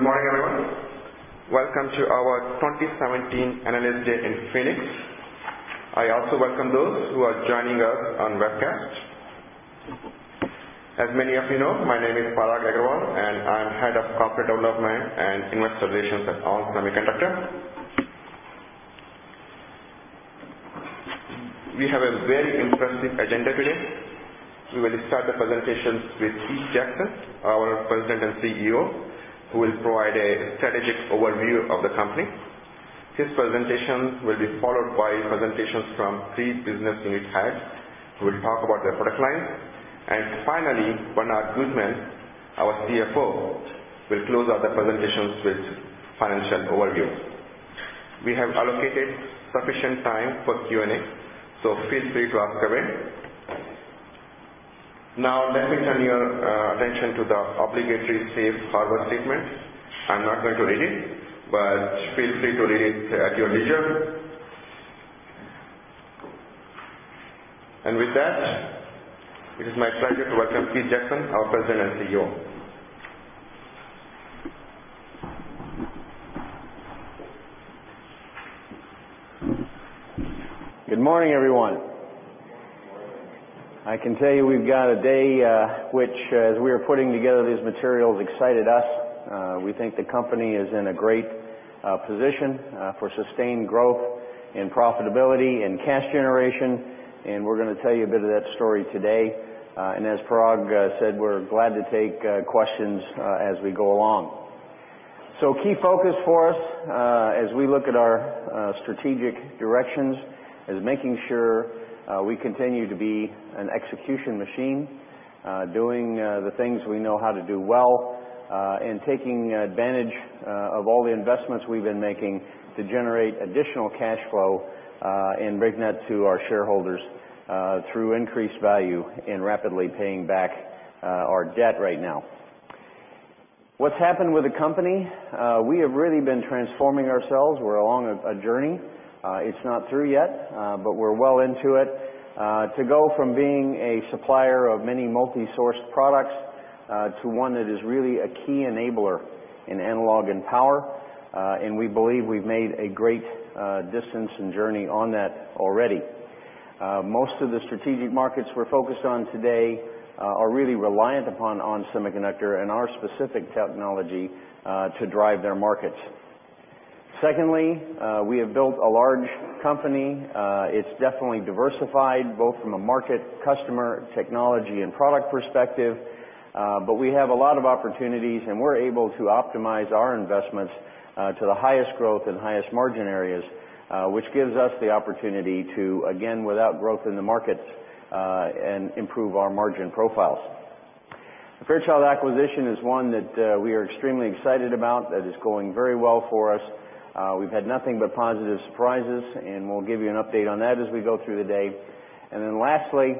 Good morning, everyone. Welcome to our 2017 Analyst Day in Phoenix. I also welcome those who are joining us on webcast. As many of you know, my name is Parag Agarwal, and I'm Head of Corporate Development and Investor Relations at ON Semiconductor. We have a very impressive agenda today. We will start the presentations with Keith Jackson, our President and CEO, who will provide a strategic overview of the company. His presentations will be followed by presentations from three business unit heads, who will talk about their product line. Finally, Bernard Gutmann, our CFO, will close out the presentations with financial overview. We have allocated sufficient time for Q&A, feel free to ask away. Now let me turn your attention to the obligatory safe harbor statement. I'm not going to read it, but feel free to read it at your leisure. With that, it is my pleasure to welcome Keith Jackson, our President and CEO. Good morning, everyone. Good morning. I can tell you we've got a day which, as we were putting together these materials, excited us. We think the company is in a great position for sustained growth and profitability and cash generation, we're going to tell you a bit of that story today. As Parag said, we're glad to take questions as we go along. Key focus for us, as we look at our strategic directions, is making sure we continue to be an execution machine, doing the things we know how to do well, and taking advantage of all the investments we've been making to generate additional cash flow and bring that to our shareholders, through increased value in rapidly paying back our debt right now. What's happened with the company, we have really been transforming ourselves. We're along a journey. It's not through yet, but we're well into it. To go from being a supplier of many multi-sourced products to one that is really a key enabler in analog and power, we believe we've made a great distance and journey on that already. Most of the strategic markets we're focused on today are really reliant upon ON Semiconductor and our specific technology to drive their markets. Secondly, we have built a large company. It's definitely diversified, both from a market, customer, technology, and product perspective. We have a lot of opportunities, and we're able to optimize our investments to the highest growth and highest margin areas, which gives us the opportunity to, again, without growth in the markets, improve our margin profiles. The Fairchild acquisition is one that we are extremely excited about, that is going very well for us. We've had nothing but positive surprises, we'll give you an update on that as we go through the day. Lastly,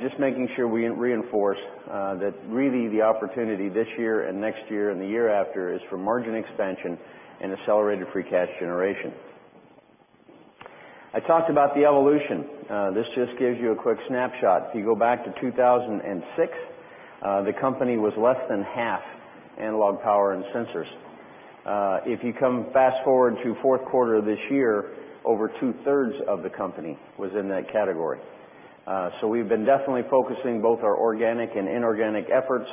just making sure we reinforce, that really the opportunity this year and next year and the year after is for margin expansion and accelerated free cash generation. I talked about the evolution. This just gives you a quick snapshot. If you go back to 2006, the company was less than half analog power and sensors. If you come fast-forward to fourth quarter of this year, over two-thirds of the company was in that category. We've been definitely focusing both our organic and inorganic efforts,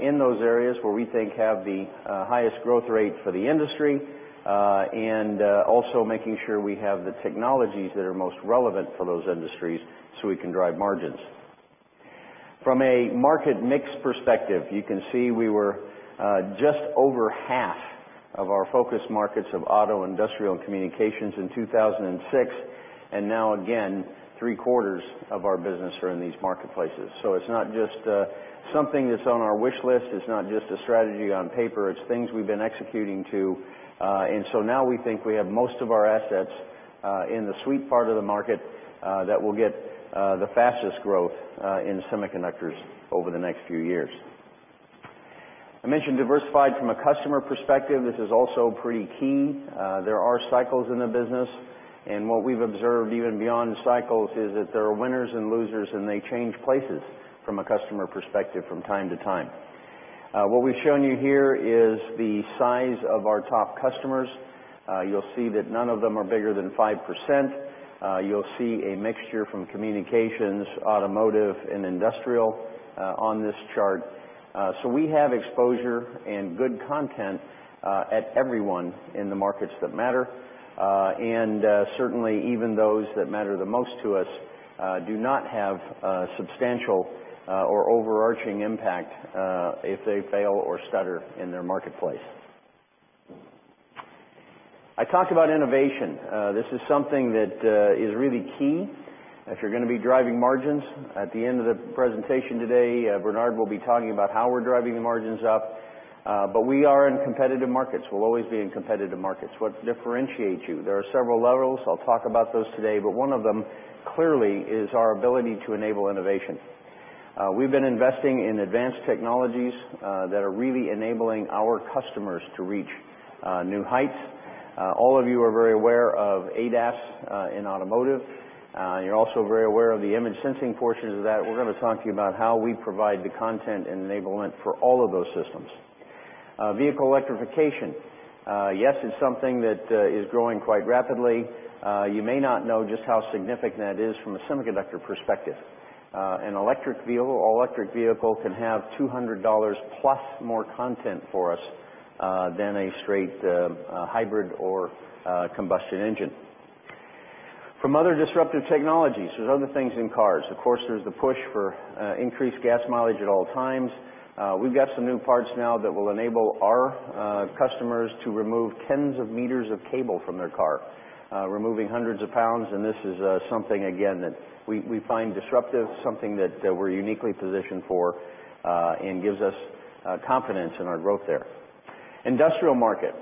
in those areas where we think have the highest growth rate for the industry, and also making sure we have the technologies that are most relevant for those industries so we can drive margins. From a market mix perspective, you can see we were just over half of our focus markets of auto, industrial, and communications in 2006. Now, again, three-quarters of our business are in these marketplaces. It's not just something that's on our wish list. It's not just a strategy on paper. It's things we've been executing to. Now we think we have most of our assets in the sweet part of the market that will get the fastest growth in semiconductors over the next few years. I mentioned diversified from a customer perspective. This is also pretty key. There are cycles in the business, what we've observed even beyond cycles is that there are winners and losers, and they change places from a customer perspective from time to time. What we've shown you here is the size of our top customers. You'll see that none of them are bigger than 5%. You'll see a mixture from communications, automotive, and industrial on this chart. We have exposure and good content at everyone in the markets that matter, and certainly even those that matter the most to us do not have substantial or overarching impact if they fail or stutter in their marketplace. I talked about innovation. This is something that is really key if you're going to be driving margins. At the end of the presentation today, Bernard will be talking about how we're driving the margins up. We are in competitive markets. We'll always be in competitive markets. What differentiates you? There are several levels, I'll talk about those today, but one of them clearly is our ability to enable innovation. We've been investing in advanced technologies that are really enabling our customers to reach new heights. All of you are very aware of ADAS in automotive. You're also very aware of the image sensing portions of that. We're going to talk to you about how we provide the content and enablement for all of those systems. Vehicle electrification. Yes, it's something that is growing quite rapidly. You may not know just how significant that is from a semiconductor perspective. An electric vehicle can have $200 plus more content for us than a straight hybrid or combustion engine. From other disruptive technologies, there's other things in cars. Of course, there's the push for increased gas mileage at all times. We've got some new parts now that will enable our customers to remove tens of meters of cable from their car, removing hundreds of pounds, and this is something, again, that we find disruptive, something that we're uniquely positioned for, and gives us confidence in our growth there. Industrial market.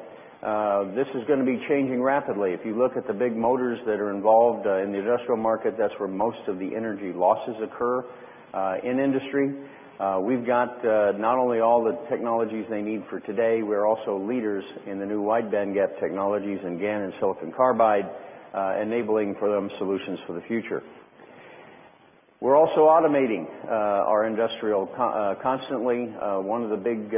This is going to be changing rapidly. If you look at the big motors that are involved in the industrial market, that's where most of the energy losses occur in industry. We've got not only all the technologies they need for today, we're also leaders in the new wide bandgap technologies in GaN and silicon carbide, enabling for them solutions for the future. We're also automating our industrial constantly. One of the big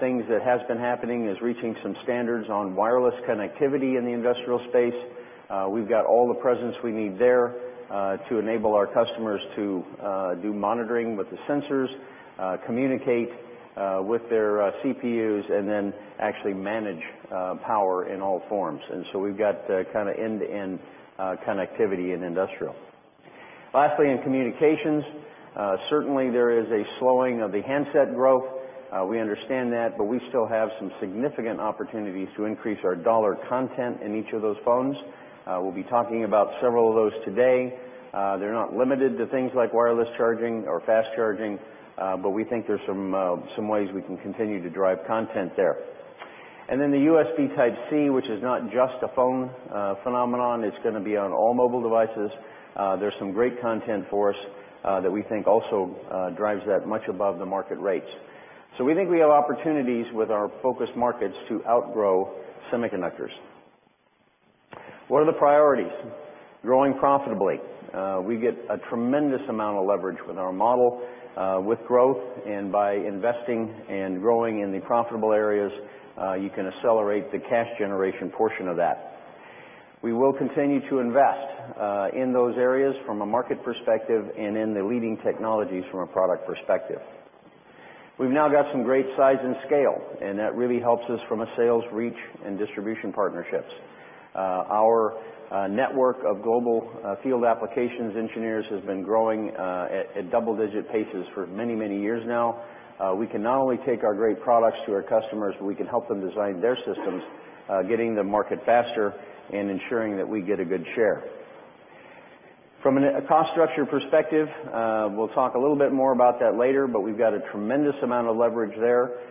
things that has been happening is reaching some standards on wireless connectivity in the industrial space. We've got all the presence we need there to enable our customers to do monitoring with the sensors, communicate with their CPUs, and then actually manage power in all forms. We've got end-to-end connectivity in industrial. Lastly, in communications, certainly there is a slowing of the handset growth. We understand that, but we still have some significant opportunities to increase our dollar content in each of those phones. We'll be talking about several of those today. They're not limited to things like wireless charging or fast charging, but we think there's some ways we can continue to drive content there. The USB Type-C, which is not just a phone phenomenon, it's going to be on all mobile devices. There's some great content for us that we think also drives that much above the market rates. We think we have opportunities with our focus markets to outgrow semiconductors. What are the priorities? Growing profitably. We get a tremendous amount of leverage with our model with growth, and by investing and growing in the profitable areas, you can accelerate the cash generation portion of that. We will continue to invest in those areas from a market perspective and in the leading technologies from a product perspective. We've now got some great size and scale, that really helps us from a sales reach and distribution partnerships. Our network of global Field Applications Engineers has been growing at double-digit paces for many, many years now. We can not only take our great products to our customers, but we can help them design their systems, getting to market faster, ensuring that we get a good share. From a cost structure perspective, we'll talk a little bit more about that later, we've got a tremendous amount of leverage there.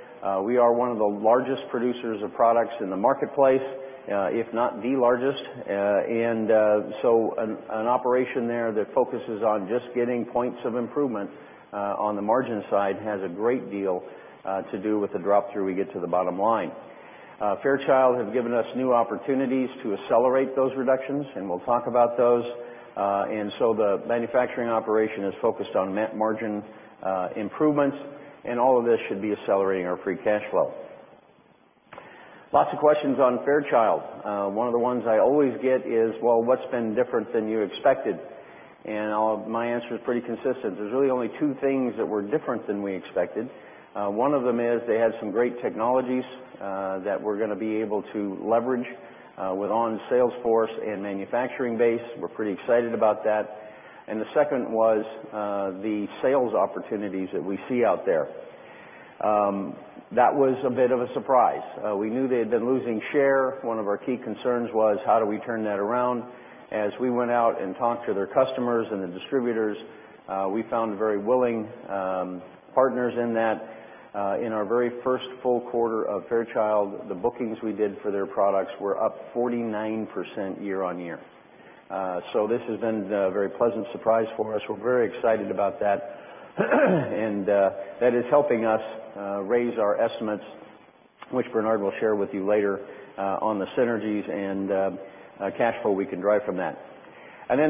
We are one of the largest producers of products in the marketplace, if not the largest. An operation there that focuses on just getting points of improvement on the margin side has a great deal to do with the drop-through we get to the bottom line. Fairchild has given us new opportunities to accelerate those reductions, we'll talk about those. The manufacturing operation is focused on net margin improvements, all of this should be accelerating our free cash flow. Lots of questions on Fairchild. One of the ones I always get is, "Well, what's been different than you expected?" My answer is pretty consistent. There's really only two things that were different than we expected. One of them is they had some great technologies that we're going to be able to leverage with ON's sales force and manufacturing base. We're pretty excited about that. The second was the sales opportunities that we see out there. That was a bit of a surprise. We knew they had been losing share. One of our key concerns was how do we turn that around? As we went out and talked to their customers and the distributors, we found very willing partners in that. In our very first full quarter of Fairchild, the bookings we did for their products were up 49% year-on-year. This has been a very pleasant surprise for us. We're very excited about that. That is helping us raise our estimates, which Bernard will share with you later, on the synergies and cash flow we can drive from that.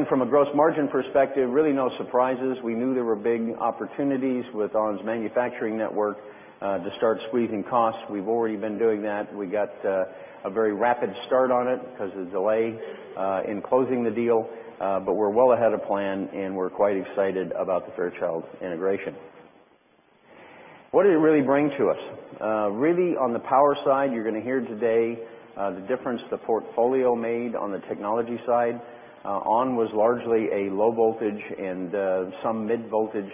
From a gross margin perspective, really no surprises. We knew there were big opportunities with ON's manufacturing network to start squeezing costs. We've already been doing that. We got a very rapid start on it because of the delay in closing the deal. We're well ahead of plan, we're quite excited about the Fairchild integration. What did it really bring to us? Really, on the power side, you're going to hear today the difference the portfolio made on the technology side. ON was largely a low voltage and some mid-voltage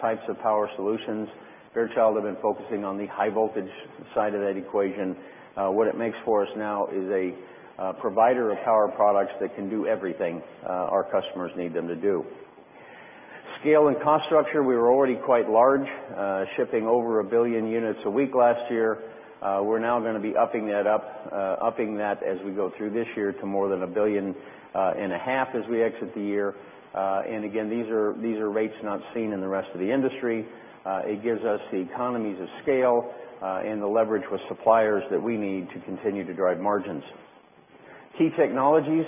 types of power solutions. Fairchild had been focusing on the high voltage side of that equation. What it makes for us now is a provider of power products that can do everything our customers need them to do. Scale and cost structure, we were already quite large, shipping over 1 billion units a week last year. We're now going to be upping that as we go through this year to more than 1.5 billion as we exit the year. These are rates not seen in the rest of the industry. It gives us the economies of scale and the leverage with suppliers that we need to continue to drive margins. Key technologies,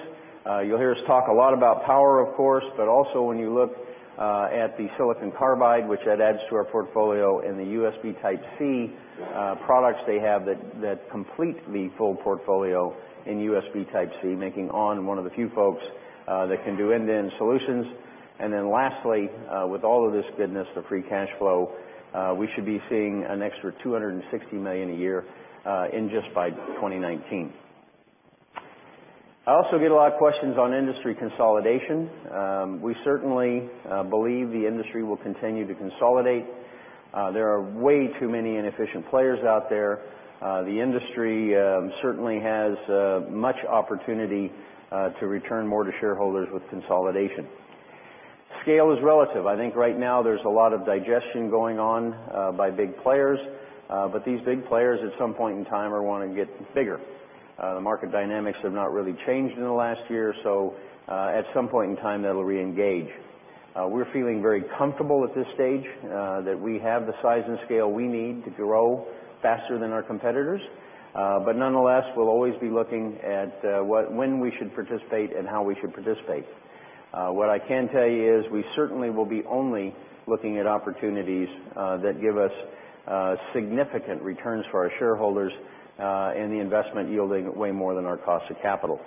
you'll hear us talk a lot about power, of course, but also when you look at the silicon carbide, which that adds to our portfolio in the USB Type-C products they have that complete the full portfolio in USB Type-C, making ON one of the few folks that can do end-to-end solutions. Lastly, with all of this goodness, the free cash flow, we should be seeing an extra $260 million a year just by 2019. I also get a lot of questions on industry consolidation. We certainly believe the industry will continue to consolidate. There are way too many inefficient players out there. The industry certainly has much opportunity to return more to shareholders with consolidation. Scale is relative. I think right now there's a lot of digestion going on by big players, but these big players, at some point in time, are wanting to get bigger. The market dynamics have not really changed in the last year, so at some point in time, that'll reengage. We're feeling very comfortable at this stage that we have the size and scale we need to grow faster than our competitors. Nonetheless, we'll always be looking at when we should participate and how we should participate. What I can tell you is we certainly will be only looking at opportunities that give us significant returns for our shareholders, and the investment yielding way more than our cost of capital.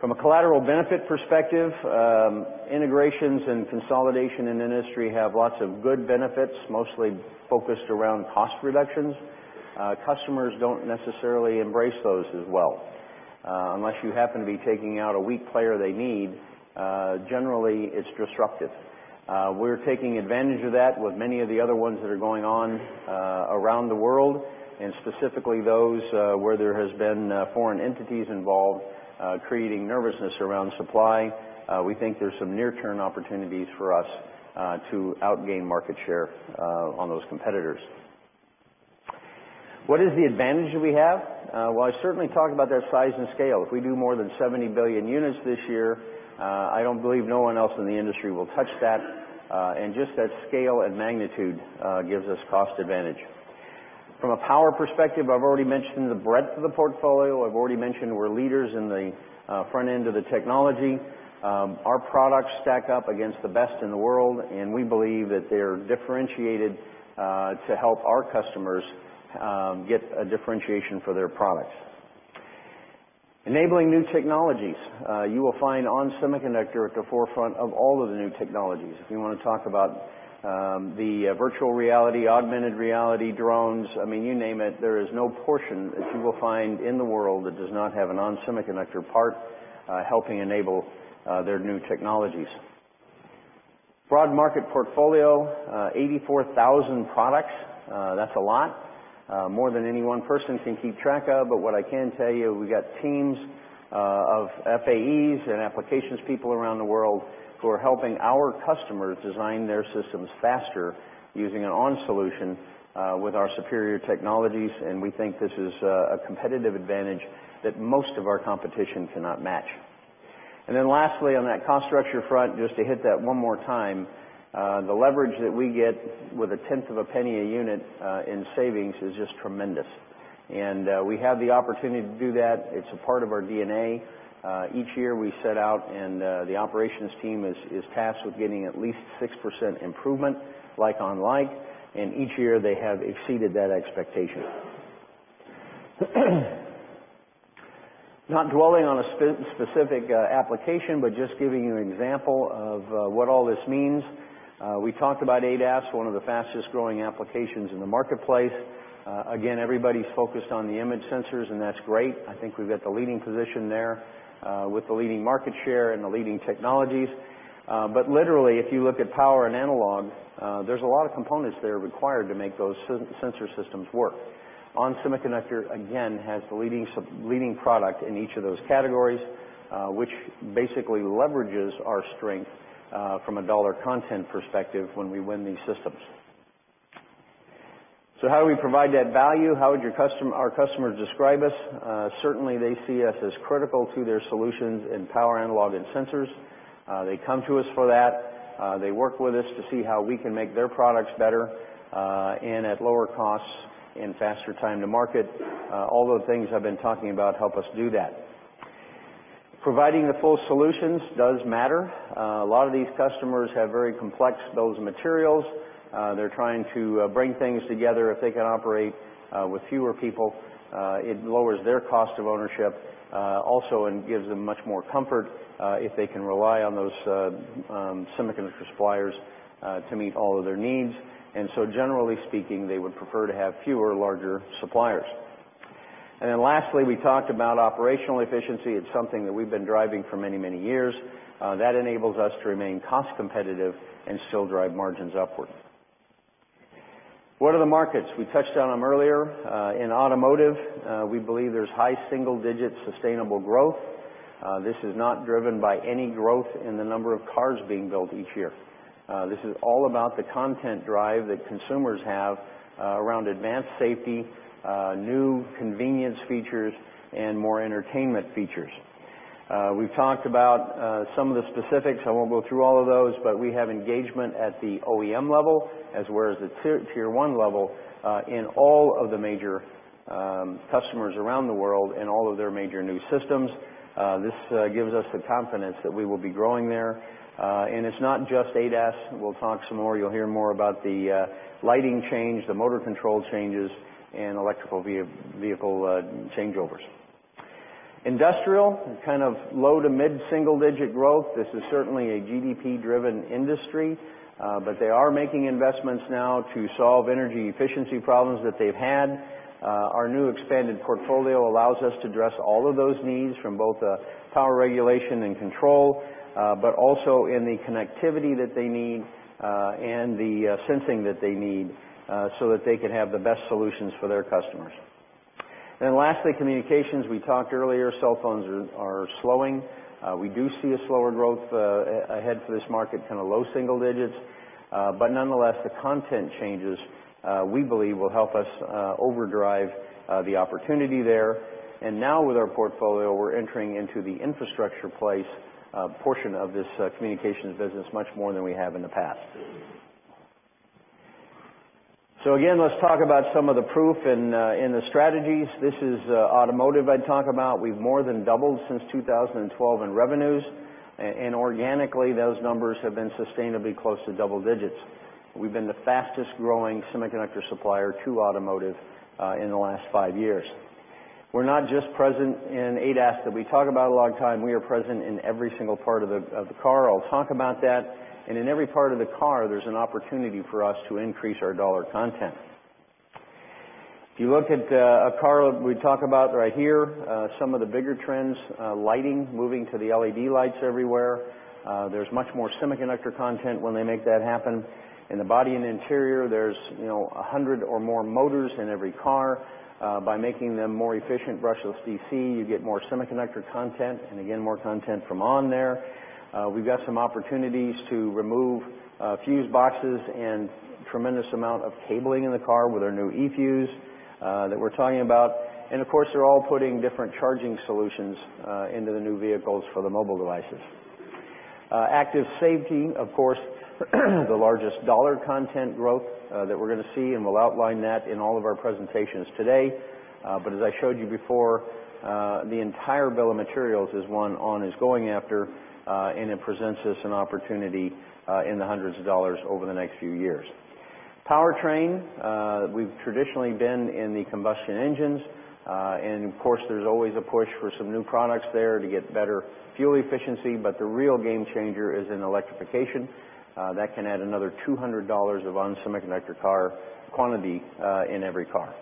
From a collateral benefit perspective, integrations and consolidation in industry have lots of good benefits, mostly focused around cost reductions. Customers don't necessarily embrace those as well. Unless you happen to be taking out a weak player they need, generally, it's disruptive. We're taking advantage of that with many of the other ones that are going on around the world, and specifically those where there has been foreign entities involved, creating nervousness around supply. We think there's some near-term opportunities for us to outgain market share on those competitors. What is the advantage that we have? Well, I certainly talk about that size and scale. If we do more than 70 billion units this year, I don't believe anyone else in the industry will touch that, and just that scale and magnitude gives us cost advantage. From a power perspective, I've already mentioned the breadth of the portfolio, I've already mentioned we're leaders in the front end of the technology. Our products stack up against the best in the world, and we believe that they're differentiated to help our customers get a differentiation for their products. Enabling new technologies. You will find ON Semiconductor at the forefront of all of the new technologies. If you want to talk about the virtual reality, augmented reality, drones, I mean, you name it, there is no portion that you will find in the world that does not have an ON Semiconductor part helping enable their new technologies. Broad market portfolio, 84,000 products. That's a lot. More than any one person can keep track of, what I can tell you, we've got teams of FAEs and applications people around the world who are helping our customers design their systems faster using an ON solution with our superior technologies, and we think this is a competitive advantage that most of our competition cannot match. Lastly, on that cost structure front, just to hit that one more time, the leverage that we get with a tenth of a penny a unit in savings is just tremendous. We have the opportunity to do that. It's a part of our DNA. Each year we set out, the operations team is tasked with getting at least 6% improvement, like on like, each year they have exceeded that expectation. Not dwelling on a specific application, just giving you an example of what all this means. We talked about ADAS, one of the fastest-growing applications in the marketplace. Everybody's focused on the image sensors, that's great. I think we've got the leading position there with the leading market share, the leading technologies. Literally, if you look at power and analog, there's a lot of components there required to make those sensor systems work. ON Semiconductor, again, has the leading product in each of those categories, which basically leverages our strength from a dollar content perspective when we win these systems. How do we provide that value? How would our customers describe us? Certainly, they see us as critical to their solutions in power analog and sensors. They come to us for that. They work with us to see how we can make their products better, at lower costs, faster time to market. All those things I've been talking about help us do that. Providing the full solutions does matter. A lot of these customers have very complex bills of materials. They're trying to bring things together. If they can operate with fewer people, it lowers their cost of ownership also, gives them much more comfort if they can rely on those semiconductor suppliers to meet all of their needs. Generally speaking, they would prefer to have fewer, larger suppliers. Lastly, we talked about operational efficiency. It's something that we've been driving for many, many years. That enables us to remain cost competitive and still drive margins upward. What are the markets? We touched on them earlier. In automotive, we believe there's high single-digit sustainable growth. This is not driven by any growth in the number of cars being built each year. This is all about the content drive that consumers have around advanced safety, new convenience features, more entertainment features. We've talked about some of the specifics. I won't go through all of those, we have engagement at the OEM level, as well as the tier 1 level, in all of the major customers around the world, all of their major new systems. This gives us the confidence that we will be growing there. It's not just ADAS. We'll talk some more, you'll hear more about the lighting change, the motor control changes, electrical vehicle changeovers. Industrial, kind of low to mid-single-digit growth. This is certainly a GDP-driven industry. They are making investments now to solve energy efficiency problems that they've had. Our new expanded portfolio allows us to address all of those needs from both a power regulation and control, but also in the connectivity that they need, and the sensing that they need, so that they can have the best solutions for their customers. Lastly, communications. We talked earlier, cell phones are slowing. We do see a slower growth ahead for this market, kind of low single digits. Nonetheless, the content changes, we believe, will help us overdrive the opportunity there. Now with our portfolio, we're entering into the infrastructure place portion of this communications business much more than we have in the past. Again, let's talk about some of the proof in the strategies. This is automotive I talk about. We've more than doubled since 2012 in revenues. Organically, those numbers have been sustainably close to double digits. We've been the fastest-growing semiconductor supplier to automotive in the last five years. We're not just present in ADAS that we talk about a lot of time. We are present in every single part of the car. I'll talk about that. In every part of the car, there's an opportunity for us to increase our dollar content. If you look at a car we talk about right here, some of the bigger trends, lighting, moving to the LED lights everywhere. There's much more semiconductor content when they make that happen. In the body and interior, there's 100 or more motors in every car. By making them more efficient, brushless DC, you get more semiconductor content, and again, more content from ON there. We've got some opportunities to remove fuse boxes and tremendous amount of cabling in the car with our new eFuse that we're talking about. Of course, they're all putting different charging solutions into the new vehicles for the mobile devices. Active safety, of course, the largest dollar content growth that we're going to see, and we'll outline that in all of our presentations today. As I showed you before, the entire bill of materials is one ON is going after, and it presents us an opportunity in the hundreds of dollars over the next few years. Powertrain, we've traditionally been in the combustion engines. Of course, there's always a push for some new products there to get better fuel efficiency, the real game changer is in electrification. That can add another $200 of ON Semiconductor car quantity in every car.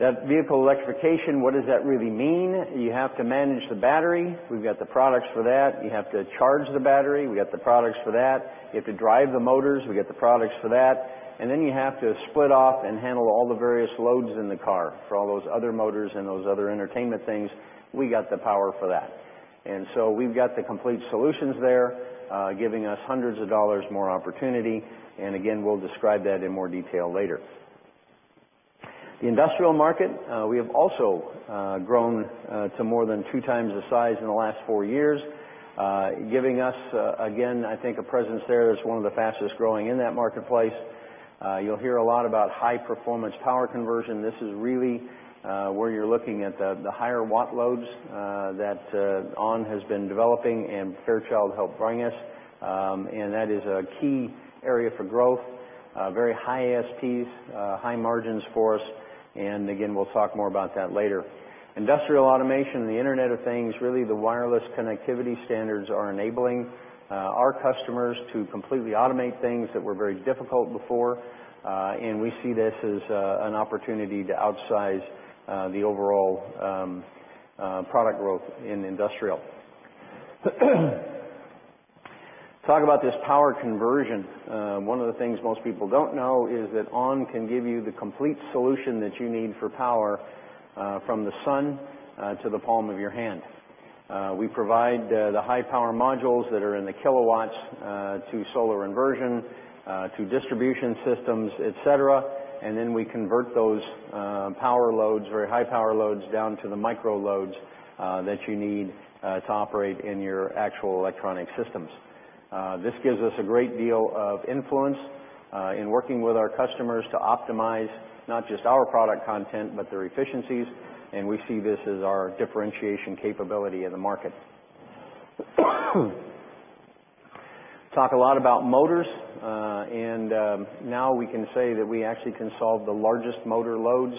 That vehicle electrification, what does that really mean? You have to manage the battery. We've got the products for that. You have to charge the battery. We got the products for that. You have to drive the motors. We got the products for that. Then you have to split off and handle all the various loads in the car for all those other motors and those other entertainment things. We got the power for that. So we've got the complete solutions there, giving us hundreds of dollars more opportunity. Again, we'll describe that in more detail later. The industrial market, we have also grown to more than two times the size in the last four years, giving us, again, I think, a presence there as one of the fastest-growing in that marketplace. You'll hear a lot about high-performance power conversion. This is really where you're looking at the higher watt loads that ON has been developing, and Fairchild helped bring us. That is a key area for growth. Very high ASPs, high margins for us. Again, we'll talk more about that later. Industrial automation and the Internet of Things, really the wireless connectivity standards are enabling our customers to completely automate things that were very difficult before. We see this as an opportunity to outsize the overall product growth in industrial. Talk about this power conversion. One of the things most people don't know is that ON can give you the complete solution that you need for power from the sun to the palm of your hand. We provide the high power modules that are in the kilowatts to solar inversion, to distribution systems, et cetera, and then we convert those power loads, very high power loads, down to the micro loads that you need to operate in your actual electronic systems. This gives us a great deal of influence in working with our customers to optimize not just our product content, but their efficiencies. We see this as our differentiation capability in the market. Talk a lot about motors. Now we can say that we actually can solve the largest motor loads.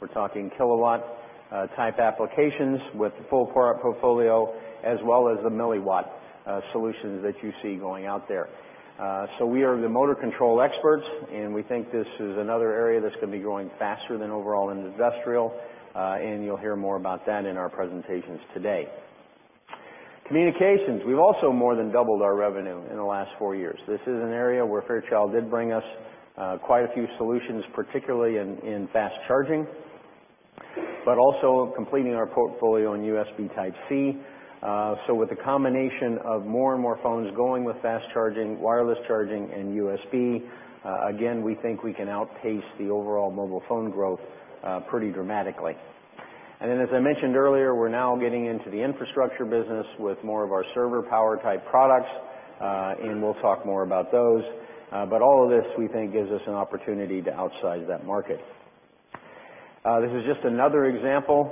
We're talking kilowatt-type applications with the full power portfolio, as well as the milliwatt solutions that you see going out there. We are the motor control experts. We think this is another area that's going to be growing faster than overall in industrial. You'll hear more about that in our presentations today. Communications, we've also more than doubled our revenue in the last four years. This is an area where Fairchild did bring us quite a few solutions, particularly in fast charging, but also completing our portfolio in USB Type-C. With the combination of more and more phones going with fast charging, wireless charging, and USB, again, we think we can outpace the overall mobile phone growth pretty dramatically. Then, as I mentioned earlier, we're now getting into the infrastructure business with more of our server power type products. We'll talk more about those. All of this, we think, gives us an opportunity to outsize that market. This is just another example.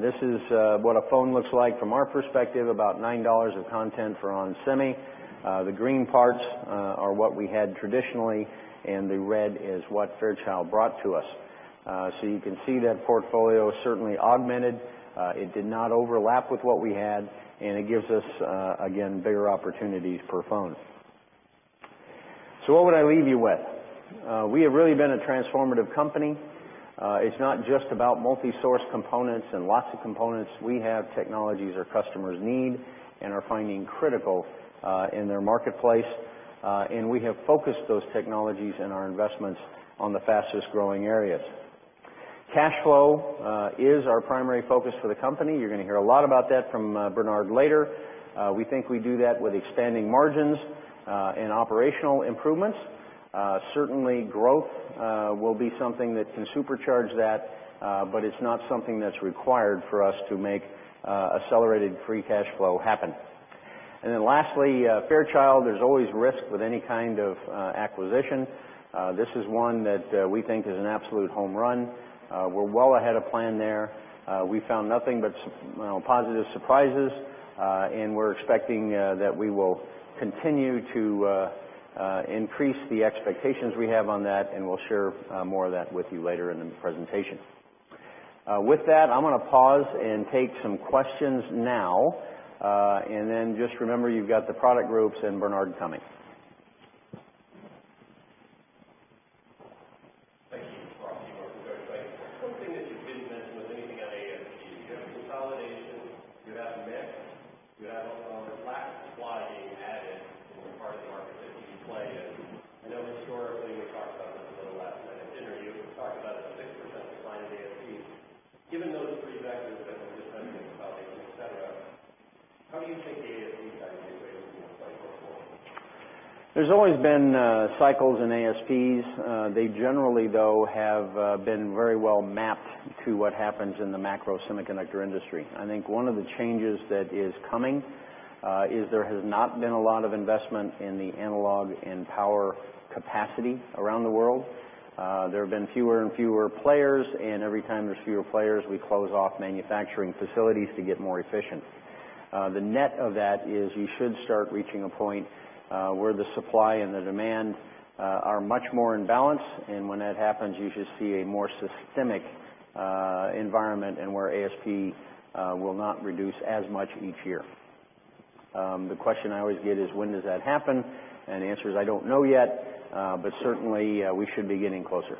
This is what a phone looks like from our perspective, about $9 of content for ON Semi. The green parts are what we had traditionally. The red is what Fairchild brought to us. You can see that portfolio certainly augmented, it did not overlap with what we had. It gives us, again, bigger opportunities per phone. What would I leave you with? We have really been a transformative company. It's not just about multi-source components and lots of components. We have technologies our customers need and are finding critical in their marketplace. We have focused those technologies and our investments on the fastest-growing areas. Cash flow is our primary focus for the company. You're going to hear a lot about that from Bernard later. We think we do that with expanding margins, and operational improvements. Certainly, growth will be something that can supercharge that, it's not something that's required for us to make accelerated free cash flow happen. Then lastly, Fairchild, there's always risk with any kind of acquisition. This is one that we think is an absolute home run. We're well ahead of plan there. We've found nothing but positive surprises. We're expecting that we will continue to increase the expectations we have on that. We'll share more of that with you later in the presentation. With that, I'm going to pause and take some questions now. Just remember you've got the product groups and Bernard coming. Thank you. One thing that you didn't mention was anything on ASP. You have consolidation, you have mix, you have a lot more supply being added in the part of the market that you play in. I know historically, we talked about this a little last night at dinner, you talked about a 6% decline in ASPs. Given those three factors that we just mentioned, consolidation, et cetera, how do you take the ASP side of your equation going forward? There's always been cycles in ASPs. They generally, though, have been very well mapped to what happens in the macro semiconductor industry. I think one of the changes that is coming is there has not been a lot of investment in the analog and power capacity around the world. There have been fewer and fewer players. Every time there's fewer players, we close off manufacturing facilities to get more efficient. The net of that is you should start reaching a point where the supply and the demand are much more in balance. When that happens, you should see a more systemic environment and where ASP will not reduce as much each year. The question I always get is when does that happen? The answer is I don't know yet, but certainly, we should be getting closer.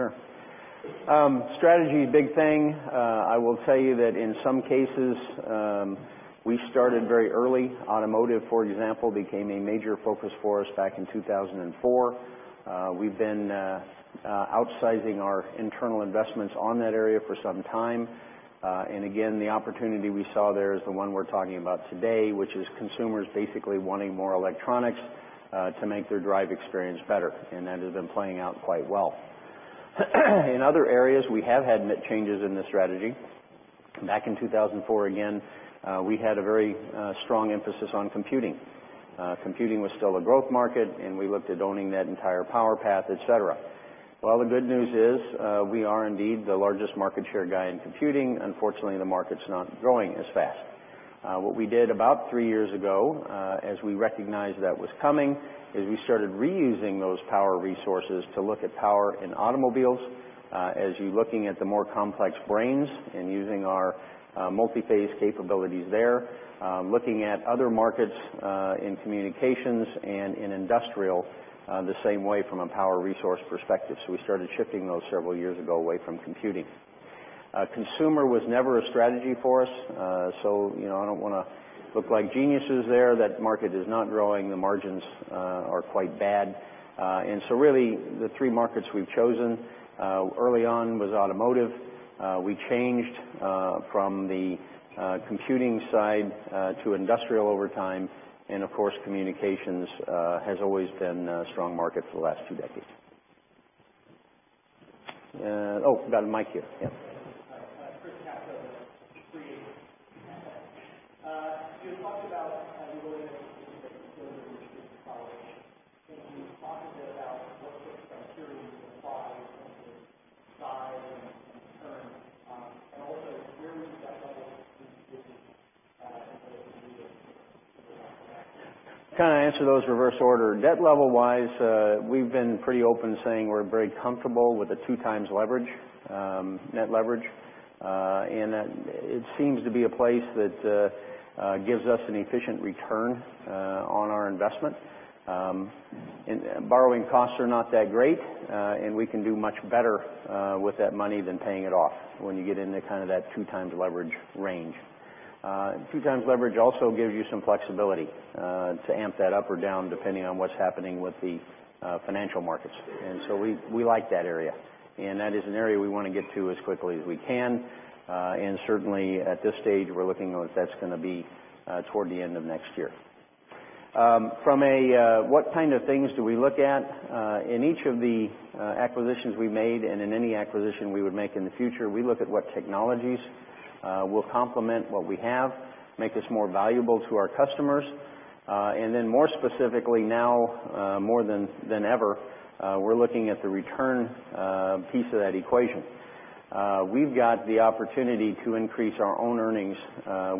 Thank you. Thanks for the presentation. Scott Jeffrey. Gary, looking forward. Can you give a bit of a strategic view, overview, and context of what has happened over the last 10 years? How has ON changed? How has your strategy evolved and the industry also? How does that distribute ASP going forward? Thank you. Sure. Strategy, big thing. I will tell you that in some cases, we started very early. Automotive, for example, became a major focus for us back in 2004. We've been outsizing our internal investments on that area for some time. Again, the opportunity we saw there is the one we're talking about today, which is consumers basically wanting more electronics to make their drive experience better, and that has been playing out quite well. In other areas, we have had net changes in the strategy. Back in 2004, again, we had a very strong emphasis on computing. Computing was still a growth market, we looked at owning that entire power path, et cetera. The good news is, we are indeed the largest market share guy in computing. Unfortunately, the market's not growing as fast. What we did about three years ago, as we recognized that was coming, is we started reusing those power resources to look at power in automobiles, as you're looking at the more complex brains and using our multi-phase capabilities there, looking at other markets in communications and in industrial the same way from a power resource perspective. We started shifting those several years ago away from computing. Consumer was never a strategy for us, I don't want to look like geniuses there. That market is not growing. The margins are quite bad. Really, the three markets we've chosen early on was automotive. We changed from the computing side to industrial over time, of course, communications has always been a strong market for the last two decades. Got a mic here, yeah. Chris, you had talked about you were going to consolidation. Can you talk a bit about what sorts of criteria you apply when it comes to size and return? Also where is the debt level Kind of answer those reverse order. Debt level-wise, we've been pretty open saying we're very comfortable with a two times leverage, net leverage, and that it seems to be a place that gives us an efficient return on our investment. Borrowing costs are not that great, we can do much better with that money than paying it off, when you get into that two times leverage range. Two times leverage also gives you some flexibility to amp that up or down depending on what's happening with the financial markets. We like that area, that is an area we want to get to as quickly as we can. Certainly at this stage, we're looking at if that's going to be toward the end of next year. From a what kind of things do we look at, in each of the acquisitions we've made, and in any acquisition we would make in the future, we look at what technologies will complement what we have, make us more valuable to our customers. More specifically now more than ever, we're looking at the return piece of that equation. We've got the opportunity to increase our own earnings,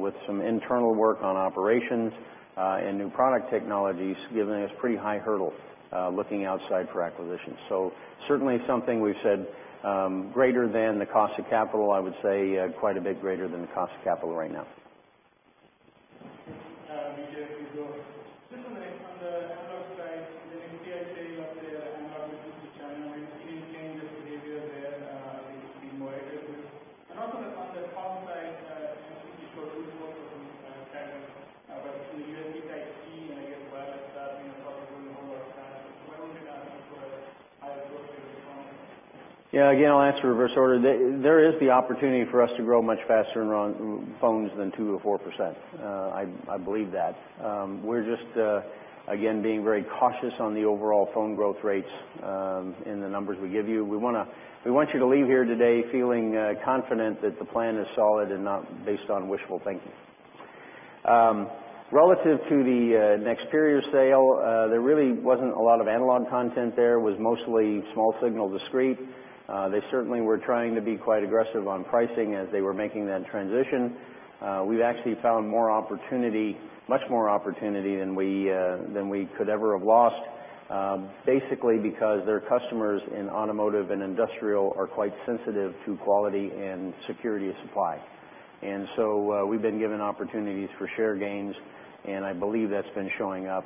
with some internal work on operations, and new product technologies, giving us pretty high hurdles, looking outside for acquisitions. Certainly something we've said, greater than the cost of capital, I would say, quite a bit greater than the cost of capital right now. Yeah, again, I'll answer reverse order. There is the opportunity for us to grow much faster around phones than 2% or 4%. I believe that. We're just, again, being very cautious on the overall phone growth rates, in the numbers we give you. We want you to leave here today feeling confident that the plan is solid and not based on wishful thinking. Relative to the Nexperia sale, there really wasn't a lot of analog content there. It was mostly small signal discrete. They certainly were trying to be quite aggressive on pricing as they were making that transition. We've actually found much more opportunity than we could ever have lost, basically because their customers in automotive and industrial are quite sensitive to quality and security of supply. We've been given opportunities for share gains, and I believe that's been showing up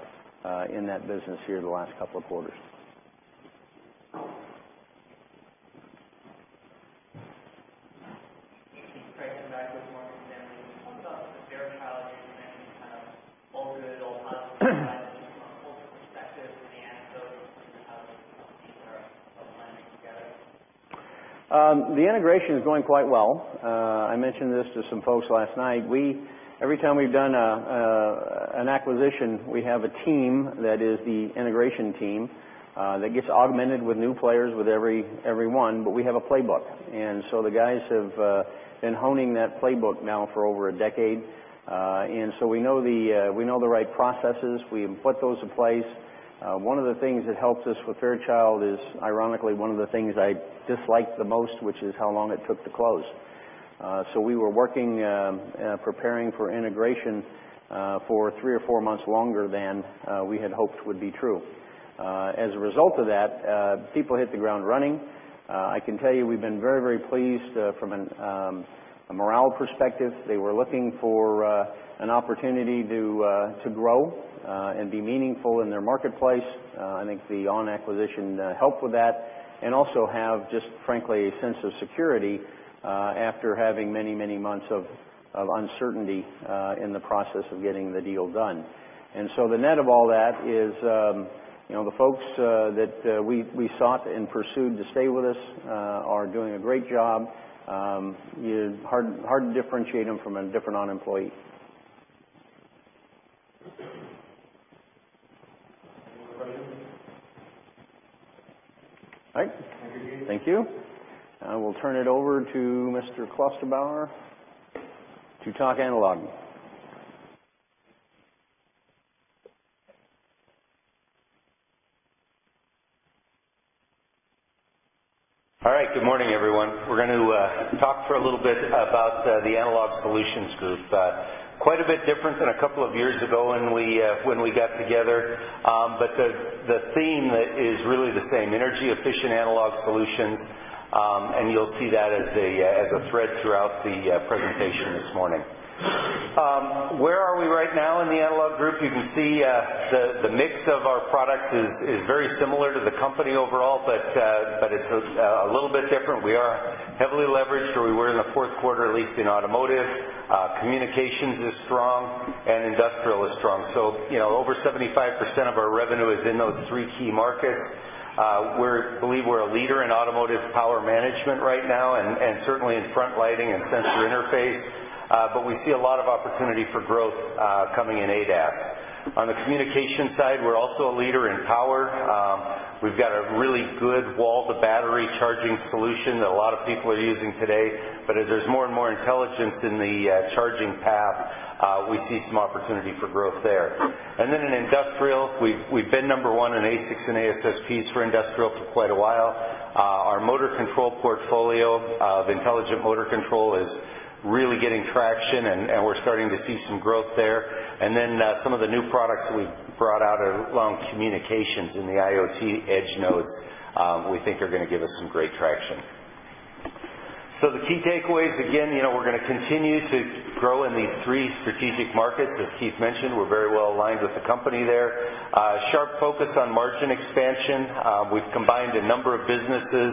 in that business here the last couple of quarters. The integration is going quite well. I mentioned this to some folks last night. Every time we've done an acquisition, we have a team that is the integration team, that gets augmented with new players with every one, but we have a playbook. The guys have been honing that playbook now for over a decade. We know the right processes. We put those in place. One of the things that helps us with Fairchild is ironically one of the things I disliked the most, which is how long it took to close. We were working, preparing for integration for three or four months longer than we had hoped would be true. As a result of that, people hit the ground running. I can tell you we've been very pleased, from a morale perspective. They were looking for an opportunity to grow, and be meaningful in their marketplace. I think the ON acquisition helped with that, and also have just, frankly, a sense of security, after having many months of uncertainty in the process of getting the deal done. The net of all that is the folks that we sought and pursued to stay with us are doing a great job. Hard to differentiate them from a different ON employee. All right. Thank you. I will turn it over to Mr. Klosterbauer to talk analog. All right. Good morning, everyone. We're going to talk for a little bit about the Analog Solutions Group. Quite a bit different than a couple of years ago when we got together. The theme is really the same, energy efficient analog solutions, and you'll see that as a thread throughout the presentation this morning. Where are we right now in the analog group? You can see the mix of our products is very similar to the company overall, but it's a little bit different. We are heavily leveraged where we were in the fourth quarter, at least in automotive. Communications is strong and industrial is strong. Over 75% of our revenue is in those three key markets. I believe we're a leader in automotive power management right now, and certainly in front lighting and sensor interface. We see a lot of opportunity for growth coming in ADAS. On the communication side, we're also a leader in power. We've got a really good wall-to-battery charging solution that a lot of people are using today. As there's more and more intelligence in the charging path, we see some opportunity for growth there. In industrial, we've been number one in ASICs and ASSPs for industrial for quite a while. Our motor control portfolio of intelligent motor control is really getting traction, and we're starting to see some growth there. Some of the new products we've brought out along communications in the IoT edge nodes, we think are going to give us some great traction. The key takeaways, again, we're going to continue to grow in these three strategic markets, as Keith mentioned. We're very well aligned with the company there. Sharp focus on margin expansion. We've combined a number of businesses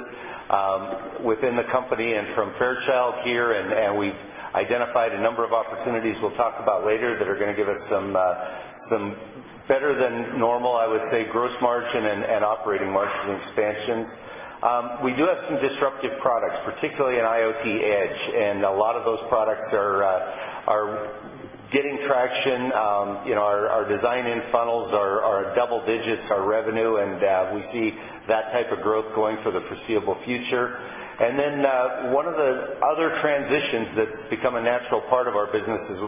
within the company, from Fairchild here, and we've identified a number of opportunities we'll talk about later that are going to give us some better than normal, I would say, gross margin and operating margin expansion. We do have some disruptive products, particularly in IoT Edge, and a lot of those products are getting traction. Our design-in funnels are double digits, our revenue, and we see that type of growth going for the foreseeable future. One of the other transitions that's become a natural part of our business is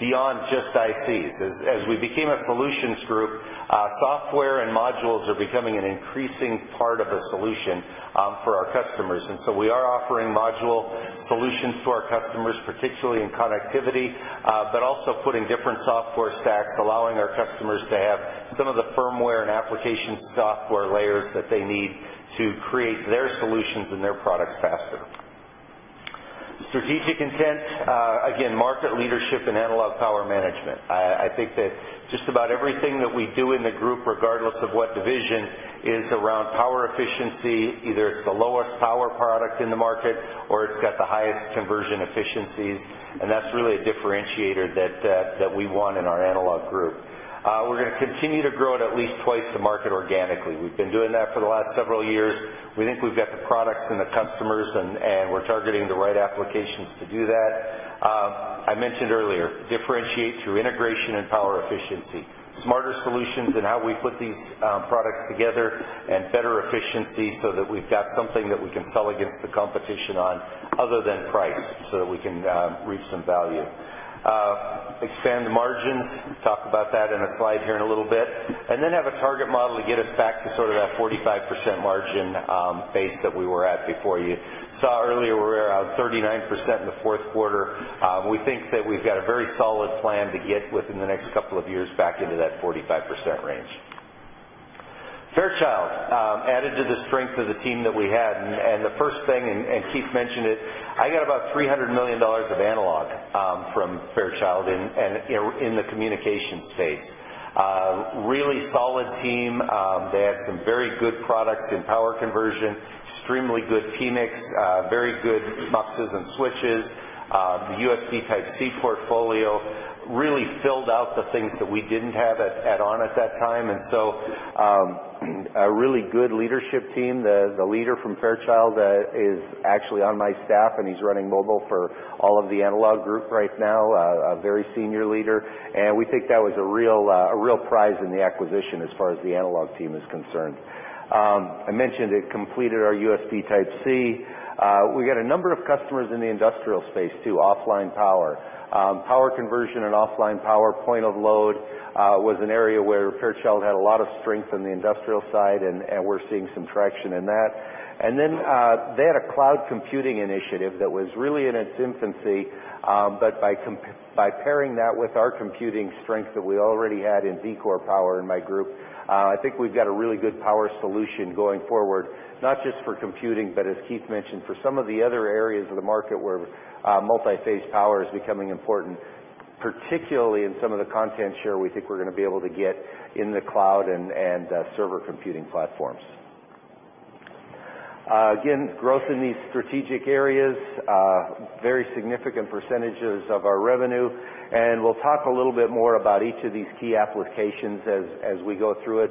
beyond just ICs. As we became a solutions group, software and modules are becoming an increasing part of a solution for our customers. We are offering module solutions to our customers, particularly in connectivity, but also putting different software stacks, allowing our customers to have some of the firmware and application software layers that they need to create their solutions and their products faster. Strategic intent, again, market leadership and analog power management. I think that just about everything that we do in the group, regardless of what division, is around power efficiency. Either it's the lowest power product in the market or it's got the highest conversion efficiencies, and that's really a differentiator that we want in our analog group. We're going to continue to grow at least twice the market organically. We've been doing that for the last several years. We think we've got the products and the customers, and we're targeting the right applications to do that. I mentioned earlier, differentiate through integration and power efficiency, smarter solutions in how we put these products together, and better efficiency so that we've got something that we can sell against the competition on other than price, so that we can reap some value. Expand margins, talk about that in a slide here in a little bit. Have a target model to get us back to sort of that 45% margin base that we were at before. You saw earlier we were around 39% in the fourth quarter. We think that we've got a very solid plan to get within the next couple of years back into that 45% range. Fairchild added to the strength of the team that we had. The first thing, Keith mentioned it, I got about $300 million of analog from Fairchild in the communication space. Really solid team. They had some very good products in power conversion, extremely good PMICs, very good muxes and switches. The USB Type-C portfolio really filled out the things that we didn't have at ON at that time. A really good leadership team. The leader from Fairchild is actually on my staff, and he's running mobile for all of the analog group right now, a very senior leader. We think that was a real prize in the acquisition as far as the analog team is concerned. I mentioned it completed our USB Type-C. We got a number of customers in the industrial space, too, offline power. Power conversion and offline power point of load was an area where Fairchild had a lot of strength in the industrial side, and we're seeing some traction in that. They had a cloud computing initiative that was really in its infancy. By pairing that with our computing strength that we already had in V-Core Power in my group, I think we've got a really good power solution going forward, not just for computing, but as Keith mentioned, for some of the other areas of the market where multi-phase power is becoming important, particularly in some of the content share we think we're going to be able to get in the cloud and server computing platforms. Again, growth in these strategic areas, very significant percentages of our revenue, and we'll talk a little bit more about each of these key applications as we go through it.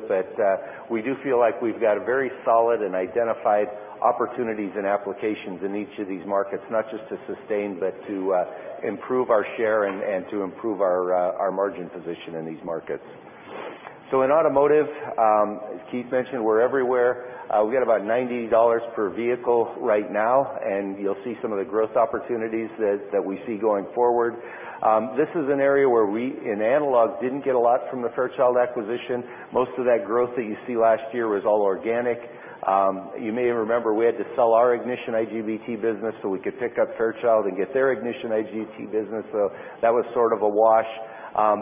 We do feel like we've got very solid and identified opportunities and applications in each of these markets, not just to sustain, but to improve our share and to improve our margin position in these markets. In automotive, as Keith mentioned, we're everywhere. We've got about $90 per vehicle right now, and you'll see some of the growth opportunities that we see going forward. This is an area where we, in analog, didn't get a lot from the Fairchild acquisition. Most of that growth that you see last year was all organic. You may remember we had to sell our ignition IGBT business so we could pick up Fairchild and get their ignition IGBT business. That was sort of a wash,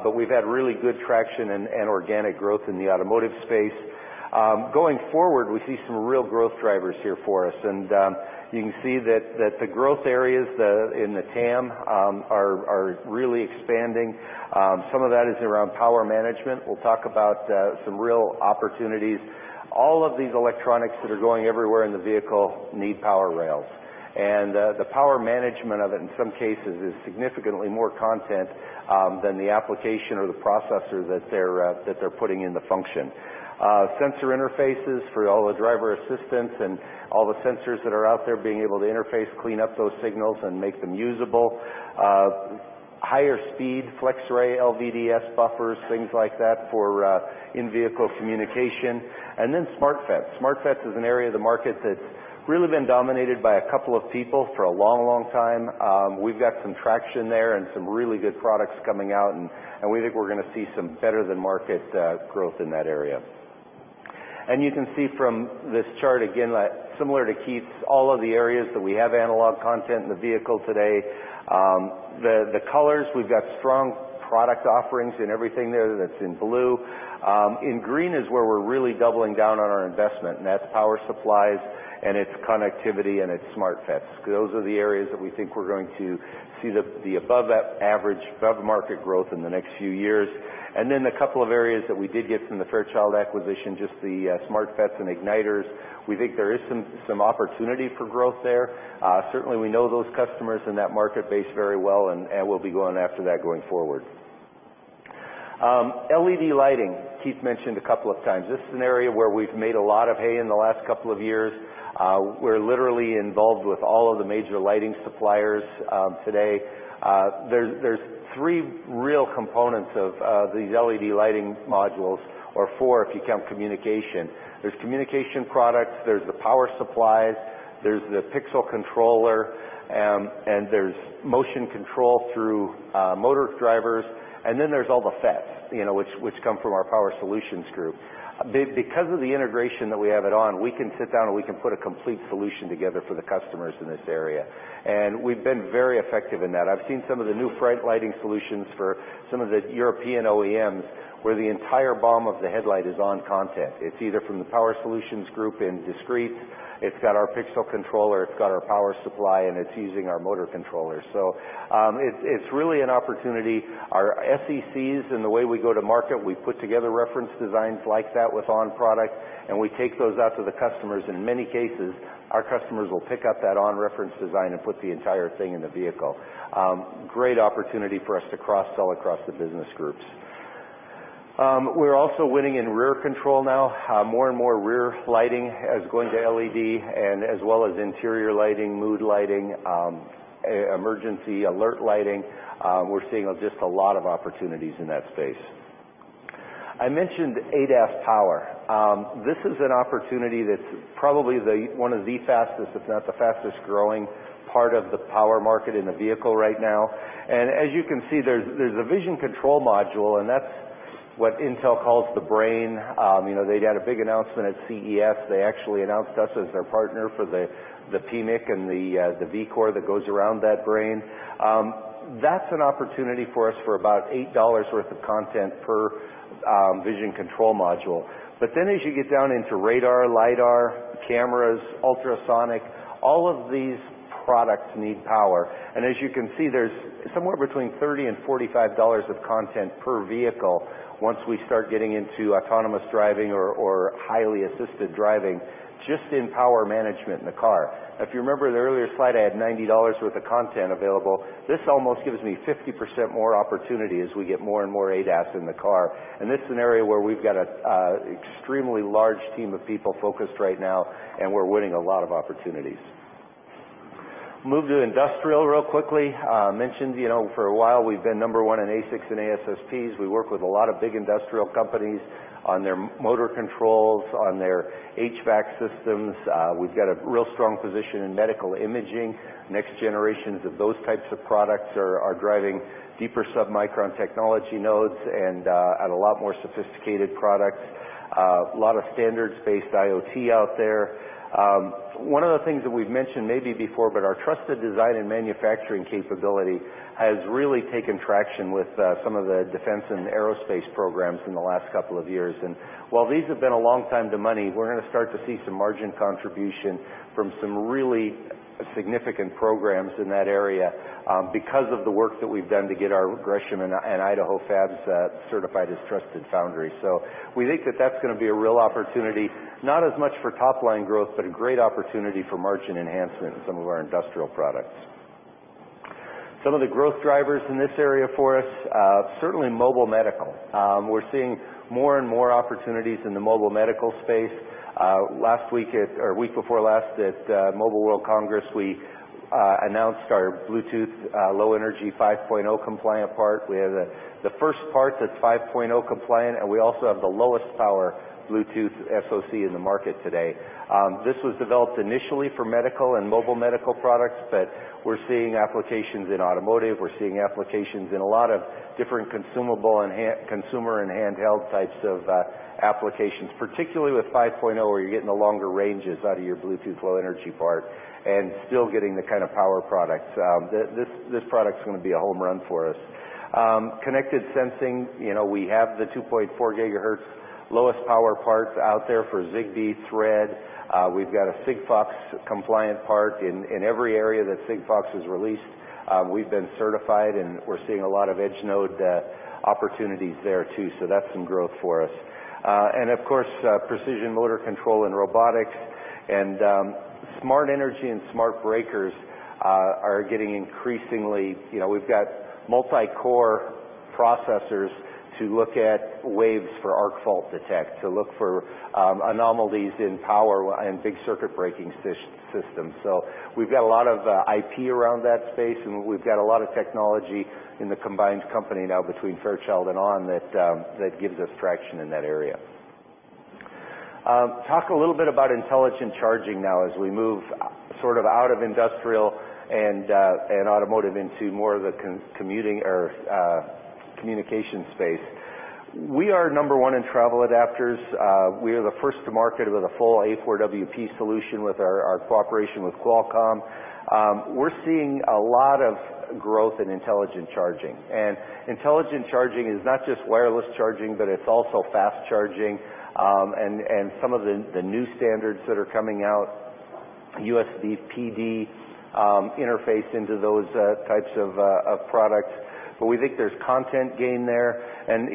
but we've had really good traction and organic growth in the automotive space. Going forward, we see some real growth drivers here for us, and you can see that the growth areas in the TAM are really expanding. Some of that is around power management. We'll talk about some real opportunities. All of these electronics that are going everywhere in the vehicle need power rails. The power management of it, in some cases, is significantly more content than the application or the processor that they're putting in the function. Sensor interfaces for all the driver assistance and all the sensors that are out there, being able to interface, clean up those signals, and make them usable. Higher speed FlexRay LVDS buffers, things like that for in-vehicle communication. SmartFET. SmartFET is an area of the market that's really been dominated by a couple of people for a long time. We've got some traction there and some really good products coming out, and we think we're going to see some better-than-market growth in that area. You can see from this chart, again, similar to Keith's, all of the areas that we have analog content in the vehicle today. The colors, we've got strong product offerings in everything there that's in blue. In green is where we're really doubling down on our investment, that's power supplies, connectivity, and SmartFETs. Those are the areas that we think we're going to see the above average, above market growth in the next few years. The couple of areas that we did get from the Fairchild acquisition, just the SmartFETs and igniters. We think there is some opportunity for growth there. Certainly, we know those customers and that market base very well, and we'll be going after that going forward. LED lighting, Keith mentioned a couple of times. This is an area where we've made a lot of hay in the last couple of years. We're literally involved with all of the major lighting suppliers today. There's three real components of these LED lighting modules, or four if you count communication. There's communication products, there's the power supplies, there's the pixel controller, there's motion control through motor drivers, and there's all the FETs, which come from our Power Solutions Group. Because of the integration that we have at ON, we can sit down and we can put a complete solution together for the customers in this area, and we've been very effective in that. I've seen some of the new front lighting solutions for some of the European OEMs, where the entire BOM of the headlight is ON content. It's either from the Power Solutions Group in discrete, it's got our pixel controller, it's got our power supply, and it's using our motor controller. It's really an opportunity. Our FAEs and the way we go to market, we put together reference designs like that with ON product, and we take those out to the customers. In many cases, our customers will pick up that ON reference design and put the entire thing in the vehicle. Great opportunity for us to cross-sell across the business groups. We're also winning in rear control now. More and more rear lighting is going to LED as well as interior lighting, mood lighting, emergency alert lighting. We're seeing just a lot of opportunities in that space. I mentioned ADAS power. This is an opportunity that's probably one of the fastest, if not the fastest-growing part of the power market in the vehicle right now. As you can see, there's a vision control module, and that's what Intel calls the brain. They had a big announcement at CES. They actually announced us as their partner for the PMIC and the Vcore that goes around that brain. That's an opportunity for us for about $8 worth of content per vision control module. As you get down into radar, LiDAR, cameras, ultrasonic, all of these products need power. As you can see, there's somewhere between $30-$45 of content per vehicle once we start getting into autonomous driving or highly assisted driving, just in power management in the car. If you remember in the earlier slide, I had $90 worth of content available. This almost gives me 50% more opportunity as we get more and more ADAS in the car. This is an area where we've got an extremely large team of people focused right now, and we're winning a lot of opportunities. Move to industrial real quickly. Mentioned for a while, we've been number one in ASICs and ASSPs. We work with a lot of big industrial companies on their motor controls, on their HVAC systems. We've got a real strong position in medical imaging. Next generations of those types of products are driving deeper submicron technology nodes and a lot more sophisticated products. A lot of standards-based IoT out there. One of the things that we've mentioned maybe before, but our trusted design and manufacturing capability has really taken traction with some of the defense and aerospace programs in the last couple of years. While these have been a long time to money, we're going to start to see some margin contribution from some really significant programs in that area because of the work that we've done to get our Gresham and Idaho fabs certified as trusted foundries. We think that that's going to be a real opportunity, not as much for top-line growth, but a great opportunity for margin enhancement in some of our industrial products. Some of the growth drivers in this area for us, certainly mobile medical. We're seeing more and more opportunities in the mobile medical space. Week before last at Mobile World Congress, we announced our Bluetooth Low Energy 5.0 compliant part. We have the first part that's 5.0 compliant, and we also have the lowest power Bluetooth SoC in the market today. This was developed initially for medical and mobile medical products, but we're seeing applications in automotive. We're seeing applications in a lot of different consumer and handheld types of applications, particularly with 5.0, where you're getting the longer ranges out of your Bluetooth Low Energy part and still getting the kind of power products. This product's going to be a home run for us. Connected sensing, we have the 2.4 GHz lowest power parts out there for Zigbee, Thread. We've got a Sigfox compliant part. In every area that Sigfox has released, we've been certified, and we're seeing a lot of edge node opportunities there, too, so that's some growth for us. Of course, precision motor control and robotics and smart energy and smart breakers are getting increasingly, we've got multi-core processors to look at waves for arc fault detect, to look for anomalies in power and big circuit breaking systems. We've got a lot of IP around that space, and we've got a lot of technology in the combined company now between Fairchild and ON that gives us traction in that area. Talk a little bit about intelligent charging now as we move sort of out of industrial and automotive into more of the commuting or communication space. We are number 1 in travel adapters. We are the first to market with a full A4WP solution with our cooperation with Qualcomm. We're seeing a lot of growth in intelligent charging, and intelligent charging is not just wireless charging, but it's also fast charging, and some of the new standards that are coming out USB PD interface into those types of products, but we think there's content gain there.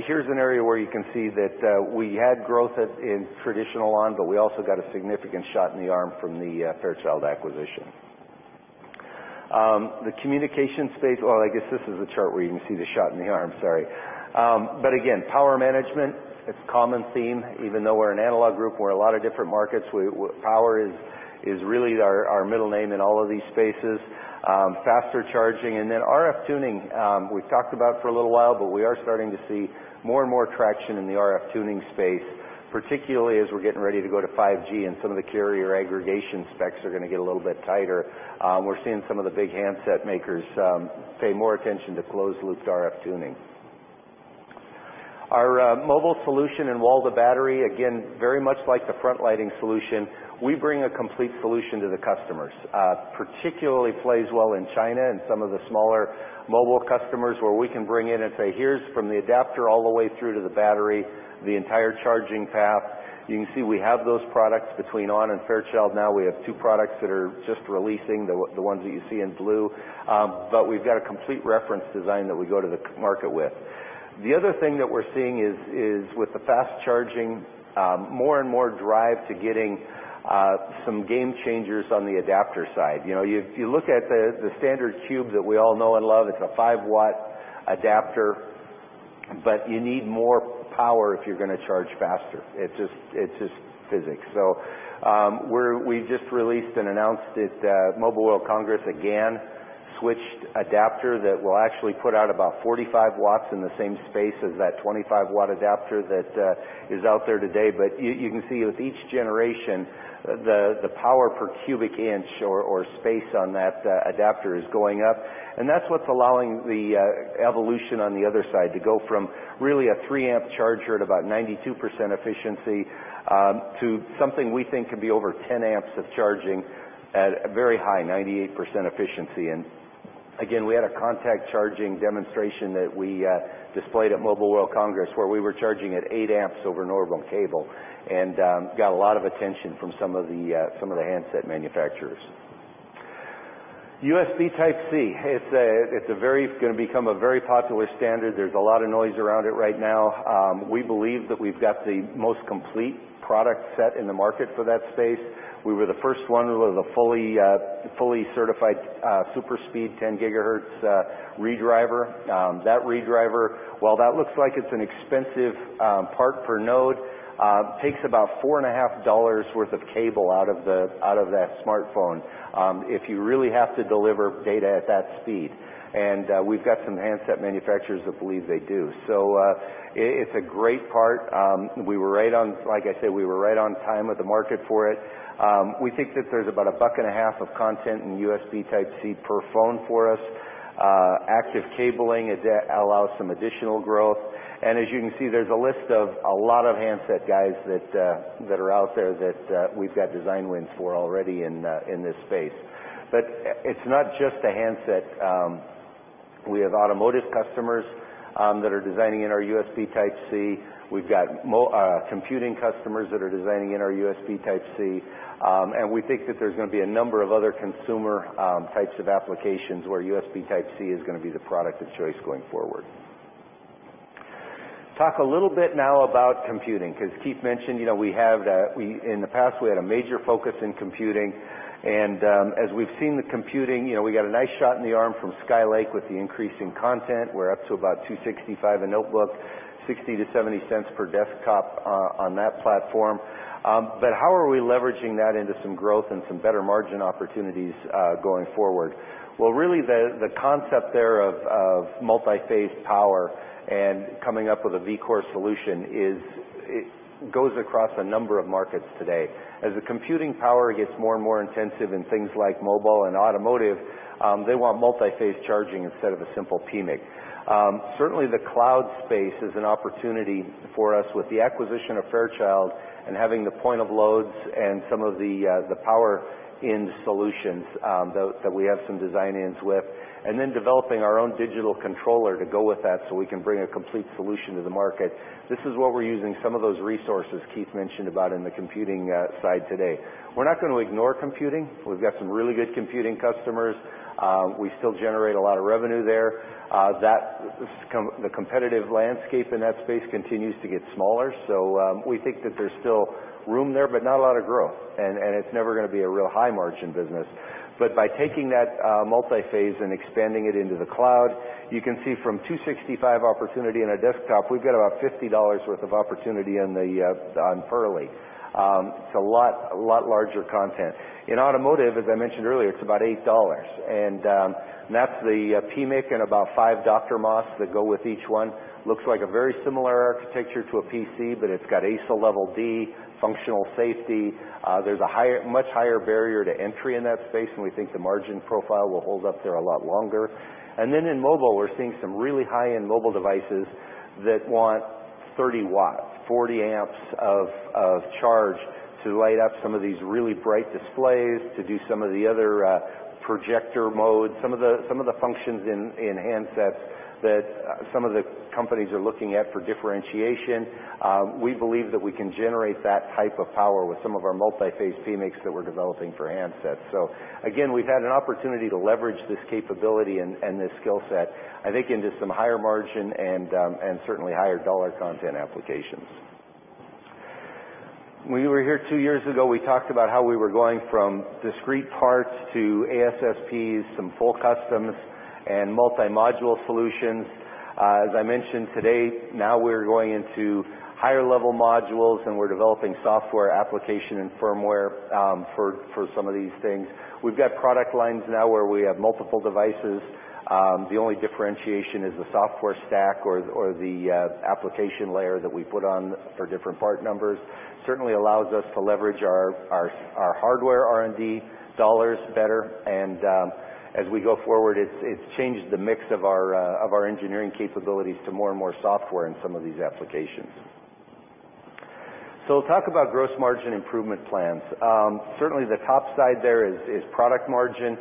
Here's an area where you can see that we had growth in traditional ON, but we also got a significant shot in the arm from the Fairchild acquisition. The communication space. I guess this is the chart where you can see the shot in the arm, sorry. Again, power management, it's a common theme. Even though we're an analog group, we're in a lot of different markets, power is really our middle name in all of these spaces. Faster charging, RF tuning, we've talked about for a little while, but we are starting to see more and more traction in the RF tuning space, particularly as we're getting ready to go to 5G and some of the carrier aggregation specs are going to get a little bit tighter. We're seeing some of the big handset makers pay more attention to closed-loop RF tuning. Our mobile solution in wall to battery, again, very much like the front lighting solution, we bring a complete solution to the customers. Particularly plays well in China and some of the smaller mobile customers, where we can bring in and say, "Here's from the adapter all the way through to the battery, the entire charging path." You can see we have those products between ON and Fairchild now. We have two products that are just releasing, the ones that you see in blue. We've got a complete reference design that we go to the market with. The other thing that we're seeing is with the fast charging, more and more drive to getting some game changers on the adapter side. If you look at the standard cube that we all know and love, it's a 5-watt adapter, but you need more power if you're going to charge faster. It's just physics. We just released and announced at Mobile World Congress a GaN switched adapter that will actually put out about 45 W in the same space as that 25 W adapter that is out there today. You can see with each generation, the power per cubic inch or space on that adapter is going up, and that's what's allowing the evolution on the other side to go from really a 3-amp charger at about 92% efficiency to something we think could be over 10 amps of charging at a very high, 98% efficiency. Again, we had a contact charging demonstration that we displayed at Mobile World Congress, where we were charging at 8 amps over a normal cable and got a lot of attention from some of the handset manufacturers. USB Type-C, it's going to become a very popular standard. There's a lot of noise around it right now. We believe that we've got the most complete product set in the market for that space. We were the first one with a fully certified SuperSpeed 10 gigahertz redriver. That redriver, while that looks like it is an expensive part per node, takes about $4.50 worth of cable out of that smartphone if you really have to deliver data at that speed, and we've got some handset manufacturers that believe they do. It is a great part. Like I said, we were right on time with the market for it. We think that there is about $1.50 of content in USB Type-C per phone for us. Active cabling allows some additional growth. As you can see, there is a list of a lot of handset guys that are out there that we've got design wins for already in this space. It is not just a handset. We have automotive customers that are designing in our USB Type-C. We've got computing customers that are designing in our USB Type-C. We think that there is going to be a number of other consumer types of applications where USB Type-C is going to be the product of choice going forward. Talk a little bit now about computing, because Keith mentioned, in the past, we had a major focus in computing. As we've seen with computing, we got a nice shot in the arm from Skylake with the increase in content. We are up to about $2.65 a notebook, $0.60-$0.70 per desktop on that platform. How are we leveraging that into some growth and some better margin opportunities going forward? Well, really, the concept there of multi-phase power and coming up with a Vcore solution goes across a number of markets today. As the computing power gets more and more intensive in things like mobile and automotive, they want multi-phase charging instead of a simple PMIC. Certainly, the cloud space is an opportunity for us with the acquisition of Fairchild and having the point of loads and some of the power end solutions that we have some design-ins with, and then developing our own digital controller to go with that so we can bring a complete solution to the market. This is where we are using some of those resources Keith mentioned about in the computing side today. We are not going to ignore computing. We've got some really good computing customers. We still generate a lot of revenue there. The competitive landscape in that space continues to get smaller, so we think that there is still room there, but not a lot of growth, and it is never going to be a real high-margin business. By taking that multi-phase and expanding it into the cloud, you can see from $2.65 opportunity in a desktop, we've got about $50 worth of opportunity on Purley. It is a lot larger content. In automotive, as I mentioned earlier, it is about $8, and that is the PMIC and about 5 DrMOS that go with each one. Looks like a very similar architecture to a PC, but it has ASIL level D functional safety. There is a much higher barrier to entry in that space, and we think the margin profile will hold up there a lot longer. In mobile, we are seeing some really high-end mobile devices that want 30 watts, 40 amps of charge to light up some of these really bright displays, to do some of the other projector modes, some of the functions in handsets that some of the companies are looking at for differentiation. We believe that we can generate that type of power with some of our multi-phase PMICs that we're developing for handsets. Again, we've had an opportunity to leverage this capability and this skill set, I think, into some higher margin and certainly higher dollar content applications. When we were here two years ago, we talked about how we were going from discrete parts to ASSPs, some full customs, and multi-module solutions. As I mentioned today, now we're going into higher-level modules, and we're developing software application and firmware for some of these things. We've got product lines now where we have multiple devices. The only differentiation is the software stack or the application layer that we put on for different part numbers. Certainly allows us to leverage our hardware R&D dollars better, as we go forward, it's changed the mix of our engineering capabilities to more and more software in some of these applications. I'll talk about gross margin improvement plans. Certainly, the top side there is product margin.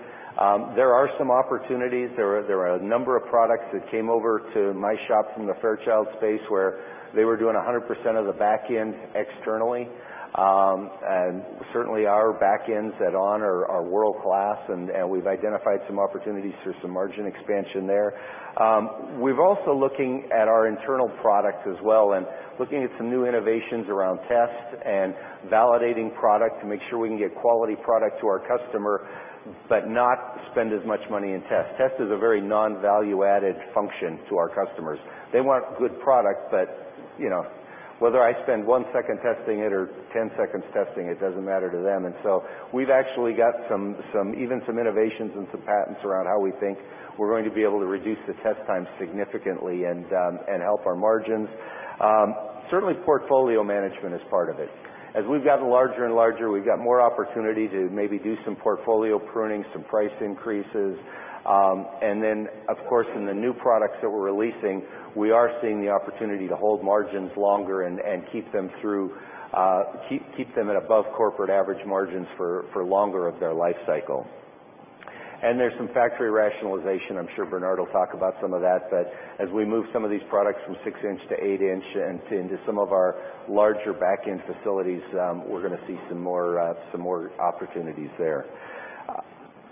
There are some opportunities. There are a number of products that came over to my shop from the Fairchild space where they were doing 100% of the back end externally. Certainly, our back ends at ON are world-class, and we've identified some opportunities for some margin expansion there. We're also looking at our internal products as well, and looking at some new innovations around tests and validating product to make sure we can get quality product to our customer but not spend as much money in test. Test is a very non-value-added function to our customers. They want good product, but whether I spend one second testing it or 10 seconds testing it doesn't matter to them. We've actually got even some innovations and some patents around how we think we're going to be able to reduce the test time significantly and help our margins. Certainly, portfolio management is part of it. As we've gotten larger and larger, we've got more opportunity to maybe do some portfolio pruning, some price increases. Then, of course, in the new products that we're releasing, we are seeing the opportunity to hold margins longer and keep them at above corporate average margins for longer of their life cycle. There's some factory rationalization. I'm sure Bernard will talk about some of that. As we move some of these products from six inch to eight inch and into some of our larger back-end facilities, we're going to see some more opportunities there.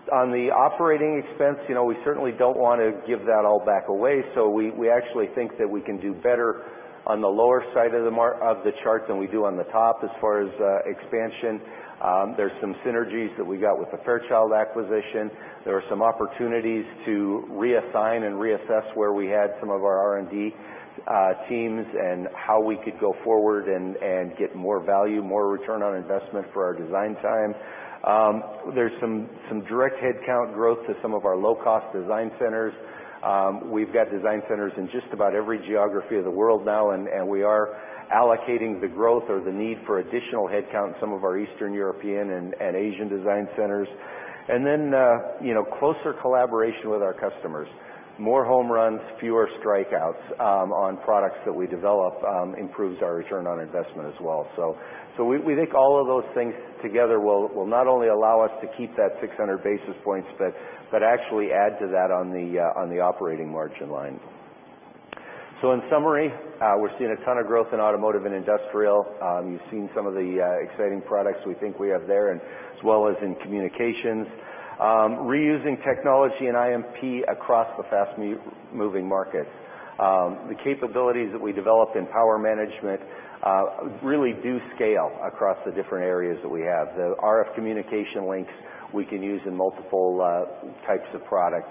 On the operating expense, we certainly don't want to give that all back away. We actually think that we can do better on the lower side of the chart than we do on the top as far as expansion. There's some synergies that we got with the Fairchild acquisition. There are some opportunities to reassign and reassess where we had some of our R&D teams and how we could go forward and get more value, more return on investment for our design time. There's some direct headcount growth to some of our low-cost design centers. We've got design centers in just about every geography of the world now. We are allocating the growth or the need for additional headcount in some of our Eastern European and Asian design centers. Closer collaboration with our customers. More home runs, fewer strikeouts on products that we develop improves our return on investment as well. We think all of those things together will not only allow us to keep that 600 basis points, but actually add to that on the operating margin line. In summary, we're seeing a ton of growth in automotive and industrial. You've seen some of the exciting products we think we have there as well as in communications. Reusing technology and IP across the fast-moving markets. The capabilities that we develop in power management really do scale across the different areas that we have. The RF communication links we can use in multiple types of products.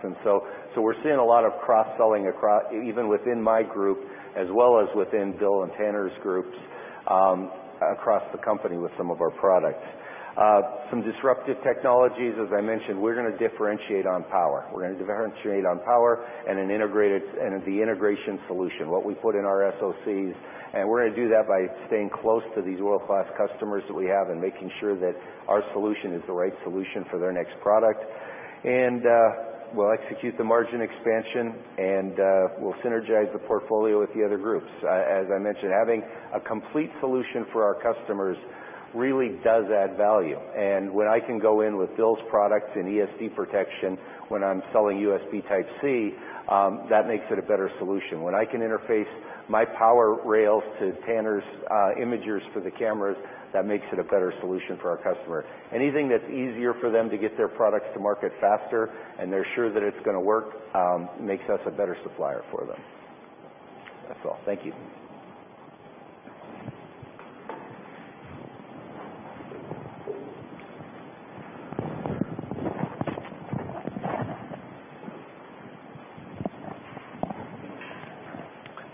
We're seeing a lot of cross-selling, even within my group, as well as within Bill and Taner's groups, across the company with some of our products. Some disruptive technologies, as I mentioned, we're going to differentiate on power. We're going to differentiate on power and the integration solution, what we put in our SoCs. We're going to do that by staying close to these world-class customers that we have and making sure that our solution is the right solution for their next product. We'll execute the margin expansion, and we'll synergize the portfolio with the other groups. As I mentioned, having a complete solution for our customers really does add value. When I can go in with Bill's product and ESD protection when I'm selling USB Type-C, that makes it a better solution. When I can interface my power rails to Taner's imagers for the cameras, that makes it a better solution for our customer. Anything that's easier for them to get their products to market faster, and they're sure that it's going to work, makes us a better supplier for them. That's all. Thank you.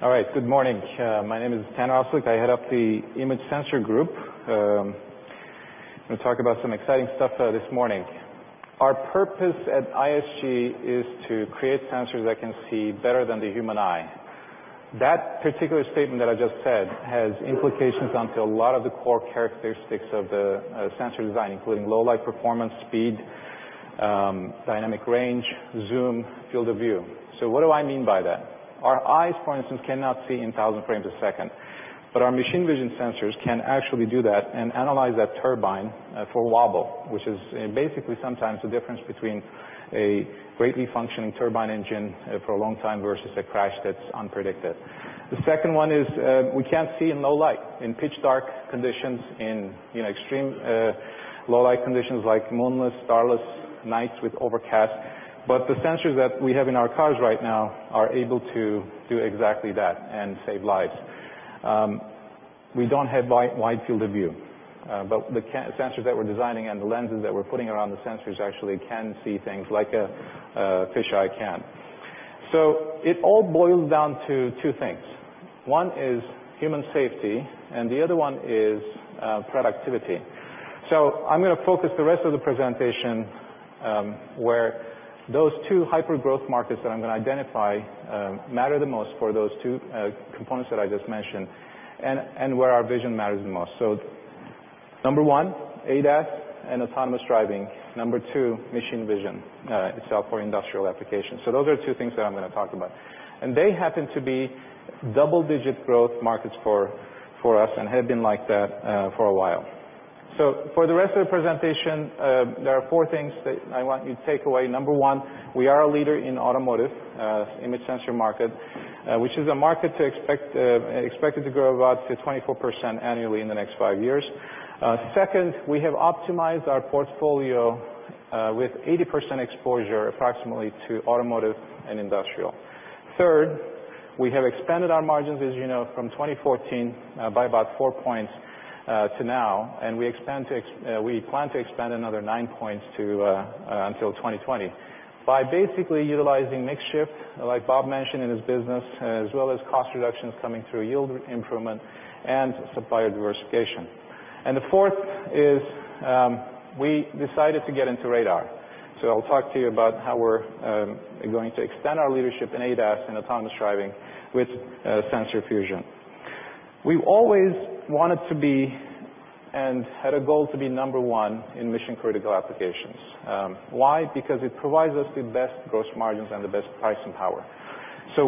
All right. Good morning. My name is Taner Ozcelik. I head up the Image Sensor Group. I'm going to talk about some exciting stuff this morning. Our purpose at ISG is to create sensors that can see better than the human eye. That particular statement that I just said has implications onto a lot of the core characteristics of the sensor design, including low light performance, speed, Dynamic range, zoom, field of view. What do I mean by that? Our eyes, for instance, cannot see in 1,000 frames a second, but our machine vision sensors can actually do that and analyze that turbine for wobble, which is basically sometimes the difference between a greatly functioning turbine engine for a long time versus a crash that's unpredicted. The second one is we can't see in low light, in pitch dark conditions, in extreme low light conditions like moonless, starless nights with overcast. The sensors that we have in our cars right now are able to do exactly that and save lives. We don't have wide field of view, but the sensors that we're designing and the lenses that we're putting around the sensors actually can see things like a fisheye can. It all boils down to two things. One is human safety, and the other one is productivity. I'm going to focus the rest of the presentation where those two hyper-growth markets that I'm going to identify matter the most for those two components that I just mentioned and where our vision matters the most. Number one, ADAS and autonomous driving. Number two, machine vision itself for industrial applications. Those are two things that I'm going to talk about. They happen to be double-digit growth markets for us and have been like that for a while. For the rest of the presentation, there are four things that I want you to take away. Number one, we are a leader in automotive image sensor market, which is a market expected to grow about to 24% annually in the next five years. Second, we have optimized our portfolio with 80% exposure approximately to automotive and industrial. Third, we have expanded our margins, as you know, from 2014 by about four points to now, and we plan to expand another nine points until 2020 by basically utilizing mix shift, like Bob mentioned in his business, as well as cost reductions coming through yield improvement and supplier diversification. The fourth is we decided to get into radar. I'll talk to you about how we're going to extend our leadership in ADAS and autonomous driving with sensor fusion. We've always wanted to be and had a goal to be number one in mission-critical applications. Why? It provides us the best gross margins and the best pricing power.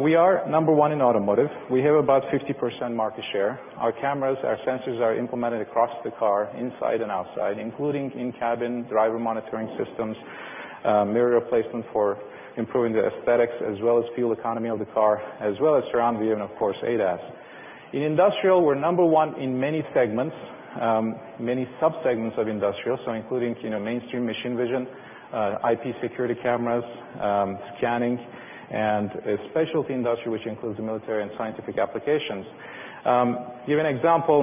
We are number one in automotive. We have about 50% market share. Our cameras, our sensors are implemented across the car inside and outside, including in-cabin driver monitoring systems, mirror replacement for improving the aesthetics as well as fuel economy of the car, as well as surround view and, of course, ADAS. In industrial, we're number one in many segments, many sub-segments of industrial, including mainstream machine vision, IP security cameras, scanning, and specialty industry, which includes the military and scientific applications. Give you an example.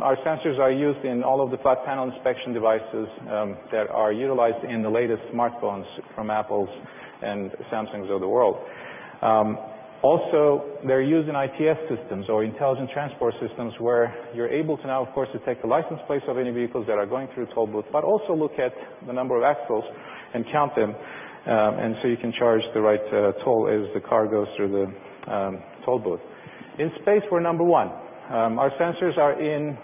Our sensors are used in all of the flat panel inspection devices that are utilized in the latest smartphones from Apple and Samsung of the world. They're used in ITS systems or intelligent transport systems, where you're able to now, of course, detect the license plates of any vehicles that are going through toll booths, but also look at the number of axles and count them and so you can charge the right toll as the car goes through the toll booth. In space, we're number one. Our sensors are in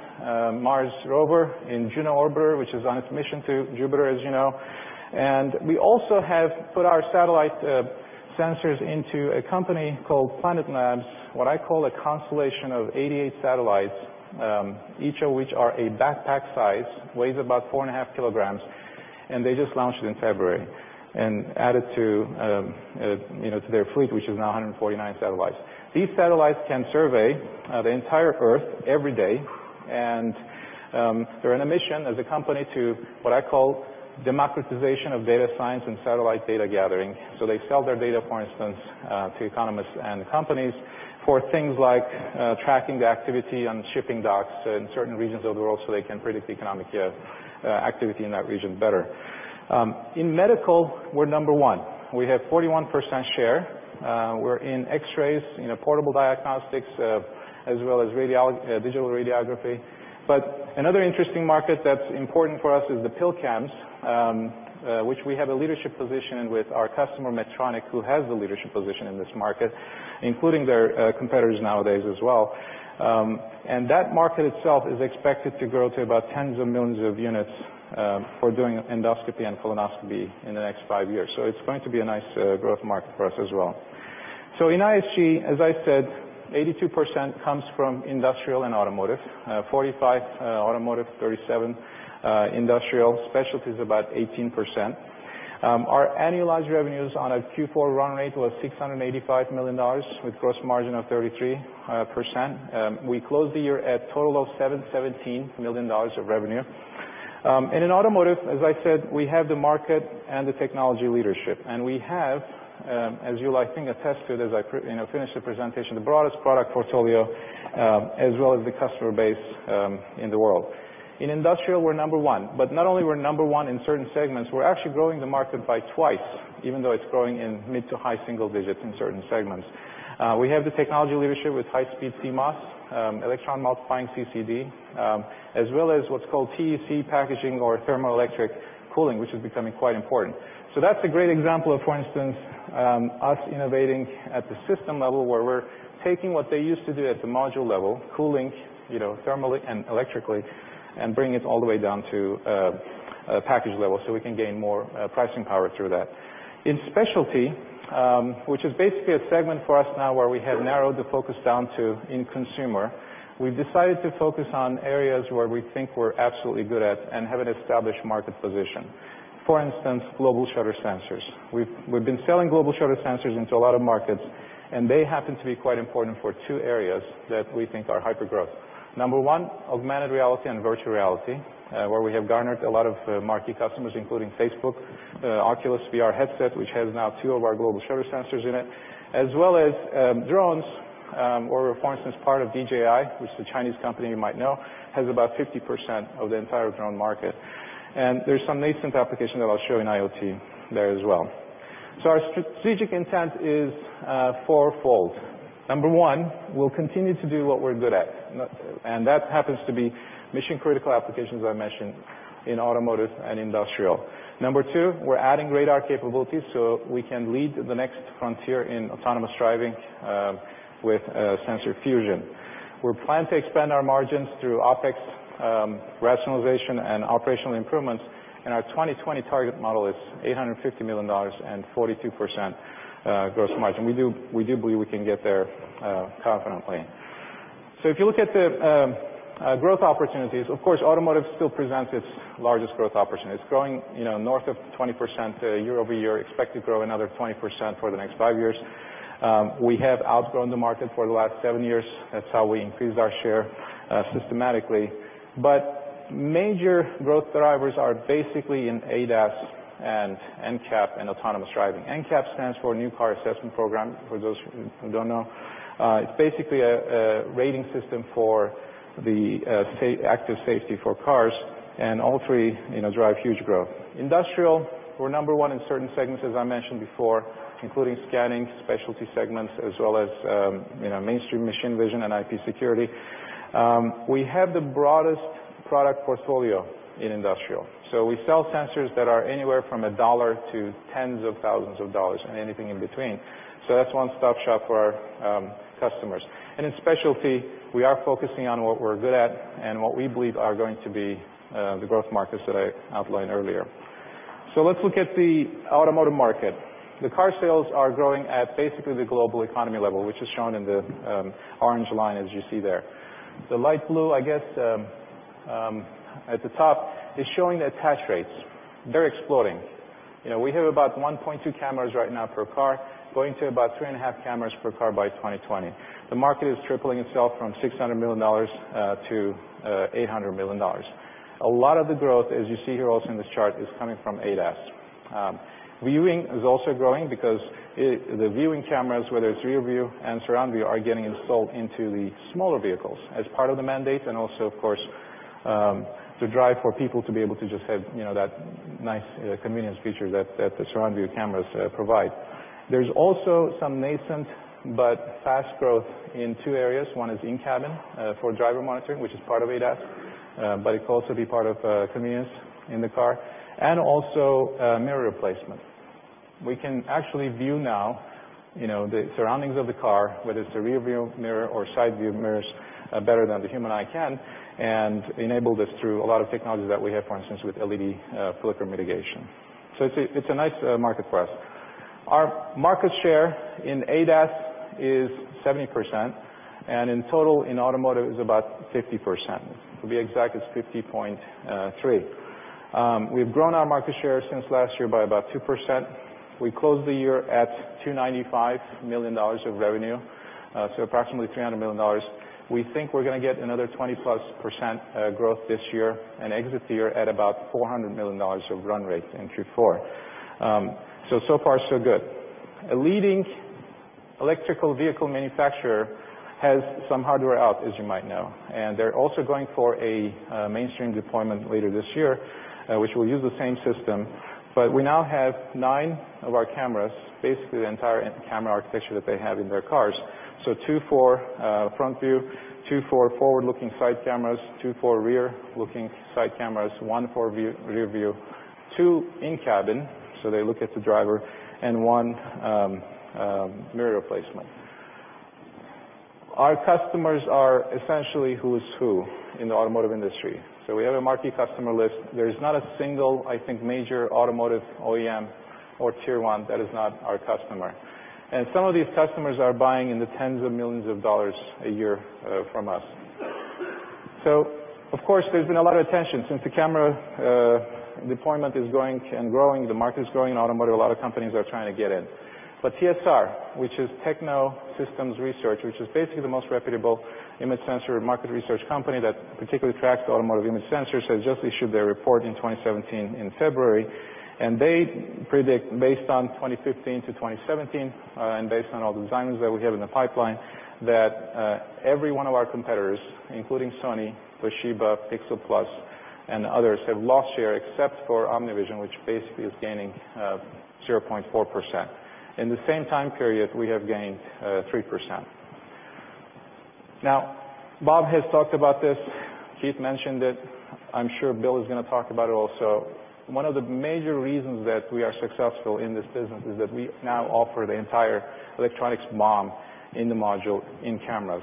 Mars Rover, in Juno Orbiter, which is on its mission to Jupiter, as you know. We also have put our satellite sensors into a company called Planet Labs, what I call a constellation of 88 satellites, each of which are a backpack size, weighs about four and a half kilograms, and they just launched it in February and added to their fleet, which is now 149 satellites. These satellites can survey the entire Earth every day, and they're on a mission as a company to what I call democratization of data science and satellite data gathering. They sell their data, for instance, to economists and companies for things like tracking the activity on shipping docks in certain regions of the world so they can predict economic activity in that region better. In medical, we're number one. We have 41% share. We're in X-rays, in portable diagnostics, as well as digital radiography. Another interesting market that's important for us is the pill cams, which we have a leadership position with our customer, Medtronic, who has the leadership position in this market, including their competitors nowadays as well. That market itself is expected to grow to about tens of millions of units for doing endoscopy and colonoscopy in the next five years. It's going to be a nice growth market for us as well. In ISG, as I said, 82% comes from industrial and automotive, 45% automotive, 37% industrial. Specialty is about 18%. Our annualized revenues on a Q4 run rate was $685 million with gross margin of 33%. We closed the year at total of $717 million of revenue. In automotive, as I said, we have the market and the technology leadership, and we have, as you'll I think attest to as I finish the presentation, the broadest product portfolio as well as the customer base in the world. In industrial, we're number one, but not only we're number one in certain segments, we're actually growing the market by twice, even though it's growing in mid to high single digits in certain segments. We have the technology leadership with high speed CMOS, electron multiplying CCD as well as what's called TEC packaging or thermoelectric cooling, which is becoming quite important. That's a great example of, for instance, us innovating at the system level where we're taking what they used to do at the module level, cooling thermally and electrically. Bring it all the way down to a package level so we can gain more pricing power through that. In specialty, which is basically a segment for us now where we have narrowed the focus down to in consumer, we've decided to focus on areas where we think we're absolutely good at and have an established market position. For instance, global shutter sensors. We've been selling global shutter sensors into a lot of markets, and they happen to be quite important for two areas that we think are hyper-growth. Number one, augmented reality and virtual reality, where we have garnered a lot of marquee customers, including Facebook, Oculus VR headset, which has now two of our global shutter sensors in it, as well as drones. For instance, part of DJI, which is a Chinese company you might know, has about 50% of the entire drone market. There's some nascent application that I'll show in IoT there as well. Our strategic intent is fourfold. Number one, we'll continue to do what we're good at, and that happens to be mission-critical applications I mentioned in automotive and industrial. Number two, we're adding radar capabilities so we can lead the next frontier in autonomous driving with sensor fusion. We plan to expand our margins through OpEx rationalization and operational improvements, and our 2020 target model is $850 million and 42% gross margin. We do believe we can get there confidently. If you look at the growth opportunities, of course, automotive still presents its largest growth opportunity. It's growing north of 20% year-over-year, expect to grow another 20% for the next five years. We have outgrown the market for the last seven years. That's how we increased our share systematically. Major growth drivers are basically in ADAS and NCAP and autonomous driving. NCAP stands for New Car Assessment Program, for those who don't know. It's basically a rating system for the active safety for cars, and all three drive huge growth. Industrial, we're number one in certain segments, as I mentioned before, including scanning specialty segments, as well as mainstream machine vision and IP security. We have the broadest product portfolio in industrial. We sell sensors that are anywhere from $1 to tens of thousands of dollars and anything in between. That's a one-stop shop for our customers. In specialty, we are focusing on what we're good at and what we believe are going to be the growth markets that I outlined earlier. Let's look at the automotive market. The car sales are growing at basically the global economy level, which is shown in the orange line as you see there. The light blue, I guess, at the top is showing attach rates. They're exploding. We have about 1.2 cameras right now per car, going to about three and a half cameras per car by 2020. The market is tripling itself from $600 million-$800 million. A lot of the growth, as you see here also in this chart, is coming from ADAS. Viewing is also growing because the viewing cameras, whether it's rear view and surround view, are getting installed into the smaller vehicles as part of the mandate and also, of course, to drive for people to be able to just have that nice convenience feature that the surround view cameras provide. There's also some nascent but fast growth in two areas. One is in-cabin for driver monitoring, which is part of ADAS, but it could also be part of convenience in the car, and also mirror replacement. We can actually view now the surroundings of the car, whether it's the rear view mirror or side view mirrors, better than the human eye can, and enable this through a lot of technologies that we have, for instance, with LED flicker mitigation. It's a nice market for us. Our market share in ADAS is 70%, and in total in automotive is about 50%. To be exact, it's 50.3. We've grown our market share since last year by about 2%. We closed the year at $295 million of revenue, so approximately $300 million. We think we're going to get another 20-plus% growth this year and exit the year at about $400 million of run rate in Q4. So far so good. A leading electrical vehicle manufacturer has some hardware out, as you might know, and they're also going for a mainstream deployment later this year, which will use the same system. We now have 9 of our cameras, basically the entire camera architecture that they have in their cars. 2 for front view, 2 for forward-looking side cameras, 2 for rear-looking side cameras, 1 for rear view, 2 in-cabin, so they look at the driver, and 1 mirror replacement. Our customers are essentially who's who in the automotive industry. We have a marquee customer list. There is not a single, I think, major automotive OEM or tier 1 that is not our customer. Some of these customers are buying in the tens of millions of dollars a year from us. Of course, there's been a lot of attention since the camera deployment is growing and growing, the market is growing in automotive, a lot of companies are trying to get in. TSR, which is Techno Systems Research, which is basically the most reputable image sensor market research company that particularly tracks automotive image sensors, has just issued their report in 2017 in February. They predict based on 2015 to 2017, and based on all the designs that we have in the pipeline, that every one of our competitors, including Sony, Toshiba, Pixelplus, and others, have lost share except for OmniVision, which basically is gaining 0.4%. In the same time period, we have gained 3%. Bob has talked about this. Keith mentioned it. I'm sure Bill is going to talk about it also. One of the major reasons that we are successful in this business is that we now offer the entire electronics MoM In the module in cameras.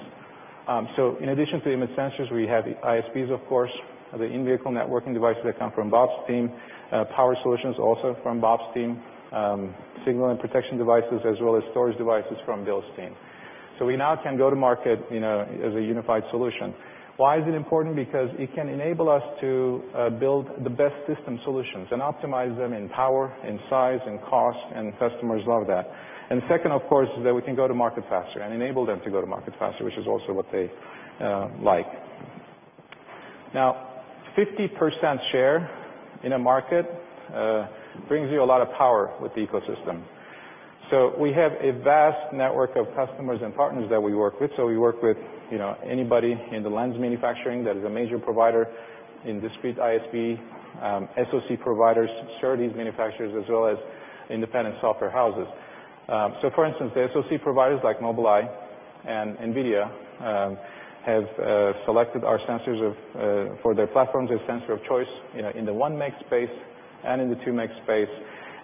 In addition to image sensors, we have the ISPs, of course, the in-vehicle networking devices that come from Bob's team, power solutions also from Bob's team, signal and protection devices, as well as storage devices from Bill's team. We now can go to market as a unified solution. Why is it important? Because it can enable us to build the best system solutions and optimize them in power and size and cost, and customers love that. Second, of course, is that we can go to market faster and enable them to go to market faster, which is also what they like. 50% share in a market brings you a lot of power with the ecosystem. We have a vast network of customers and partners that we work with. We work with anybody in the lens manufacturing that is a major provider in discrete ISP, SoC providers, synergies manufacturers, as well as independent software houses. For instance, the SoC providers like Mobileye and NVIDIA have selected our sensors for their platforms as sensor of choice in the 1 meg space and in the 2 meg space,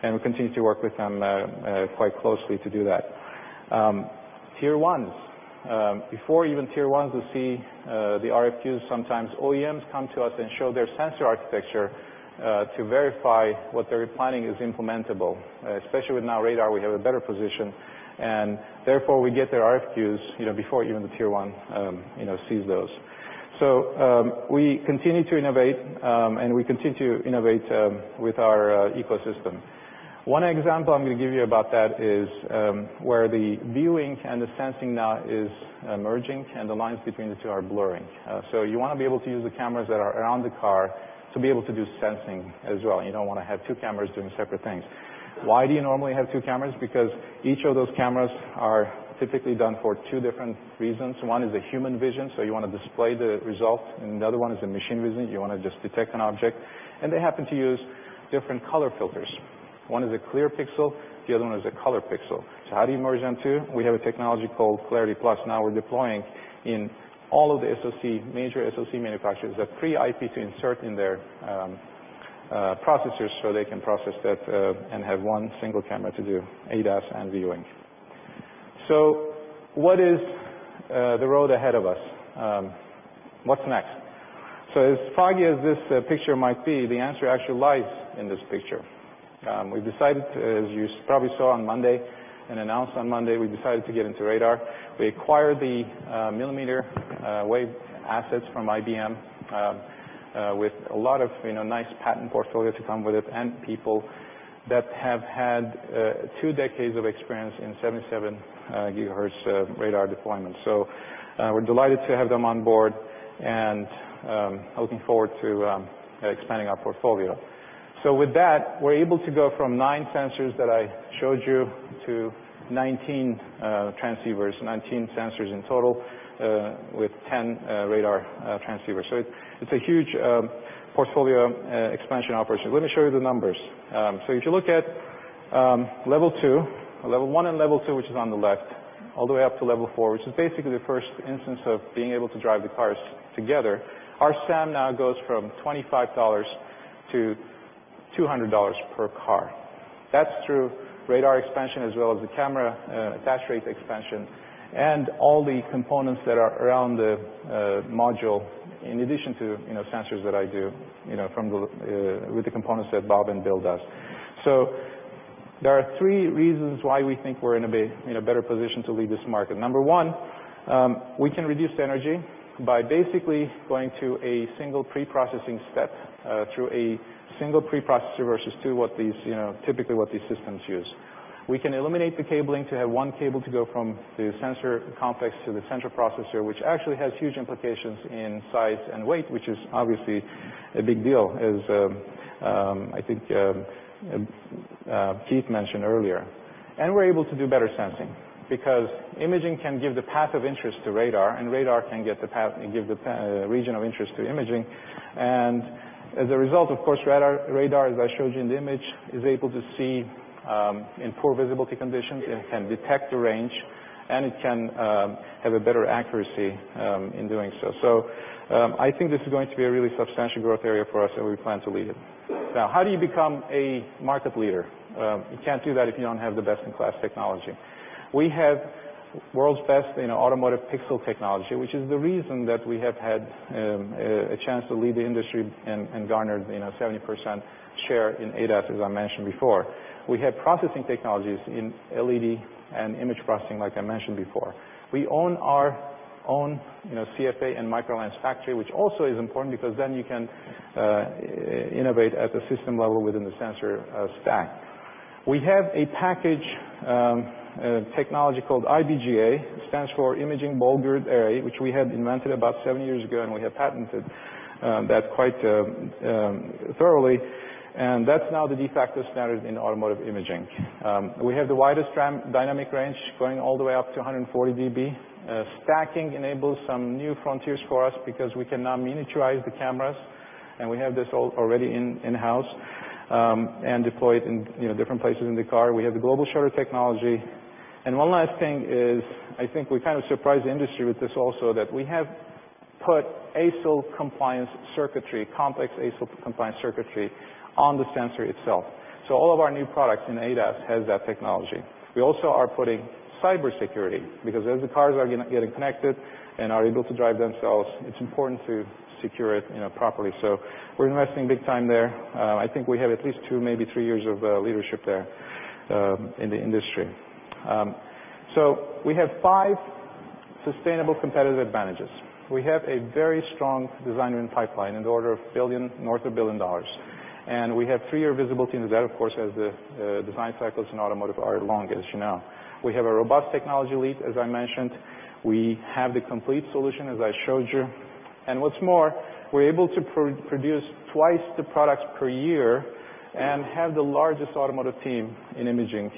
and we continue to work with them quite closely to do that. Tier 1s. Before even tier 1s will see the RFQs, sometimes OEMs come to us and show their sensor architecture to verify what they're planning is implementable. Especially with now radar, we have a better position, and therefore we get their RFQs before even the tier 1 sees those. We continue to innovate, and we continue to innovate with our ecosystem. One example I'm going to give you about that is where the viewing and the sensing now is merging and the lines between the two are blurring. You want to be able to use the cameras that are around the car to be able to do sensing as well. You don't want to have two cameras doing separate things. Why do you normally have two cameras? Because each of those cameras are typically done for two different reasons. One is the human vision, so you want to display the result, and the other one is the machine vision. You want to just detect an object. They happen to use different color filters. One is a clear pixel, the other one is a color pixel. How do you merge them two? We have a technology called Clarity+ now we're deploying in all of the major SoC manufacturers that pre-IP to insert in their processors so they can process that and have one single camera to do ADAS and viewing. What is the road ahead of us? What's next? As foggy as this picture might be, the answer actually lies in this picture. As you probably saw on Monday and announced on Monday, we decided to get into radar. We acquired the millimeter wave assets from IBM with a lot of nice patent portfolio to come with it and people that have had two decades of experience in 77 gigahertz radar deployment. We're delighted to have them on board and looking forward to expanding our portfolio. With that, we're able to go from nine sensors that I showed you to 19 transceivers, 19 sensors in total with 10 radar transceivers. It's a huge portfolio expansion operation. Let me show you the numbers. If you look at level 1 and level 2, which is on the left, all the way up to level 4, which is basically the first instance of being able to drive the cars together, our SAM now goes from $25-$200 per car. That's through radar expansion as well as the camera data rate expansion and all the components that are around the module in addition to sensors that I do with the components that Bob and Bill does. There are three reasons why we think we're in a better position to lead this market. Number one, we can reduce the energy by basically going to a single pre-processing step through a single pre-processor versus two, typically what these systems use. We can eliminate the cabling to have one cable to go from the sensor complex to the central processor, which actually has huge implications in size and weight, which is obviously a big deal as I think Keith mentioned earlier. We're able to do better sensing because imaging can give the path of interest to radar, and radar can give the region of interest to imaging. As a result, of course, radar, as I showed you in the image, is able to see in poor visibility conditions. It can detect the range, and it can have a better accuracy in doing so. I think this is going to be a really substantial growth area for us, and we plan to lead it. Now, how do you become a market leader? You can't do that if you don't have the best-in-class technology. We have world's best in automotive pixel technology, which is the reason that we have had a chance to lead the industry and garnered 70% share in ADAS, as I mentioned before. We have processing technologies in LED and image processing, like I mentioned before. We own our own CFA and microlens factory, which also is important because then you can innovate at the system level within the sensor stack. We have a package technology called IBGA. It stands for Imaging Ball Grid Array, which we had invented about seven years ago, and we have patented that quite thoroughly, and that's now the de facto standard in automotive imaging. We have the widest dynamic range going all the way up to 140 dB. Stacking enables some new frontiers for us because we can now miniaturize the cameras, and we have this already in-house and deployed in different places in the car. We have the global shutter technology. One last thing is, I think we kind of surprised the industry with this also that we have put ASIL compliance circuitry, complex ASIL compliance circuitry on the sensor itself. All of our new products in ADAS has that technology. We also are putting cybersecurity, because as the cars are getting connected and are able to drive themselves, it's important to secure it properly. We're investing big time there. I think we have at least two, maybe three years of leadership there in the industry. We have five sustainable competitive advantages. We have a very strong design win pipeline in the order of north of $1 billion. We have three-year visibility, and that, of course, as the design cycles in automotive are long, as you know. We have a robust technology lead, as I mentioned. We have the complete solution, as I showed you. What's more, we're able to produce twice the products per year and have the largest automotive team in imaging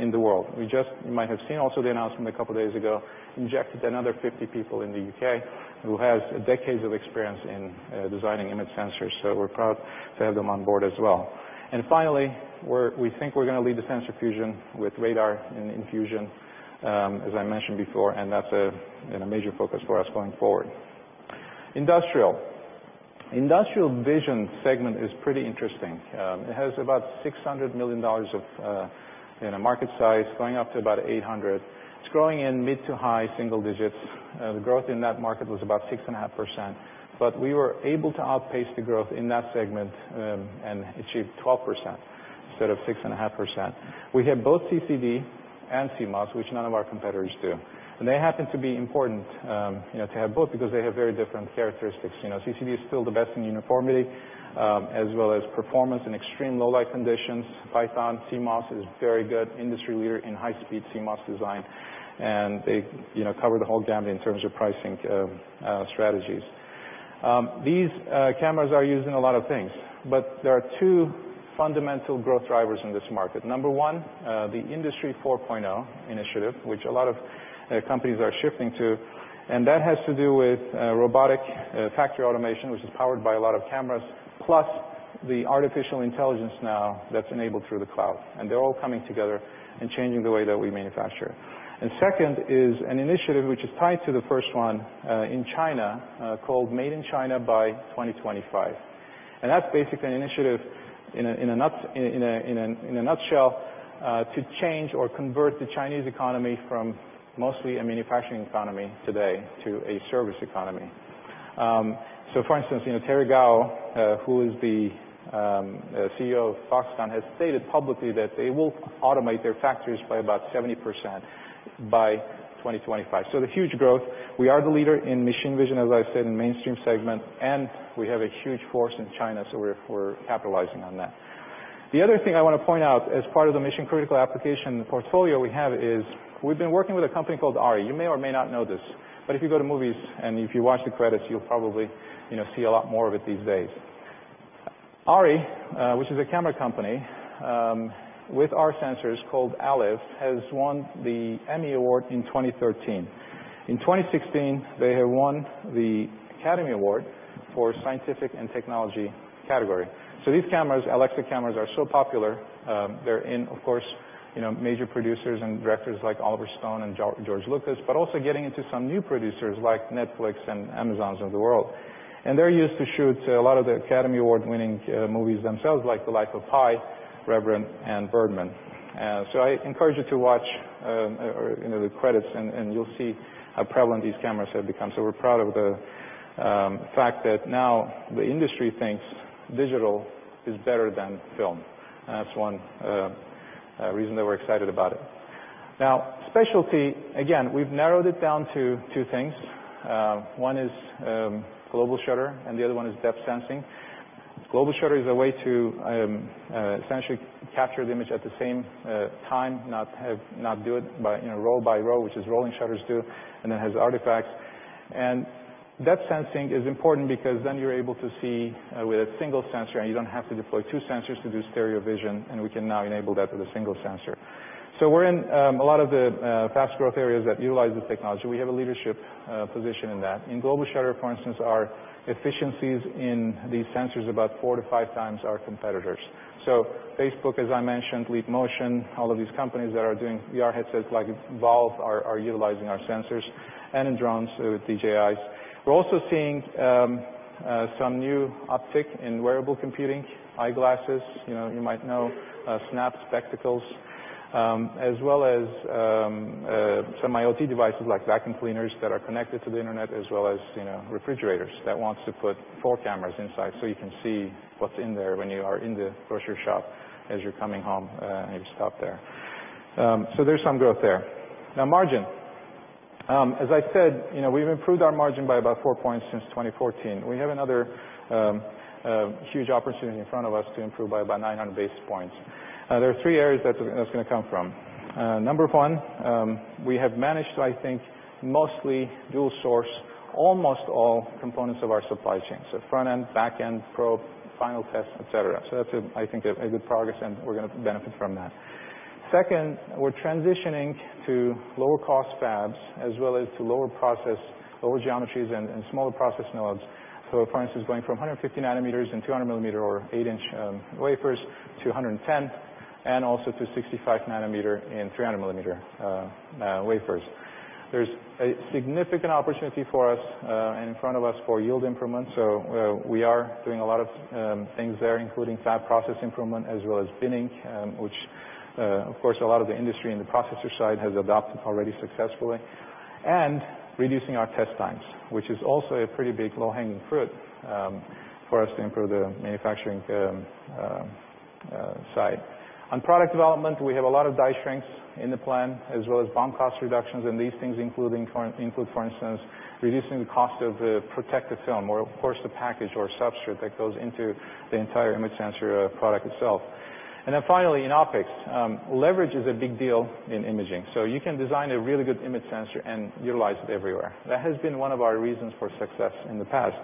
in the world. You might have seen also the announcement a couple of days ago, injected another 50 people in the U.K. who have decades of experience in designing image sensors. We're proud to have them on board as well. Finally, we think we're going to lead the sensor fusion with radar and sensor fusion, as I mentioned before, and that's a major focus for us going forward. Industrial. Industrial vision segment is pretty interesting. It has about $600 million of market size, going up to about $800 million. It's growing in mid to high single digits. The growth in that market was about 6.5%, but we were able to outpace the growth in that segment and achieve 12% instead of 6.5%. We have both CCD and CMOS, which none of our competitors do. They happen to be important to have both because they have very different characteristics. CCD is still the best in uniformity as well as performance in extreme low light conditions. PYTHON CMOS is very good industry leader in high-speed CMOS design, and they cover the whole gamut in terms of pricing strategies. These cameras are used in a lot of things, but there are two fundamental growth drivers in this market. Number one, the Industry 4.0 initiative, which a lot of companies are shifting to. That has to do with robotic factory automation, which is powered by a lot of cameras, plus the artificial intelligence now that's enabled through the cloud. They're all coming together and changing the way that we manufacture. Second is an initiative which is tied to the first one in China, called Made in China by 2025. That's basically an initiative, in a nutshell, to change or convert the Chinese economy from mostly a manufacturing economy today to a service economy. For instance, Terry Gou, who is the CEO of Foxconn, has stated publicly that they will automate their factories by about 70% by 2025. The huge growth. We are the leader in machine vision, as I said, in the mainstream segment. We have a huge force in China, so we're capitalizing on that. The other thing I want to point out as part of the mission critical application portfolio we have is we've been working with a company called ARRI. You may or may not know this, but if you go to movies and if you watch the credits, you'll probably see a lot more of it these days. ARRI, which is a camera company with our sensors called Alexa, has won the Emmy Award in 2013. In 2016, they have won the Academy Award for scientific and technology category. These cameras, Alexa cameras, are so popular. They're in, of course, major producers and directors like Oliver Stone and George Lucas, but also getting into some new producers like Netflix and Amazons of the world. They're used to shoot a lot of the Academy Award-winning movies themselves, like The Life of Pi, The Revenant, and Birdman. I encourage you to watch the credits and you'll see how prevalent these cameras have become. We're proud of the fact that now the industry thinks digital is better than film. That's one reason that we're excited about it. Specialty, again, we've narrowed it down to two things. One is global shutter, and the other one is depth sensing. Global shutter is a way to essentially capture the image at the same time, not do it row by row, which is rolling shutters do, and it has artifacts. Depth sensing is important because then you're able to see with a single sensor, and you don't have to deploy two sensors to do stereo vision, and we can now enable that with a single sensor. We're in a lot of the fast growth areas that utilize this technology. We have a leadership position in that. In global shutter, for instance, our efficiency is in these sensors about four to five times our competitors. Facebook, as I mentioned, Leap Motion, all of these companies that are doing VR headsets like Valve are utilizing our sensors, and in drones with DJI. We're also seeing some new uptick in wearable computing, eyeglasses. You might know Snap Spectacles as well as some IoT devices like vacuum cleaners that are connected to the internet, as well as refrigerators that want to put four cameras inside so you can see what's in there when you are in the grocery shop as you're coming home and you stop there. There's some growth there. Margin. As I said, we've improved our margin by about 4 points since 2014. We have another huge opportunity in front of us to improve by about 900 basis points. There are three areas that's going to come from. Number one, we have managed to, I think, mostly dual source almost all components of our supply chain. front end, back end, probe, final test, et cetera. That's, I think, a good progress, and we're going to benefit from that. Second, we're transitioning to lower cost fabs as well as to lower process, lower geometries, and smaller process nodes. For instance, going from 150 nanometers and 200 millimeter or eight-inch wafers to 110. Also to 65 nanometer and 300 millimeter wafers. There's a significant opportunity for us in front of us for yield improvements. We are doing a lot of things there, including fab process improvement, as well as binning, which, of course, a lot of the industry in the processor side has adopted already successfully. Reducing our test times, which is also a pretty big low-hanging fruit for us to improve the manufacturing side. On product development, we have a lot of die shrinks in the plan as well as BOM cost reductions, and these things include, for instance, reducing the cost of the protective film or of course the package or substrate that goes into the entire image sensor product itself. Finally, in OpEx, leverage is a big deal in imaging. You can design a really good image sensor and utilize it everywhere. That has been one of our reasons for success in the past.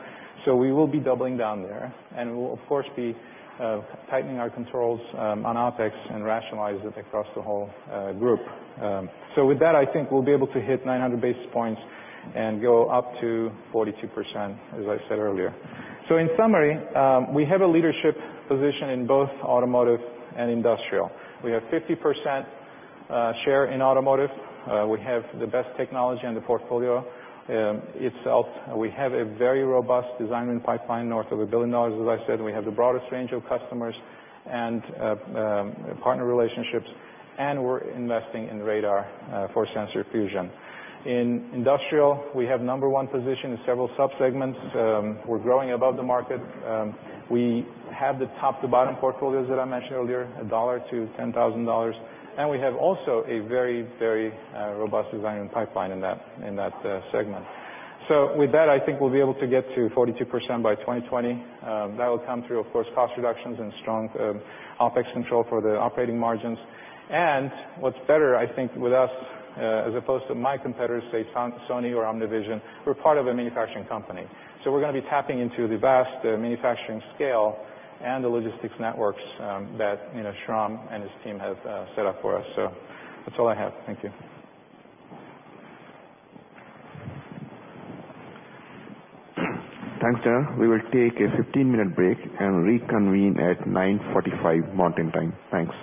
We will be doubling down there and we will, of course, be tightening our controls on OpEx and rationalize it across the whole group. With that, I think we'll be able to hit 900 basis points and go up to 42%, as I said earlier. In summary, we have a leadership position in both automotive and industrial. We have 50% share in automotive. We have the best technology and the portfolio itself. We have a very robust design win pipeline north of $1 billion, as I said. We have the broadest range of customers and partner relationships, and we're investing in radar for sensor fusion. In industrial, we have number one position in several sub-segments. We're growing above the market. We have the top to bottom portfolios that I mentioned earlier, $1 to $10,000. We have also a very, very robust design win pipeline in that segment. With that, I think we'll be able to get to 42% by 2020. That will come through, of course, cost reductions and strong OpEx control for the operating margins. What's better, I think with us, as opposed to my competitors, say Sony or OmniVision, we're part of a manufacturing company. We're going to be tapping into the vast manufacturing scale and the logistics networks that Schromm and his team have set up for us. That's all I have. Thank you. Thanks, Dana. We will take a 15-minute break and reconvene at 9:45 A.M. Mountain Time. Thanks.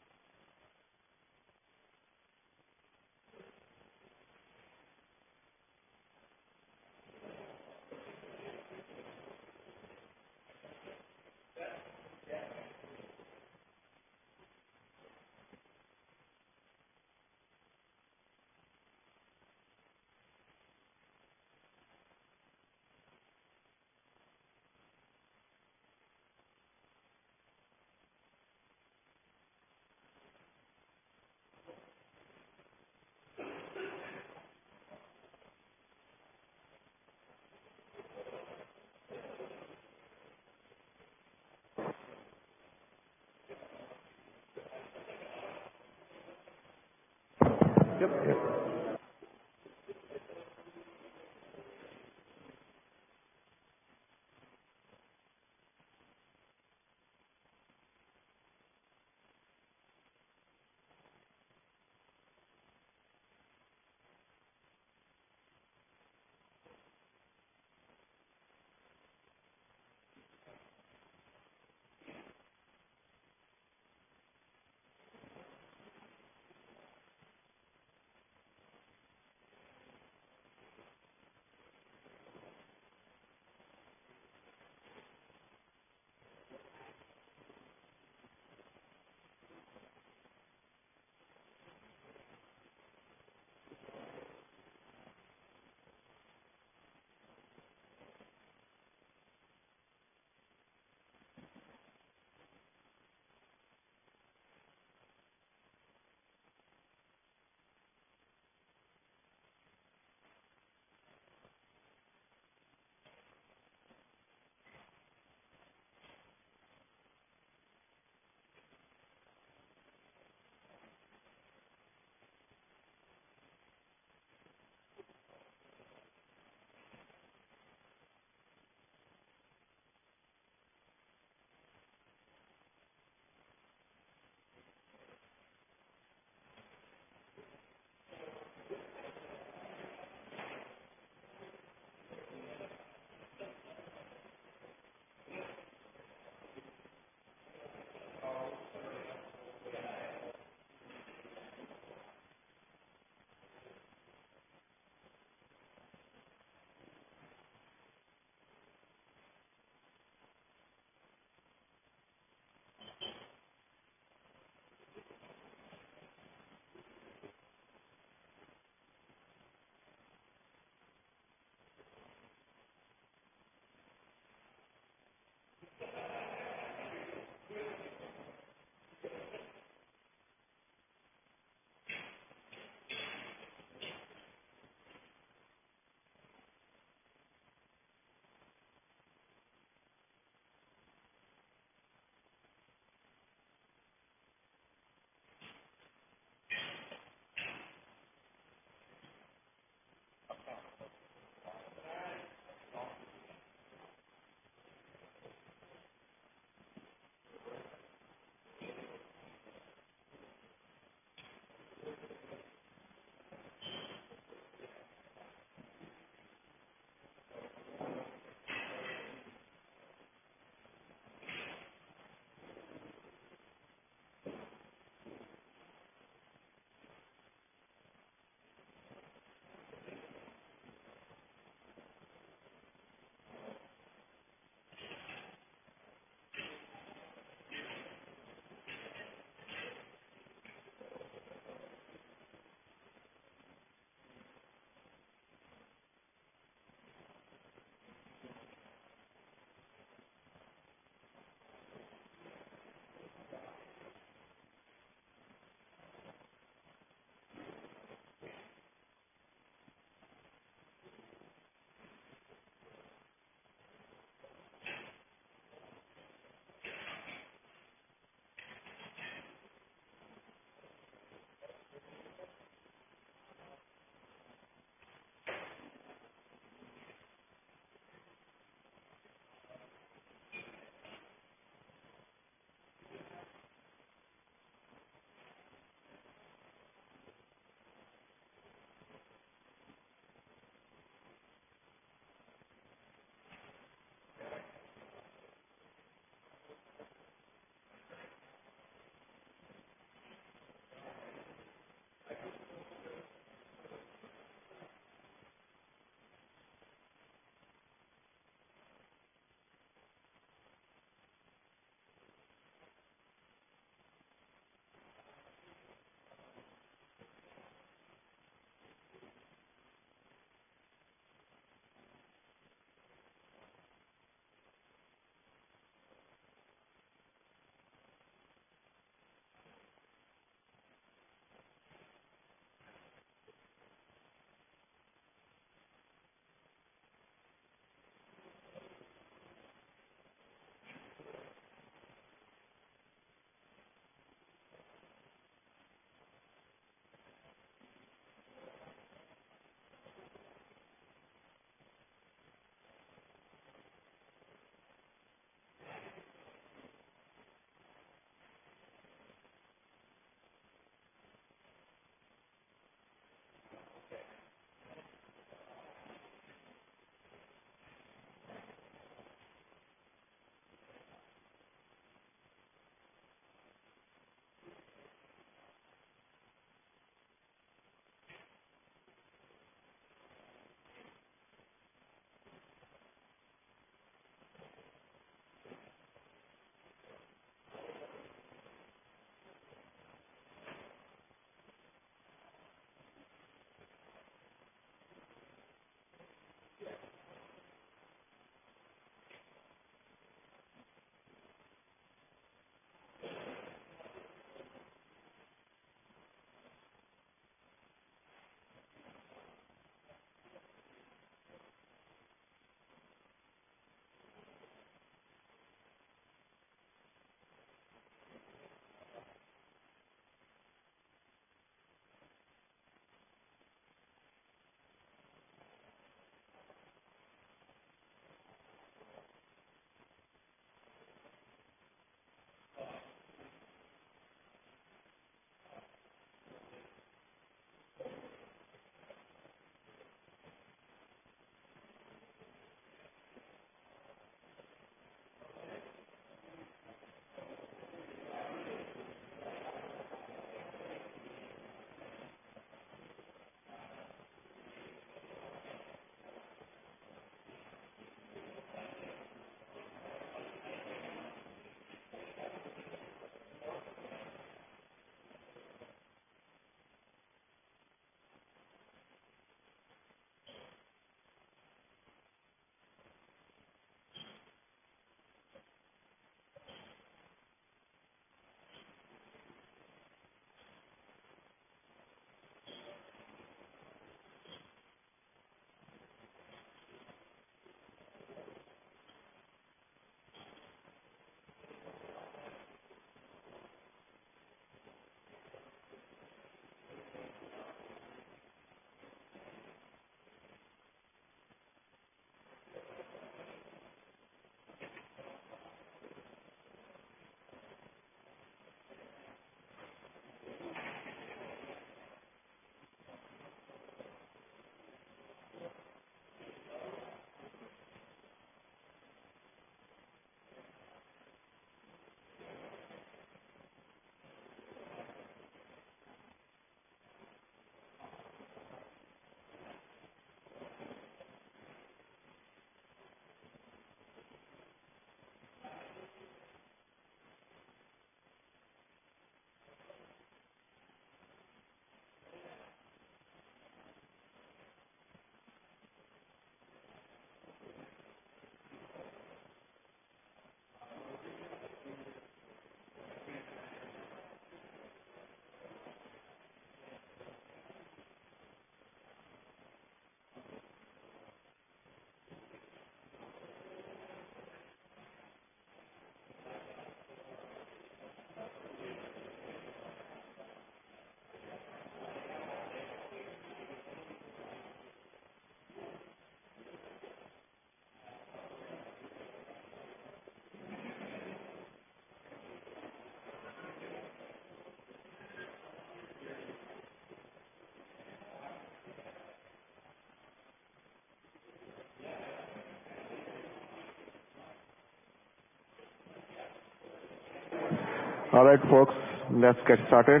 All right, folks, let's get started.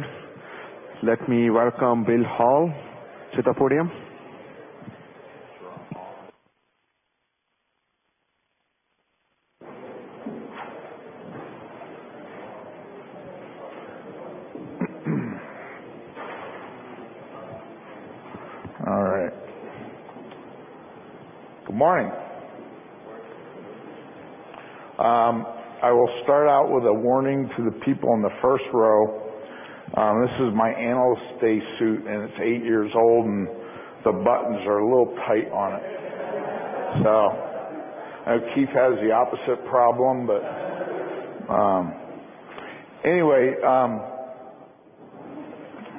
Let me welcome Bill Hall to the podium. Sure. All right. Good morning. Good morning. I will start out with a warning to the people in the first row. This is my Analyst Day suit, and it's eight years old, and the buttons are a little tight on it. I know Keith has the opposite problem, anyway.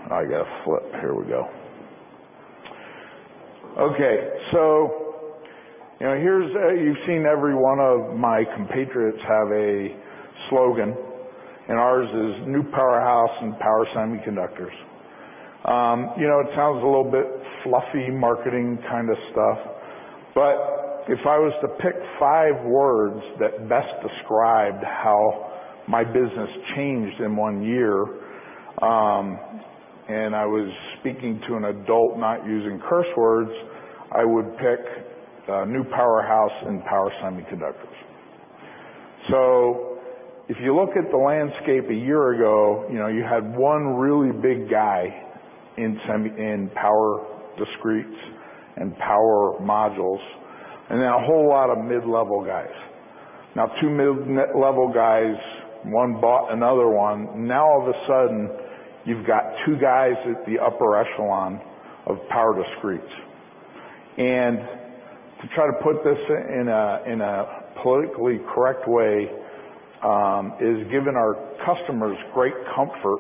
I got to flip. Here we go. Okay. You've seen every one of my compatriots have a slogan, and ours is, "New powerhouse in power semiconductors." It sounds a little bit fluffy, marketing kind of stuff. If I was to pick five words that best described how my business changed in one year, and I was speaking to an adult, not using curse words, I would pick, New powerhouse in power semiconductors. If you look at the landscape a year ago, you had one really big guy in power discretes and power modules, and then a whole lot of mid-level guys. Two mid-level guys, one bought another one. All of a sudden, you've got two guys at the upper echelon of power discretes. To try to put this in a politically correct way, is giving our customers great comfort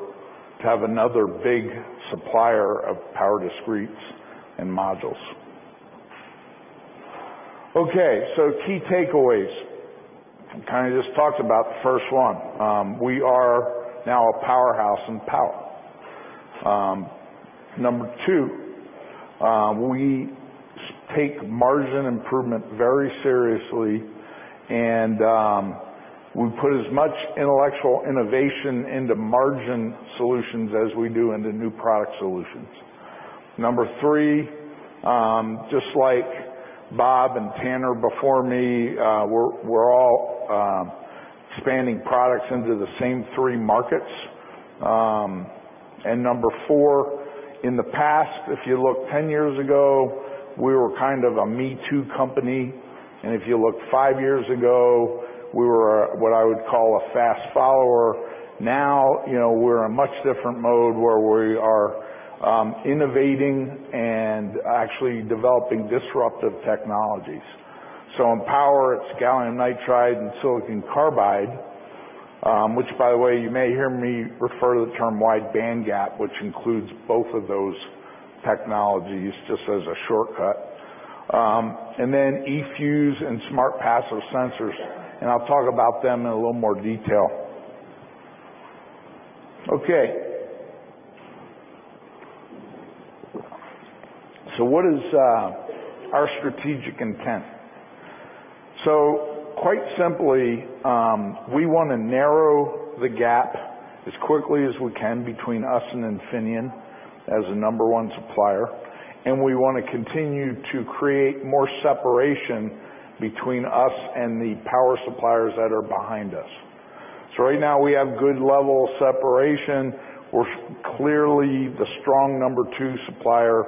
to have another big supplier of power discretes and modules. Key takeaways. I just talked about the first one. We are now a powerhouse in power. Number 2, we take margin improvement very seriously and we put as much intellectual innovation into margin solutions as we do into new product solutions. Number 3, just like Bob and Taner before me, we're all expanding products into the same three markets. Number 4, in the past, if you look 10 years ago, we were a me-too company, and if you look 5 years ago, we were what I would call a fast follower. We're in a much different mode, where we are innovating and actually developing disruptive technologies. In power, it's gallium nitride and silicon carbide, which by the way, you may hear me refer to the term wide bandgap, which includes both of those technologies, just as a shortcut. eFuse and Smart Passive Sensors, and I'll talk about them in a little more detail. What is our strategic intent? Quite simply, we want to narrow the gap as quickly as we can between us and Infineon as the number one supplier, and we want to continue to create more separation between us and the power suppliers that are behind us. Right now, we have good level separation. We're clearly the strong number two supplier.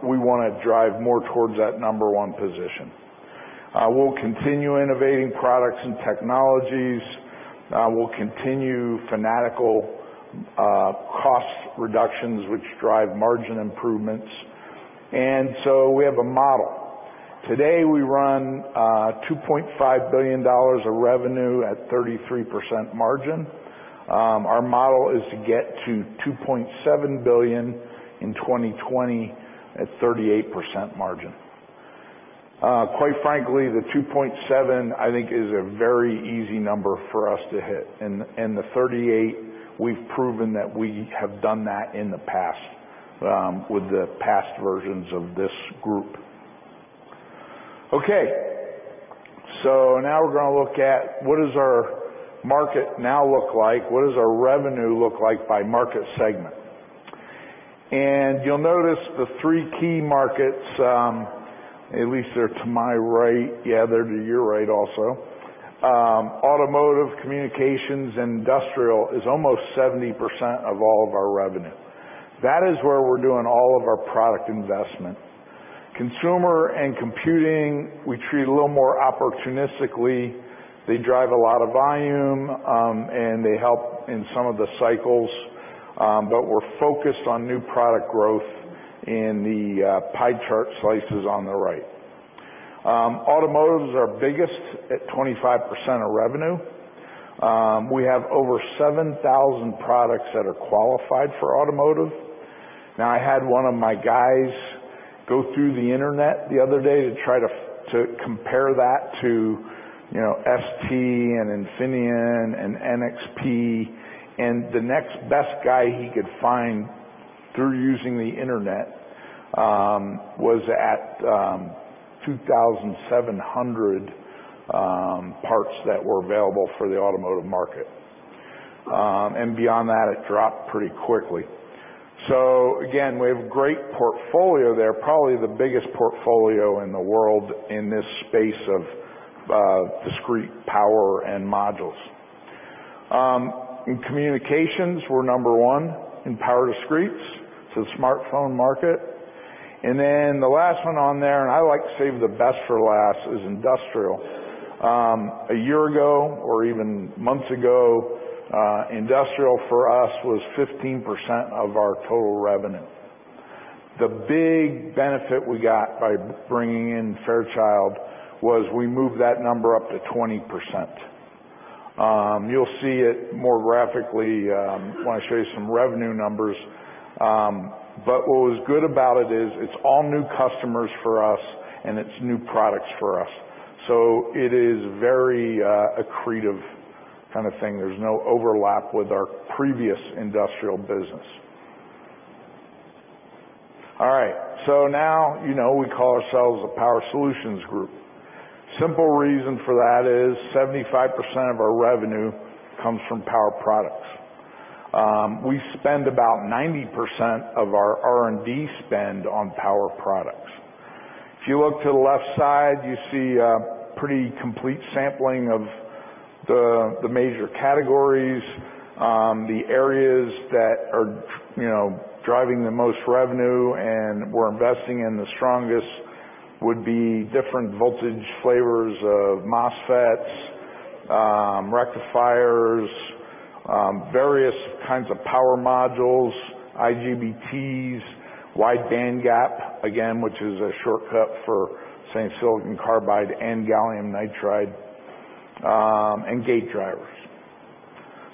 We want to drive more towards that number one position. We'll continue innovating products and technologies. We'll continue fanatical cost reductions, which drive margin improvements. We have a model. Today, we run $2.5 billion of revenue at 33% margin. Our model is to get to $2.7 billion in 2020 at 38% margin. Quite frankly, the $2.7, I think, is a very easy number for us to hit. The 38, we've proven that we have done that in the past, with the past versions of this group. Now we're going to look at what does our market now look like, what does our revenue look like by market segment? You'll notice the 3 key markets, at least they're to my right, yeah, they're to your right also. Automotive, communications, and industrial is almost 70% of all of our revenue. That is where we're doing all of our product investment. Consumer and computing, we treat a little more opportunistically. They drive a lot of volume, and they help in some of the cycles, but we're focused on new product growth in the pie chart slices on the right. Automotive is our biggest at 25% of revenue. We have over 7,000 products that are qualified for automotive. I had one of my guys go through the internet the other day to try to compare that to ST, and Infineon, and NXP, and the next best guy he could find through using the internet was at 2,700 parts that were available for the automotive market. Beyond that, it dropped pretty quickly. Again, we have a great portfolio there, probably the biggest portfolio in the world in this space of discrete power and modules. In communications, we're number one in power discretes, so the smartphone market. The last one on there, I like to save the best for last, is industrial. A year ago or even months ago, industrial for us was 15% of our total revenue. The big benefit we got by bringing in Fairchild was we moved that number up to 20%. You will see it more graphically when I show you some revenue numbers. What was good about it is, it is all new customers for us, and it is new products for us. It is very accretive kind of thing. There is no overlap with our previous industrial business. All right. Now, we call ourselves a Power Solutions Group. Simple reason for that is 75% of our revenue comes from power products. We spend about 90% of our R&D spend on power products. If you look to the left side, you see a pretty complete sampling of the major categories. The areas that are driving the most revenue, we are investing in the strongest, would be different voltage flavors of MOSFETs, rectifiers, various kinds of power modules, IGBTs, wide bandgap, again, which is a shortcut for saying silicon carbide and gallium nitride, and gate drivers.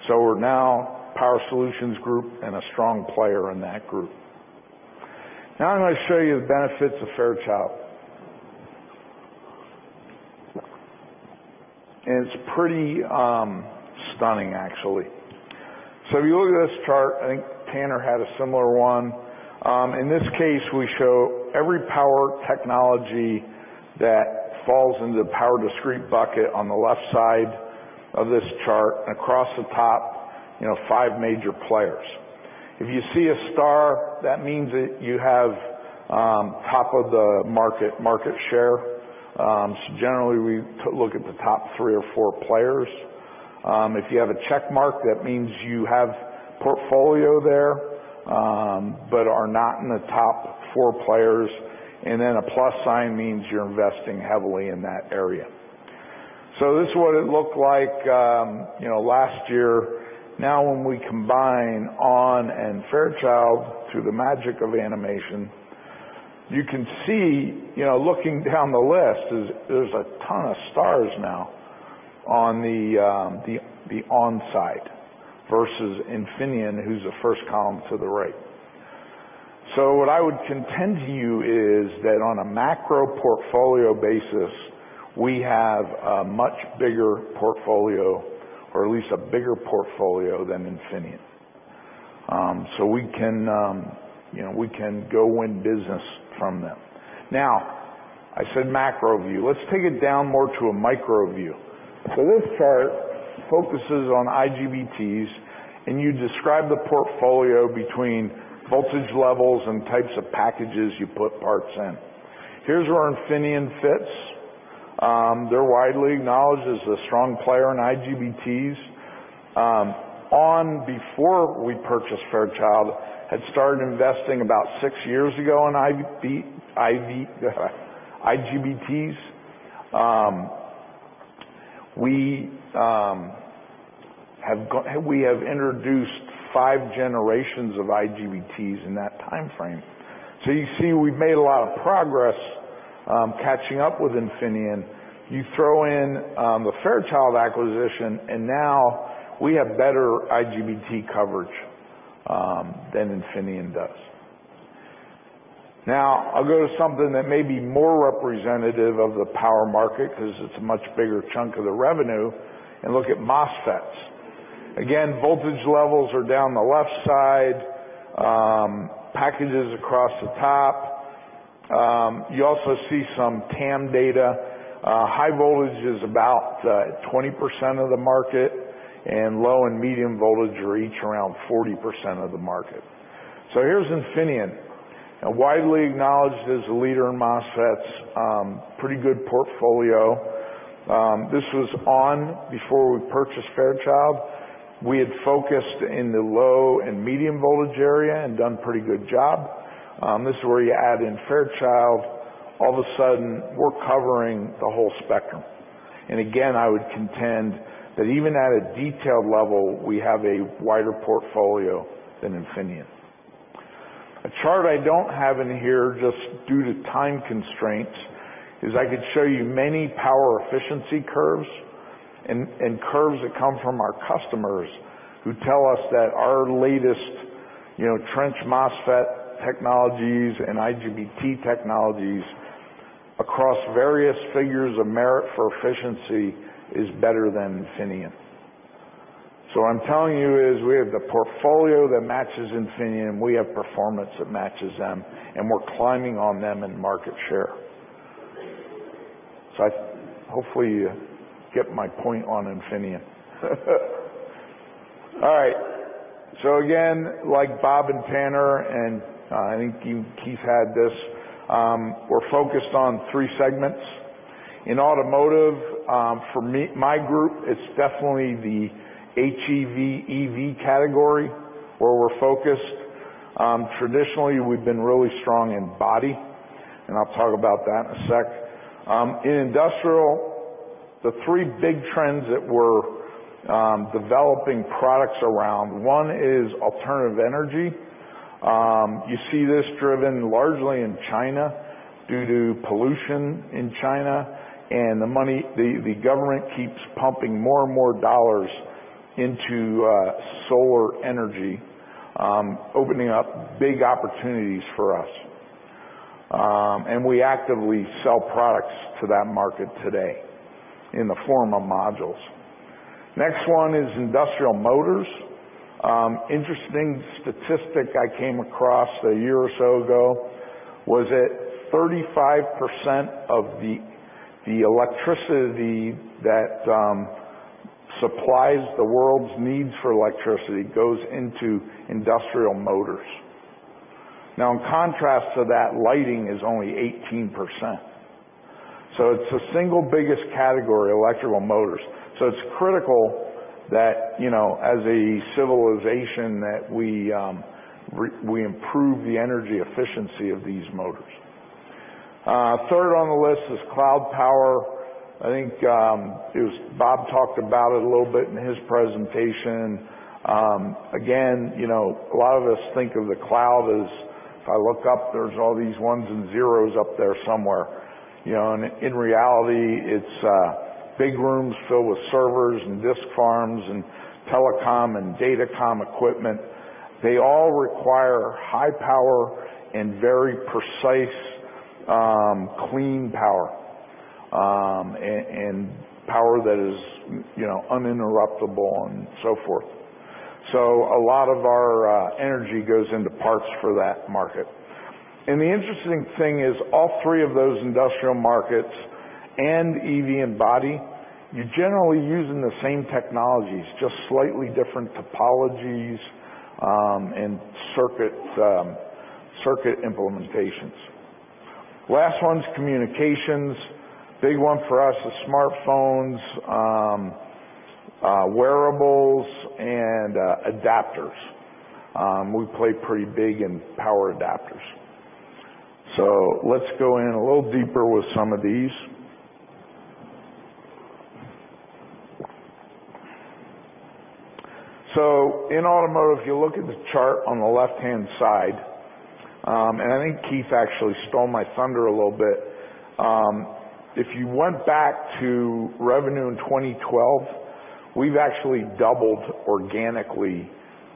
We are now Power Solutions Group and a strong player in that group. I am going to show you the benefits of Fairchild. It is pretty stunning, actually. If you look at this chart, I think Taner had a similar one. In this case, we show every power technology that falls into the power discrete bucket on the left side of this chart, and across the top, five major players. If you see a star, that means that you have top of the market share. Generally, we look at the top three or four players. If you have a check mark, that means you have portfolio there, but are not in the top four players, a plus sign means you are investing heavily in that area. This is what it looked like last year. When we combine ON and Fairchild through the magic of animation, you can see, looking down the list, there is a ton of stars now on the ON side versus Infineon, who is the first column to the right. What I would contend to you is that on a macro portfolio basis, we have a much bigger portfolio or at least a bigger portfolio than Infineon. We can go win business from them. I said macro view. Let us take it down more to a micro view. This chart focuses on IGBTs, you describe the portfolio between voltage levels and types of packages you put parts in. Here is where Infineon fits. They are widely acknowledged as a strong player in IGBTs. ON, before we purchased Fairchild, had started investing about six years ago in IGBTs. We have introduced five generations of IGBTs in that timeframe. You see we have made a lot of progress catching up with Infineon. You throw in the Fairchild acquisition, we now have better IGBT coverage than Infineon does. I will go to something that may be more representative of the power market, because it is a much bigger chunk of the revenue, look at MOSFETs. Again, voltage levels are down the left side, packages across the top. You also see some TAM data. High voltage is about 20% of the market, low and medium voltage are each around 40% of the market. Here's Infineon, widely acknowledged as a leader in MOSFETs. Pretty good portfolio. This was ON before we purchased Fairchild. We had focused in the low and medium voltage area and done a pretty good job. This is where you add in Fairchild. All of a sudden, we're covering the whole spectrum. Again, I would contend that even at a detailed level, we have a wider portfolio than Infineon. A chart I don't have in here, just due to time constraints, is I could show you many power efficiency curves and curves that come from our customers, who tell us that our latest trench MOSFET technologies and IGBT technologies across various figures of merit for efficiency is better than Infineon. What I'm telling you is we have the portfolio that matches Infineon, we have performance that matches them, and we're climbing on them in market share. Hopefully, you get my point on Infineon. All right. Again, like Bob and Tanner, I think Keith had this, we're focused on three segments. In automotive, for my group, it's definitely the HEV, EV category where we're focused. Traditionally, we've been really strong in body, I'll talk about that in a sec. In industrial, the three big trends that we're developing products around, one is alternative energy. You see this driven largely in China due to pollution in China, the government keeps pumping more and more dollars into solar energy, opening up big opportunities for us. We actively sell products to that market today in the form of modules. Next one is industrial motors. Interesting statistic I came across a year or so ago was that 35% of the electricity that supplies the world's needs for electricity goes into industrial motors. In contrast to that, lighting is only 18%. It's the single biggest category, electrical motors. It's critical that as a civilization, that we improve the energy efficiency of these motors. Third on the list is cloud power. I think Bob talked about it a little bit in his presentation. Again, a lot of us think of the cloud as, if I look up, there's all these ones and zeros up there somewhere. In reality, it's big rooms filled with servers and disk farms and telecom and datacom equipment. They all require high power and very precise, clean power, and power that is uninterruptible and so forth. A lot of our energy goes into parts for that market. The interesting thing is, all three of those industrial markets, EV and body, you're generally using the same technologies, just slightly different topologies, and circuit implementations. Last one's communications. Big one for us is smartphones, wearables, and adapters. We play pretty big in power adapters. Let's go in a little deeper with some of these. In automotive, if you look at the chart on the left-hand side, I think Keith actually stole my thunder a little bit. If you went back to revenue in 2012, we've actually doubled organically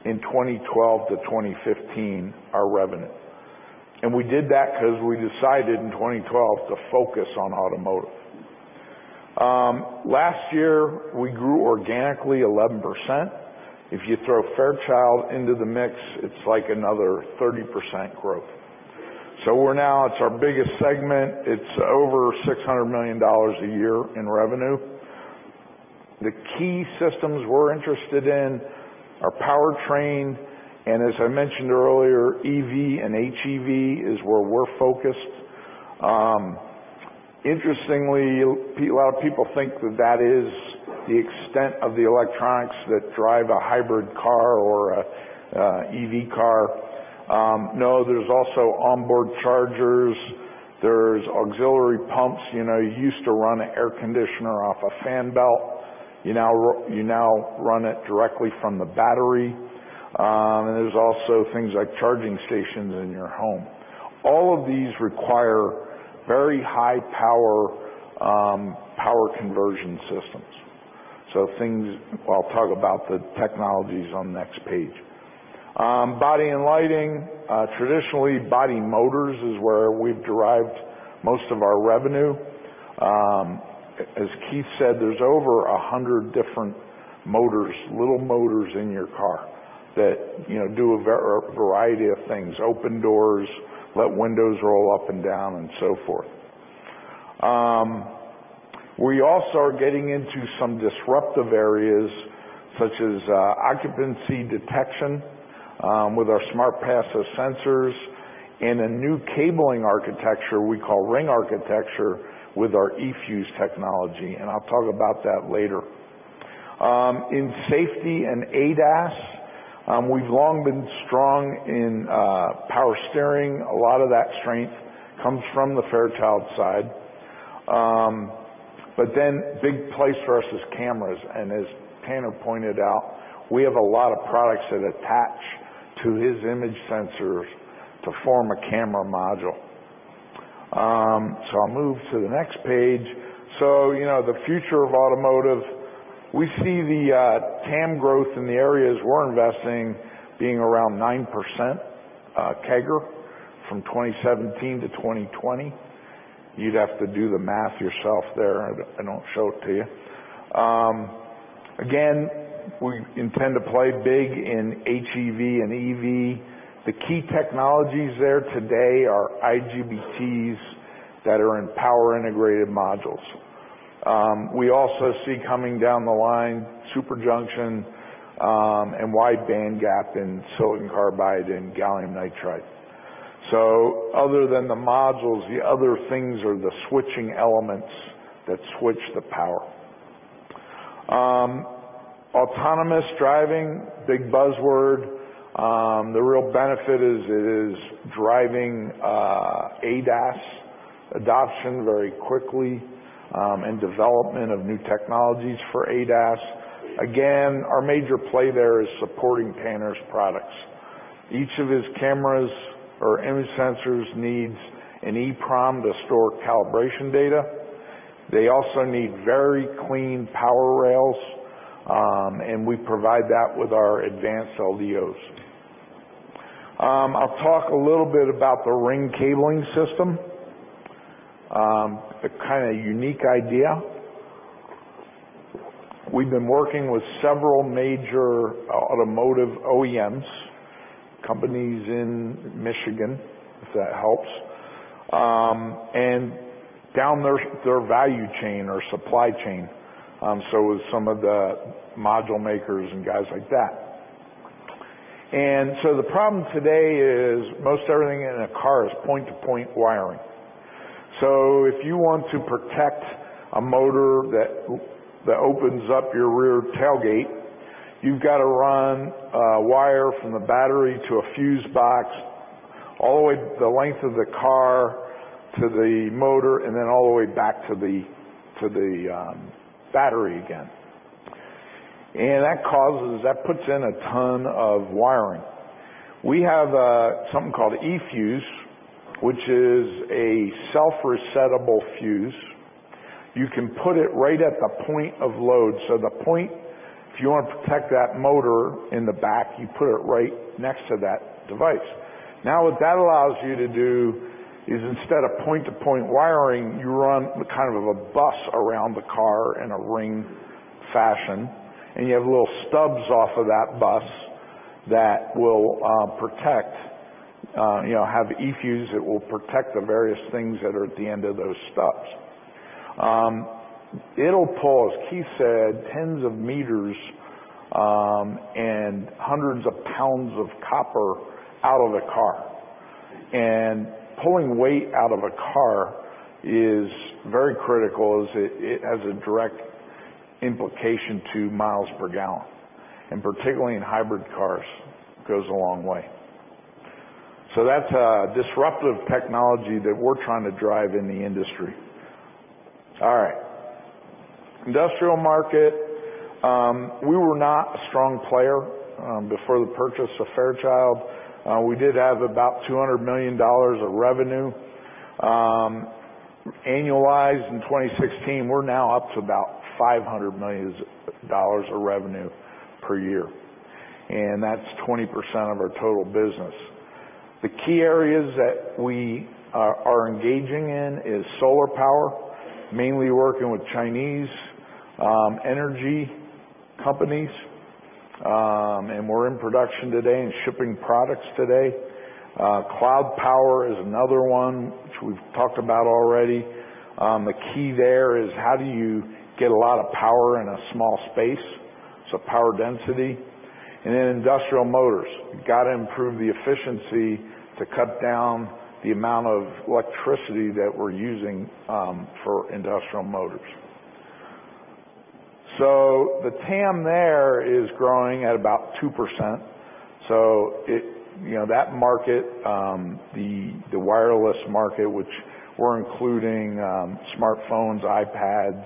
in 2012 to 2015, our revenue. We did that because we decided in 2012 to focus on automotive. Last year, we grew organically 11%. If you throw Fairchild into the mix, it's like another 30% growth. Now it's our biggest segment. It's over $600 million a year in revenue. The key systems we're interested in are powertrain. As I mentioned earlier, EV and HEV is where we're focused. Interestingly, a lot of people think that that is the extent of the electronics that drive a hybrid car or a EV car. No, there's also onboard chargers. There's auxiliary pumps. You used to run an air conditioner off a fan belt, you now run it directly from the battery. There's also things like charging stations in your home. All of these require very high power conversion systems. I'll talk about the technologies on the next page. Body and lighting. Traditionally, body motors is where we've derived most of our revenue. As Keith said, there's over 100 different little motors in your car that do a variety of things, open doors, let windows roll up and down, and so forth. We also are getting into some disruptive areas, such as occupancy detection with our Smart Passive Sensors, a new cabling architecture we call ring architecture with our eFuse technology. I'll talk about that later. In safety and ADAS, we've long been strong in power steering. A lot of that strength comes from the Fairchild side. Big place for us is cameras. As Taner pointed out, we have a lot of products that attach to his image sensors to form a camera module. I'll move to the next page. The future of automotive. We see the TAM growth in the areas we're investing being around 9% CAGR from 2017 to 2020. You'd have to do the math yourself there. I don't show it to you. Again, we intend to play big in HEV and EV. The key technologies there today are IGBTs that are in Power Integrated Modules. We also see coming down the line, super junction, wide bandgap, silicon carbide, and gallium nitride. Other than the modules, the other things are the switching elements that switch the power. Autonomous driving, big buzzword. The real benefit is it is driving ADAS adoption very quickly, and development of new technologies for ADAS. Again, our major play there is supporting Taner's products. Each of his cameras or image sensors needs an EEPROM to store calibration data. They also need very clean power rails, and we provide that with our advanced LDOs. I'll talk a little bit about the ring cabling system. A kind of unique idea. We've been working with several major automotive OEMs, companies in Michigan, if that helps. Down their value chain or supply chain. Some of the module makers and guys like that. The problem today is most everything in a car is point-to-point wiring. If you want to protect a motor that opens up your rear tailgate, you've got to run a wire from the battery to a fuse box all the way the length of the car to the motor, and then all the way back to the battery again. That puts in a ton of wiring. We have something called eFuse, which is a self-resettable fuse. You can put it right at the point of load. The point, if you want to protect that motor in the back, you put it right next to that device. Now, what that allows you to do is, instead of point-to-point wiring, you run kind of a bus around the car in a ring fashion, and you have little stubs off of that bus that will protect, have eFuse that will protect the various things that are at the end of those stubs. It'll pull, as Keith said, tens of meters, and hundreds of pounds of copper out of the car. Pulling weight out of a car is very critical, as it has a direct implication to miles per gallon, and particularly in hybrid cars, goes a long way. That's a disruptive technology that we're trying to drive in the industry. All right. Industrial market. We were not a strong player before the purchase of Fairchild. We did have about $200 million of revenue. Annualized in 2016, we're now up to about $500 million of revenue per year, and that's 20% of our total business. The key areas that we are engaging in is solar power, mainly working with Chinese energy companies. We're in production today and shipping products today. Cloud power is another one, which we've talked about already. The key there is how do you get a lot of power in a small space? Power density. Then industrial motors. Got to improve the efficiency to cut down the amount of electricity that we're using for industrial motors. The TAM there is growing at about 2%. That market, the wireless market, which we're including smartphones, iPads,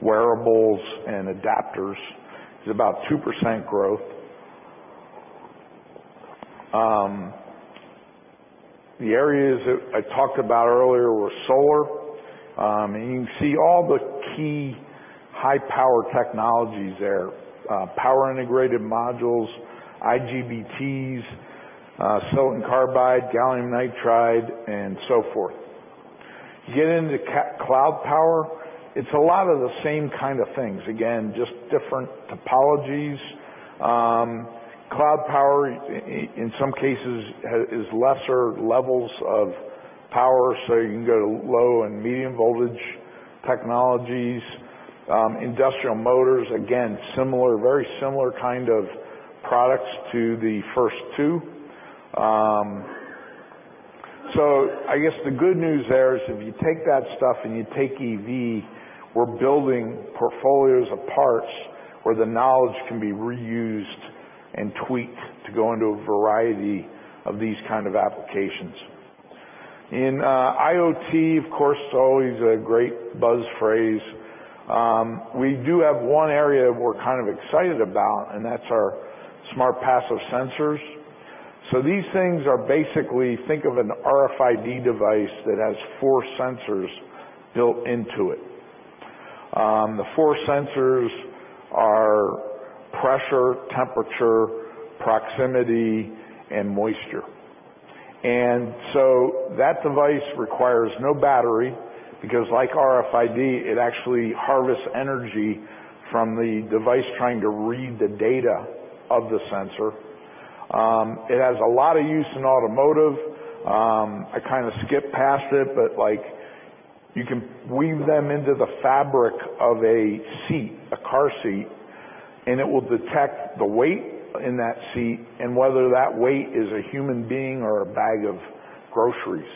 wearables, and adapters, is about 2% growth. The areas that I talked about earlier were solar. You can see all the key high-power technologies there. Power Integrated Modules, IGBTs, silicon carbide, gallium nitride, and so forth. You get into cloud power, it's a lot of the same kind of things. Again, just different topologies. Cloud power, in some cases, is lesser levels of power, so you can go to low and medium voltage technologies. Industrial motors, again, very similar kind of products to the first two. I guess the good news there is if you take that stuff and you take EV, we're building portfolios of parts where the knowledge can be reused and tweaked to go into a variety of these kind of applications. In IoT, of course, it's always a great buzz phrase. We do have one area we're kind of excited about, and that's our Smart Passive Sensors. These things are basically, think of an RFID device that has four sensors built into it. The four sensors are pressure, temperature, proximity, and moisture. That device requires no battery because, like RFID, it actually harvests energy from the device trying to read the data of the sensor. It has a lot of use in automotive. I kind of skipped past it, but like You can weave them into the fabric of a seat, a car seat, and it will detect the weight in that seat and whether that weight is a human being or a bag of groceries.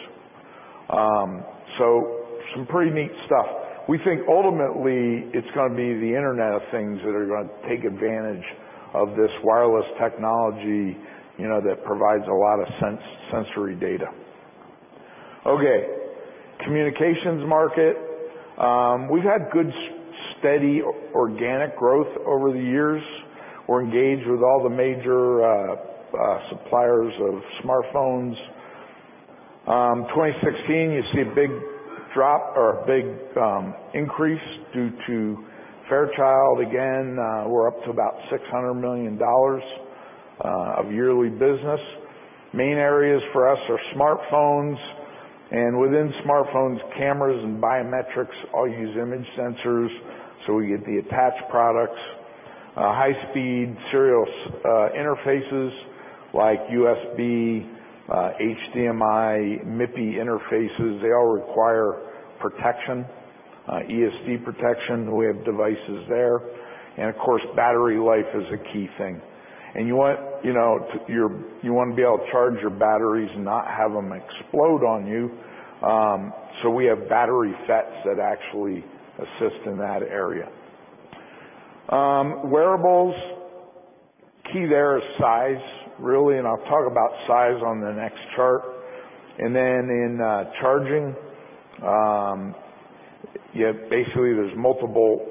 Some pretty neat stuff. We think ultimately it's going to be the Internet of Things that are going to take advantage of this wireless technology that provides a lot of sensory data. Okay. Communications market. We've had good, steady, organic growth over the years. We're engaged with all the major suppliers of smartphones. 2016, you see a big drop or a big increase due to Fairchild. Again, we're up to about $600 million of yearly business. Main areas for us are smartphones, and within smartphones, cameras, and biometrics all use image sensors, so we get the attached products. High-speed serial interfaces like USB, HDMI, MIPI interfaces, they all require protection, ESD protection. We have devices there. Of course, battery life is a key thing. You want to be able to charge your batteries and not have them explode on you. So we have battery FETs that actually assist in that area. Wearables. Key there is size, really, and I'll talk about size on the next chart. Then in charging, basically there's multiple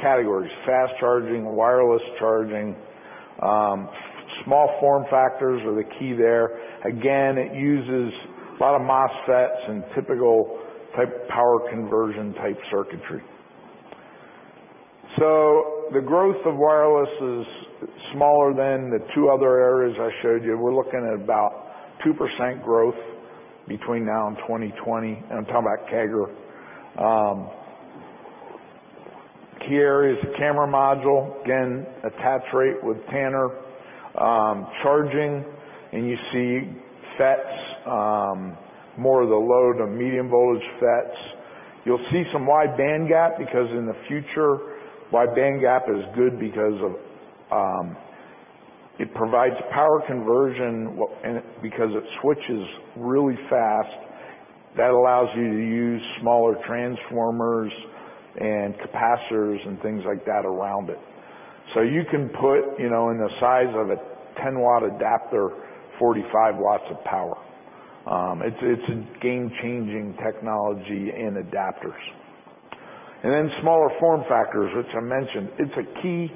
categories. Fast charging, wireless charging. Small form factors are the key there. Again, it uses a lot of MOSFETs and typical type power conversion type circuitry. The growth of wireless is smaller than the two other areas I showed you. We're looking at about 2% growth between now and 2020, and I'm talking about CAGR. Key area is the camera module. Again, attach rate with Taner. Charging, you see FETs, more of the low to medium voltage FETs. You'll see some wide bandgap because in the future wide bandgap is good because it provides power conversion. Because it switches really fast, that allows you to use smaller transformers and capacitors and things like that around it. You can put in the size of a 10-watt adapter, 45 watts of power. It's a game-changing technology in adapters. Then smaller form factors, which I mentioned. It's a key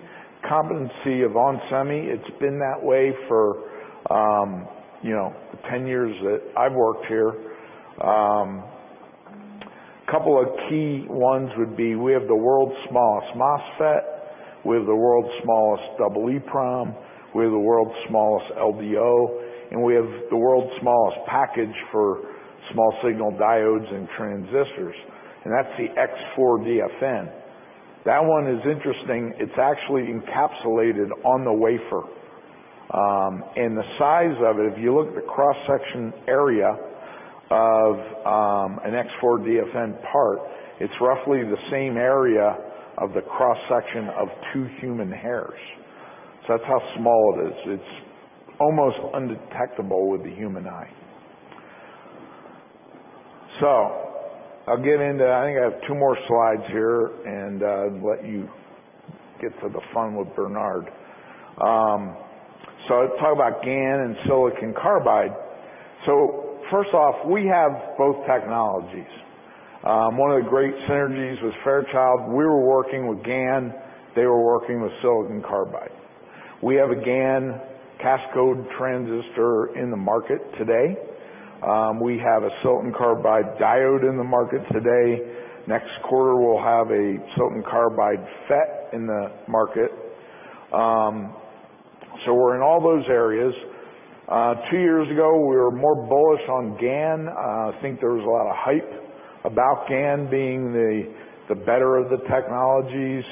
competency of onsemi. It's been that way for the 10 years that I've worked here. Couple of key ones would be we have the world's smallest MOSFET, we have the world's smallest double EEPROM, we have the world's smallest LDO, and we have the world's smallest package for small signal diodes and transistors, and that's the X4DFN. That one is interesting. It's actually encapsulated on the wafer. The size of it, if you look at the cross-section area of an X4DFN part, it's roughly the same area of the cross-section of two human hairs. That's how small it is. It's almost undetectable with the human eye. I'll get into I think I have two more slides here, and let you get to the fun with Bernard. Let's talk about GaN and silicon carbide. First off, we have both technologies. One of the great synergies with Fairchild, we were working with GaN, they were working with silicon carbide. We have a GaN Cascode transistor in the market today. We have a silicon carbide diode in the market today. Next quarter, we'll have a silicon carbide FET in the market. We're in all those areas. Two years ago, we were more bullish on GaN. I think there was a lot of hype about GaN being the better of the technologies.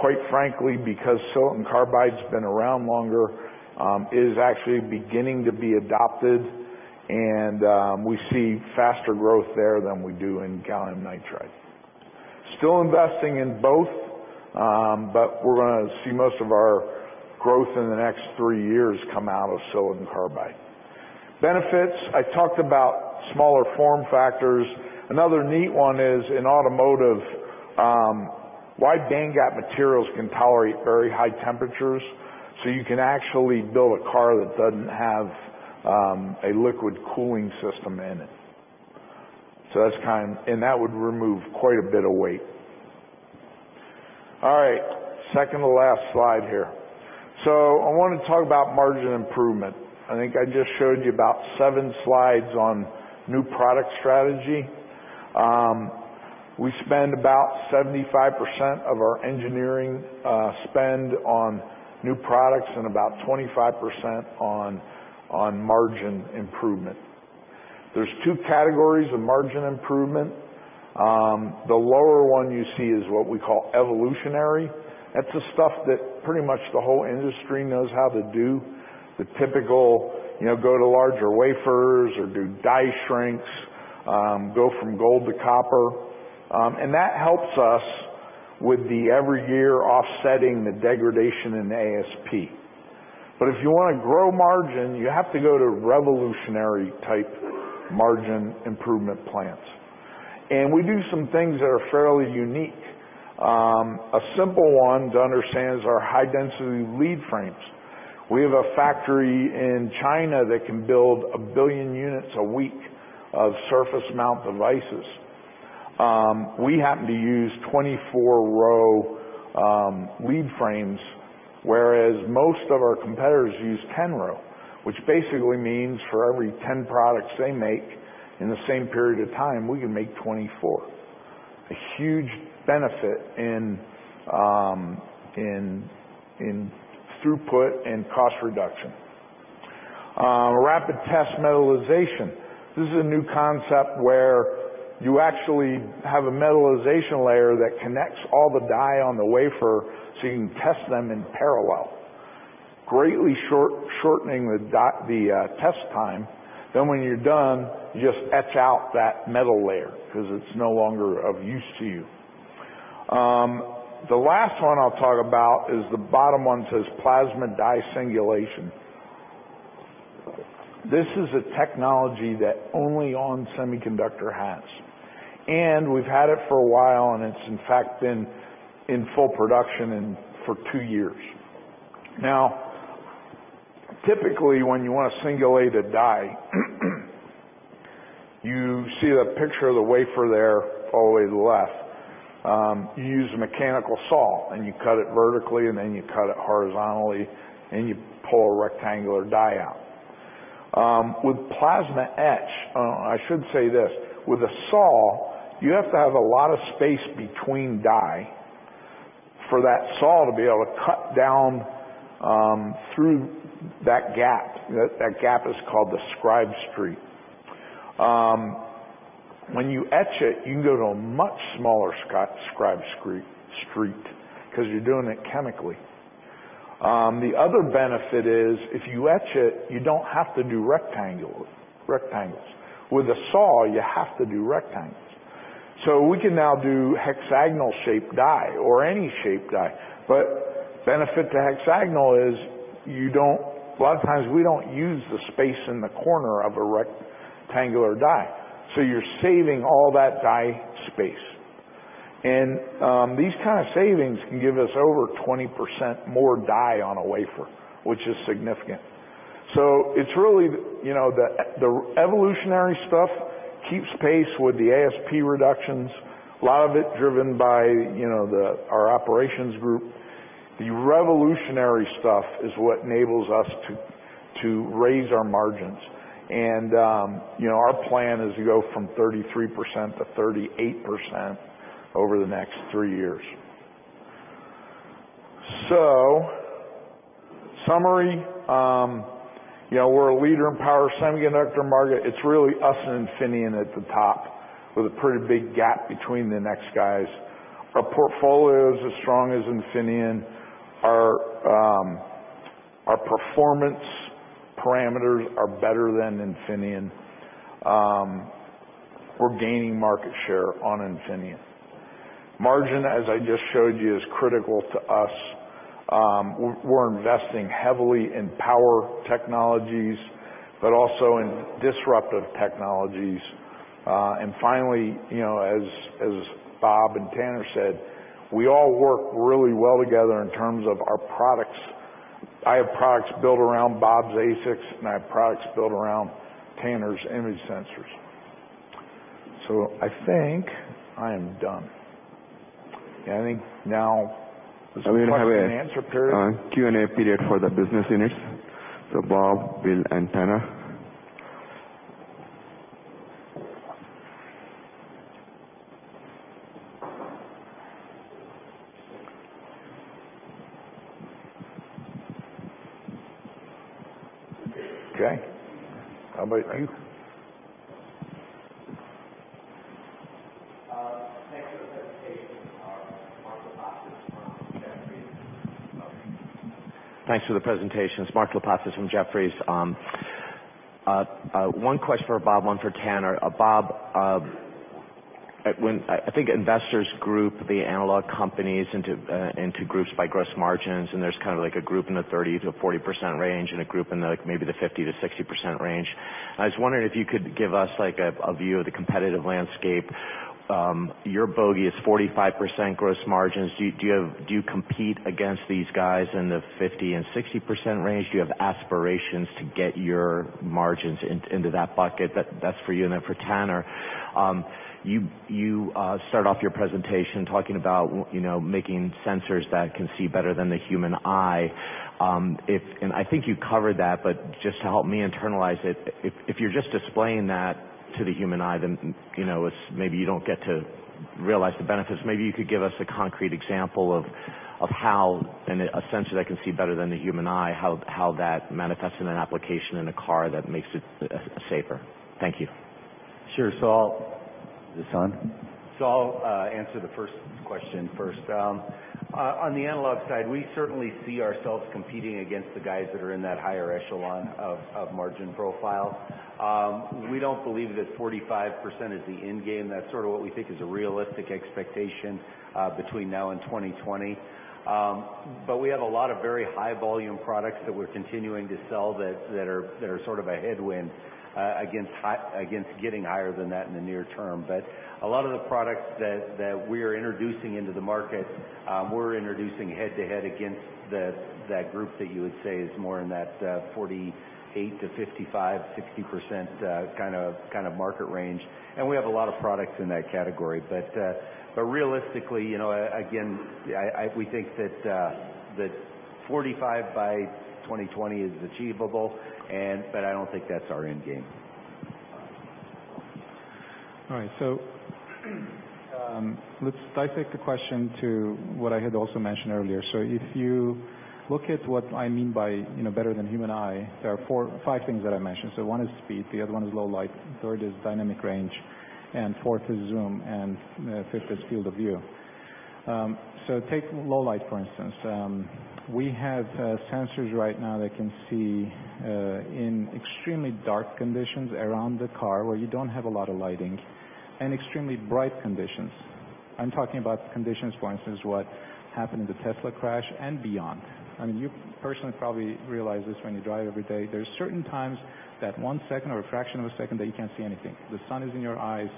Quite frankly, because silicon carbide's been around longer, it is actually beginning to be adopted, and we see faster growth there than we do in gallium nitride. Still investing in both, but we're gonna see most of our growth in the next three years come out of silicon carbide. Benefits. I talked about smaller form factors. Another neat one is in automotive, wide bandgap materials can tolerate very high temperatures, you can actually build a car that doesn't have a liquid cooling system in it. That would remove quite a bit of weight. All right. Second to last slide here. I want to talk about margin improvement. I think I just showed you about seven slides on new product strategy. We spend about 75% of our engineering spend on new products and about 25% on margin improvement. There's 2 categories of margin improvement. The lower one you see is what we call evolutionary. That's the stuff that pretty much the whole industry knows how to do. The typical go to larger wafers or do die shrinks, go from gold to copper. That helps us with the every year offsetting the degradation in ASP. If you want to grow margin, you have to go to revolutionary type margin improvement plans. We do some things that are fairly unique. A simple one to understand is our high-density lead frames. We have a factory in China that can build a billion units a week of surface mount devices. We happen to use 24-row lead frames, whereas most of our competitors use 10-row, which basically means for every 10 products they make in the same period of time, we can make 24. A huge benefit in throughput and cost reduction. Rapid test metallization. This is a new concept where you actually have a metallization layer that connects all the die on the wafer so you can test them in parallel, greatly shortening the test time. When you're done, you just etch out that metal layer because it's no longer of use to you. The last one I'll talk about is the bottom one, it says plasma die singulation. This is a technology that only ON Semiconductor has, we've had it for a while, it's in fact been in full production for two years. Typically, when you want to singulate a die, you see that picture of the wafer there all the way to the left. You use a mechanical saw, you cut it vertically, you cut it horizontally, you pull a rectangular die out. I should say this. With a saw, you have to have a lot of space between die for that saw to be able to cut down through that gap. That gap is called the scribe street. When you etch it, you can go to a much smaller scribe street because you're doing it chemically. The other benefit is if you etch it, you don't have to do rectangles. With a saw, you have to do rectangles. We can now do hexagonal shaped die or any shaped die. Benefit to hexagonal is a lot of times we don't use the space in the corner of a rectangular die. You're saving all that die space. These kind of savings can give us over 20% more die on a wafer, which is significant. It's really the evolutionary stuff keeps pace with the ASP reductions. A lot of it driven by our operations group. The revolutionary stuff is what enables us to raise our margins. Our plan is to go from 33%-38% over the next three years. Summary, we're a leader in power semiconductor market. It's really us and Infineon at the top with a pretty big gap between the next guys. Our portfolio is as strong as Infineon. Our performance parameters are better than Infineon. We're gaining market share on Infineon. Margin, as I just showed you, is critical to us. We're investing heavily in power technologies, but also in disruptive technologies. Finally, as Bob and Tanner said, we all work really well together in terms of our products. I have products built around Bob's ASICs, and I have products built around Tanner's image sensors. I think I am done. I think now there's a question and answer period. We have a Q&A period for the business units. Bob, Bill, and Tanner. Okay. How about you? Thanks for the presentations. Mark Lipacis from Jefferies. One question for Bob, one for Tanner. Bob, I think investors group the analog companies into groups by gross margins, and there's kind of like a group in the 30%-40% range and a group in the maybe the 50%-60% range. I was wondering if you could give us a view of the competitive landscape. Your bogey is 45% gross margins. Do you compete against these guys in the 50% and 60% range? Do you have aspirations to get your margins into that bucket? That's for you. Then for Tanner, you start off your presentation talking about making sensors that can see better than the human eye. I think you covered that, but just to help me internalize it, if you're just displaying that to the human eye, then maybe you don't get to realize the benefits. Maybe you could give us a concrete example of how a sensor that can see better than the human eye, how that manifests in an application in a car that makes it safer. Thank you. Sure. I'll Is this on? I'll answer the first question first. On the analog side, we certainly see ourselves competing against the guys that are in that higher echelon of margin profile. We don't believe that 45% is the end game. That's sort of what we think is a realistic expectation between now and 2020. We have a lot of very high volume products that we're continuing to sell that are sort of a headwind against getting higher than that in the near term. A lot of the products that we're introducing into the market, we're introducing head-to-head against that group that you would say is more in that 48% to 55%, 60% kind of market range. We have a lot of products in that category. Realistically, again, we think that 45 by 2020 is achievable, but I don't think that's our end game. All right. Let's dissect the question to what I had also mentioned earlier. If you look at what I mean by better than human eye, there are five things that I mentioned. One is speed, the other one is low light, third is dynamic range, and fourth is zoom, and fifth is field of view. Take low light, for instance. We have sensors right now that can see in extremely dark conditions around the car, where you don't have a lot of lighting, and extremely bright conditions. I'm talking about conditions, for instance, what happened in the Tesla crash and beyond. You personally probably realize this when you drive every day. There's certain times that one second or a fraction of a second that you can't see anything. The sun is in your eyes,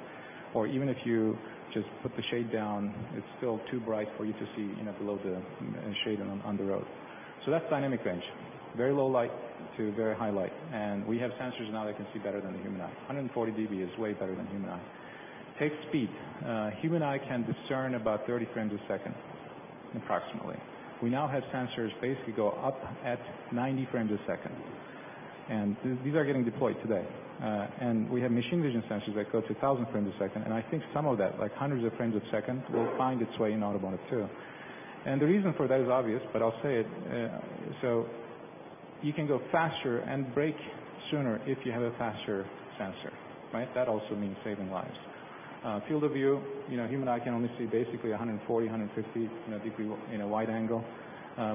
or even if you just put the shade down, it's still too bright for you to see below the shade and on the road. That's dynamic range. Very low light to very high light. We have sensors now that can see better than the human eye. 140 DB is way better than human eye. Take speed. A human eye can discern about 30 frames a second, approximately. We now have sensors basically go up at 90 frames a second, these are getting deployed today. We have machine vision sensors that go up to 1,000 frames a second. I think some of that, like hundreds of frames a second, will find its way in automotive too. The reason for that is obvious, but I'll say it. You can go faster and brake sooner if you have a faster sensor, right? That also means saving lives. Field of view, a human eye can only see basically 140, 150 in a wide angle.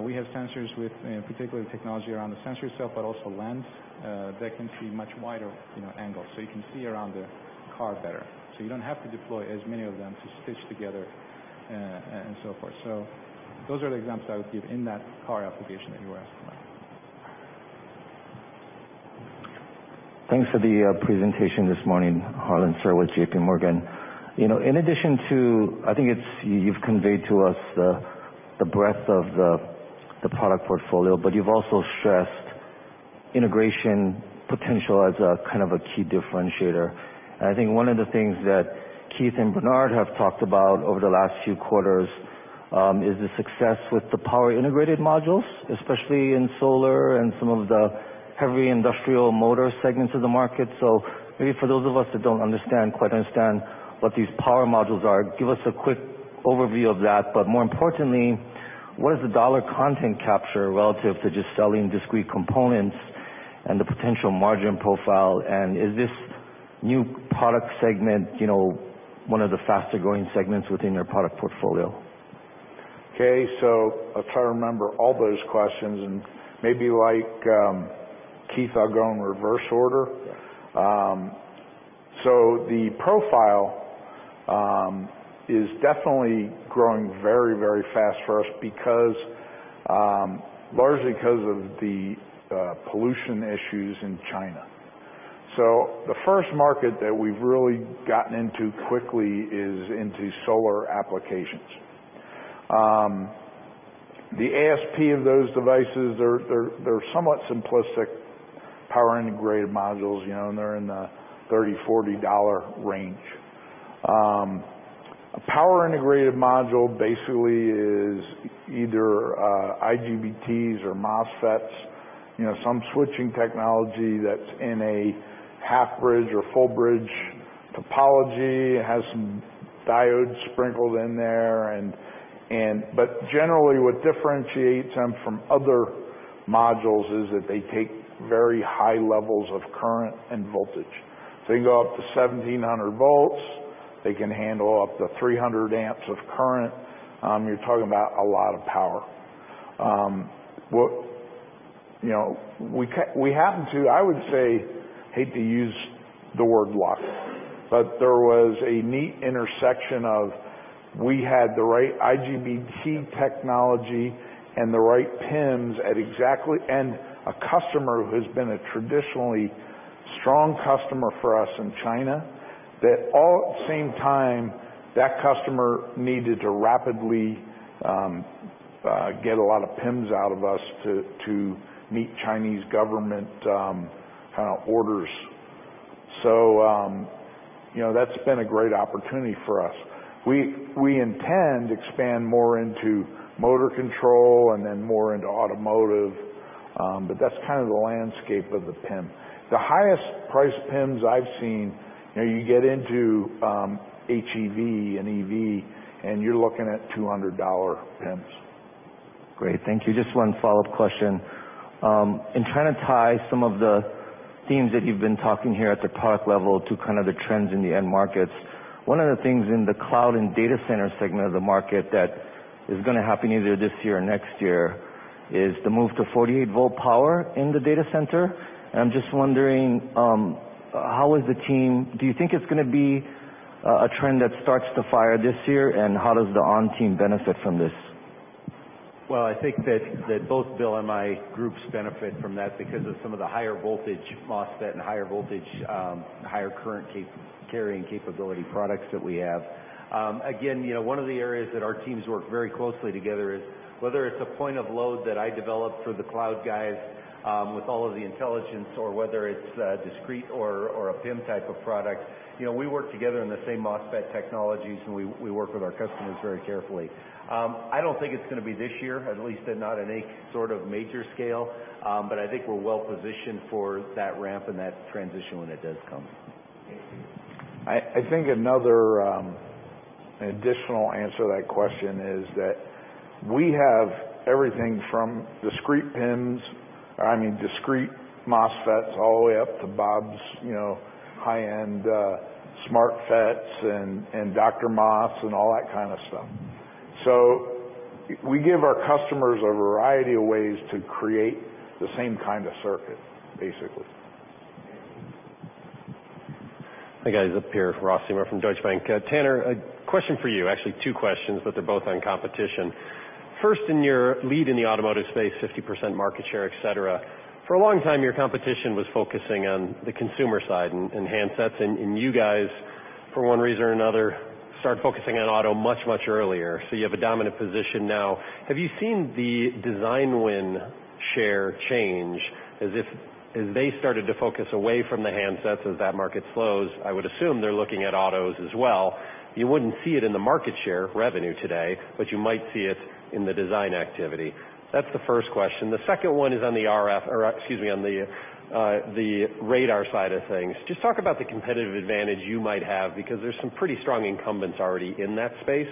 We have sensors with particular technology around the sensor itself, but also lens, that can see much wider angles. You can see around the car better. You don't have to deploy as many of them to stitch together, and so forth. Those are the examples I would give in that car application that you were asking about. Thanks for the presentation this morning. Harlan Sur, J.P. Morgan. In addition to, I think you've conveyed to us the breadth of the product portfolio, but you've also stressed integration potential as a kind of a key differentiator. I think one of the things that Keith and Bernard have talked about over the last few quarters, is the success with the Power Integrated Modules, especially in solar and some of the heavy industrial motor segments of the market. Maybe for those of us that don't quite understand what these power modules are, give us a quick overview of that. More importantly, what is the dollar content capture relative to just selling discrete components and the potential margin profile? Is this new product segment one of the faster-growing segments within your product portfolio? Okay. I'll try to remember all those questions and maybe like Keith, I'll go in reverse order. Yeah. The profile, is definitely growing very, very fast for us largely because of the pollution issues in China. The first market that we've really gotten into quickly is into solar applications. The ASP of those devices, they're somewhat simplistic Power Integrated Modules, and they're in the $30, $40 range. A Power Integrated Module basically is either IGBTs or MOSFETs, some switching technology that's in a half bridge or full bridge topology, has some diodes sprinkled in there. Generally, what differentiates them from other modules is that they take very high levels of current and voltage. They can go up to 1,700 volts. They can handle up to 300 amps of current. You're talking about a lot of power. We happen to, I would say, hate to use the word luck, but there was a neat intersection of, we had the right IGBT technology and the right PIMs at exactly. A customer who has been a traditionally strong customer for us in China, that all at the same time, that customer needed to rapidly get a lot of PIMs out of us to meet Chinese government orders. That's been a great opportunity for us. We intend to expand more into motor control and then more into automotive. That's kind of the landscape of the PIM. The highest priced PIMs I've seen, you get into HEV and EV, and you're looking at $200 PIMs. Great. Thank you. Just one follow-up question. In trying to tie some of the themes that you've been talking here at the product level to the trends in the end markets, one of the things in the cloud and data center segment of the market that is going to happen either this year or next year is the move to 48-volt power in the data center. I'm just wondering, do you think it's going to be a trend that starts to fire this year, and how does the ON team benefit from this? Well, I think that both Bill and my groups benefit from that because of some of the higher voltage MOSFET and higher voltage, higher current carrying capability products that we have. Again, one of the areas that our teams work very closely together is whether it's a point of load that I develop for the cloud guys with all of the intelligence, or whether it's a discrete or a PIM type of product. We work together on the same MOSFET technologies, and we work with our customers very carefully. I don't think it's going to be this year, at least not on any sort of major scale. I think we're well positioned for that ramp and that transition when it does come. Thank you. I think another additional answer to that question is that we have everything from discrete PIMs, I mean, discrete MOSFETs, all the way up to Bob's high-end SmartFETs and DrMOS and all that kind of stuff. We give our customers a variety of ways to create the same kind of circuit, basically. Thank you. Hi, guys, up here, Ross Seymore from Deutsche Bank. Taner, a question for you. Actually, two questions, but they're both on competition. First, in your lead in the automotive space, 50% market share, et cetera, for a long time, your competition was focusing on the consumer side and handsets, and you guys, for one reason or another, started focusing on auto much, much earlier. You have a dominant position now. Have you seen the design win share change as they started to focus away from the handsets as that market slows? I would assume they're looking at autos as well. You wouldn't see it in the market share revenue today, but you might see it in the design activity. That's the first question. The second one is on the RF, or excuse me, on the radar side of things. Just talk about the competitive advantage you might have, because there's some pretty strong incumbents already in that space.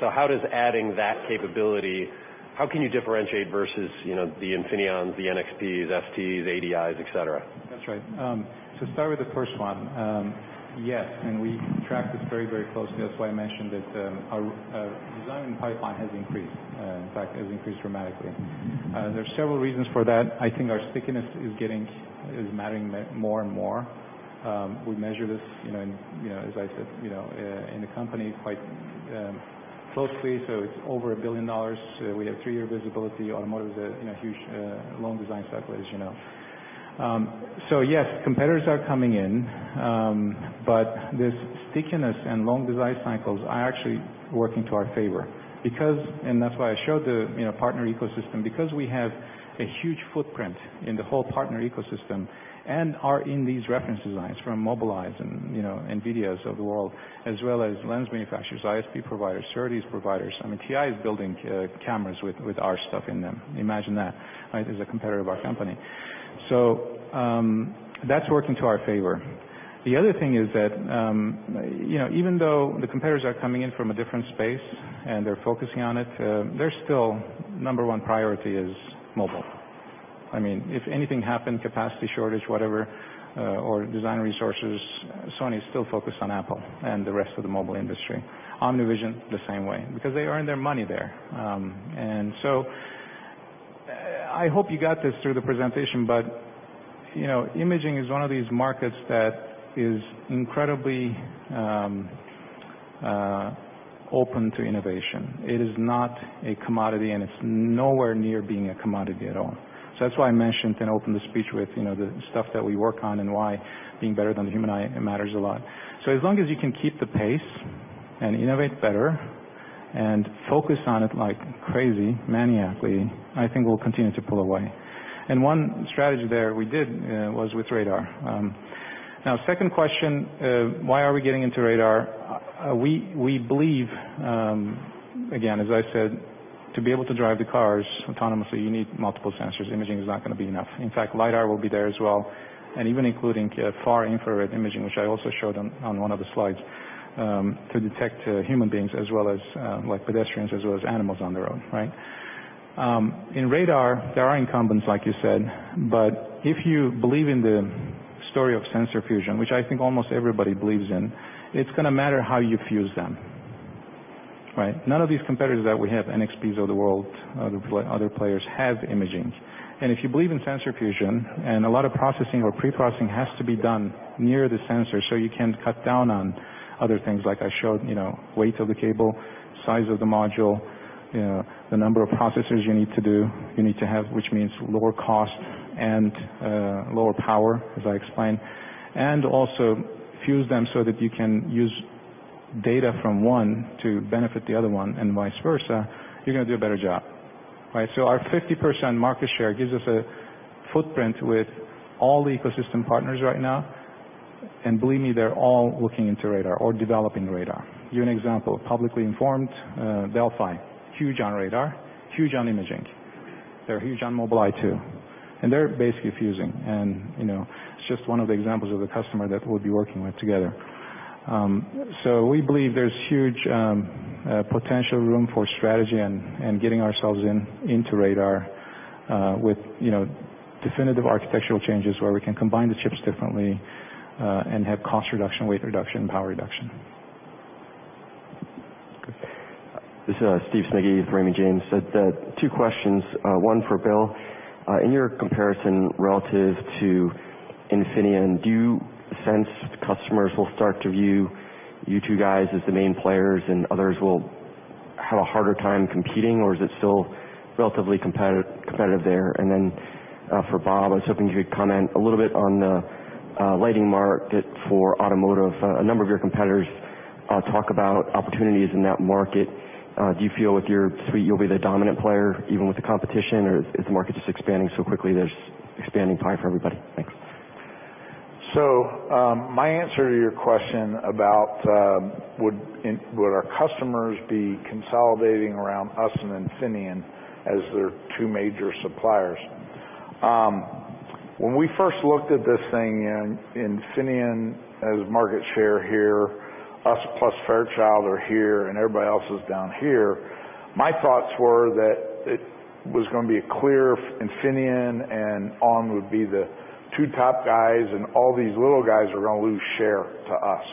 How does adding that capability, how can you differentiate versus the Infineons, the NXPs, STs, ADIs, et cetera? That's right. To start with the first one, yes. We track this very, very closely. That's why I mentioned that our design win pipeline has increased. In fact, it has increased dramatically. There's several reasons for that. I think our stickiness is mattering more and more. We measure this, as I said, in the company quite closely. It's over $1 billion. We have three-year visibility. Automotive is a huge, long design cycle, as you know. Yes, competitors are coming in, but this stickiness and long design cycles are actually working to our favor. That's why I showed the partner ecosystem, because we have a huge footprint in the whole partner ecosystem and are in these reference designs from Mobileye and NVIDIAs of the world, as well as lens manufacturers, ISP providers, SerDes providers. I mean, TI is building cameras with our stuff in them. Imagine that as a competitor of our company. That's working to our favor. The other thing is that even though the competitors are coming in from a different space and they're focusing on it, their still number one priority is mobile. If anything happened, capacity shortage, whatever, or design resources, Sony is still focused on Apple and the rest of the mobile industry. OmniVision, the same way, because they earn their money there. I hope you got this through the presentation, but imaging is one of these markets that is incredibly open to innovation. It is not a commodity, and it's nowhere near being a commodity at all. That's why I mentioned and opened the speech with the stuff that we work on and why being better than the human eye matters a lot. As long as you can keep the pace and innovate better and focus on it like crazy, maniacally, I think we'll continue to pull away. One strategy there we did was with radar. Now, second question, why are we getting into radar? We believe, again, as I said, to be able to drive the cars autonomously, you need multiple sensors. Imaging is not going to be enough. In fact, LiDAR will be there as well, and even including far infrared imaging, which I also showed on one of the slides, to detect human beings like pedestrians, as well as animals on the road, right? In radar, there are incumbents, like you said, but if you believe in the story of sensor fusion, which I think almost everybody believes in, it's going to matter how you fuse them. None of these competitors that we have, NXPs of the world, other players have imaging. If you believe in sensor fusion and a lot of processing or pre-processing has to be done near the sensor so you can cut down on other things like I showed, weight of the cable, size of the module, the number of processors you need to have, which means lower cost and lower power, as I explained, and also fuse them so that you can use data from one to benefit the other one and vice versa, you're going to do a better job, right? Our 50% market share gives us a footprint with all the ecosystem partners right now, and believe me, they're all looking into radar or developing radar. Give you an example, publicly informed Delphi, huge on radar, huge on imaging. They're huge on Mobileye too, and they're basically fusing. It's just one of the examples of a customer that we'll be working with together. We believe there's huge potential room for strategy and getting ourselves into radar with definitive architectural changes where we can combine the chips differently and have cost reduction, weight reduction, power reduction. This is Steve Smigie, Raymond James. Two questions, one for Bill. In your comparison relative to Infineon, do you sense customers will start to view you two guys as the main players and others will have a harder time competing, or is it still relatively competitive there? Then for Bob, I was hoping you could comment a little bit on the lighting market for automotive. A number of your competitors talk about opportunities in that market. Do you feel with your suite, you'll be the dominant player even with the competition, or is the market just expanding so quickly there's expanding pie for everybody? Thanks. My answer to your question about would our customers be consolidating around us and Infineon as their two major suppliers. When we first looked at this thing, Infineon as market share here, us plus Fairchild are here, and everybody else is down here. My thoughts were that it was going to be a clear Infineon and ON would be the two top guys, and all these little guys were going to lose share to us.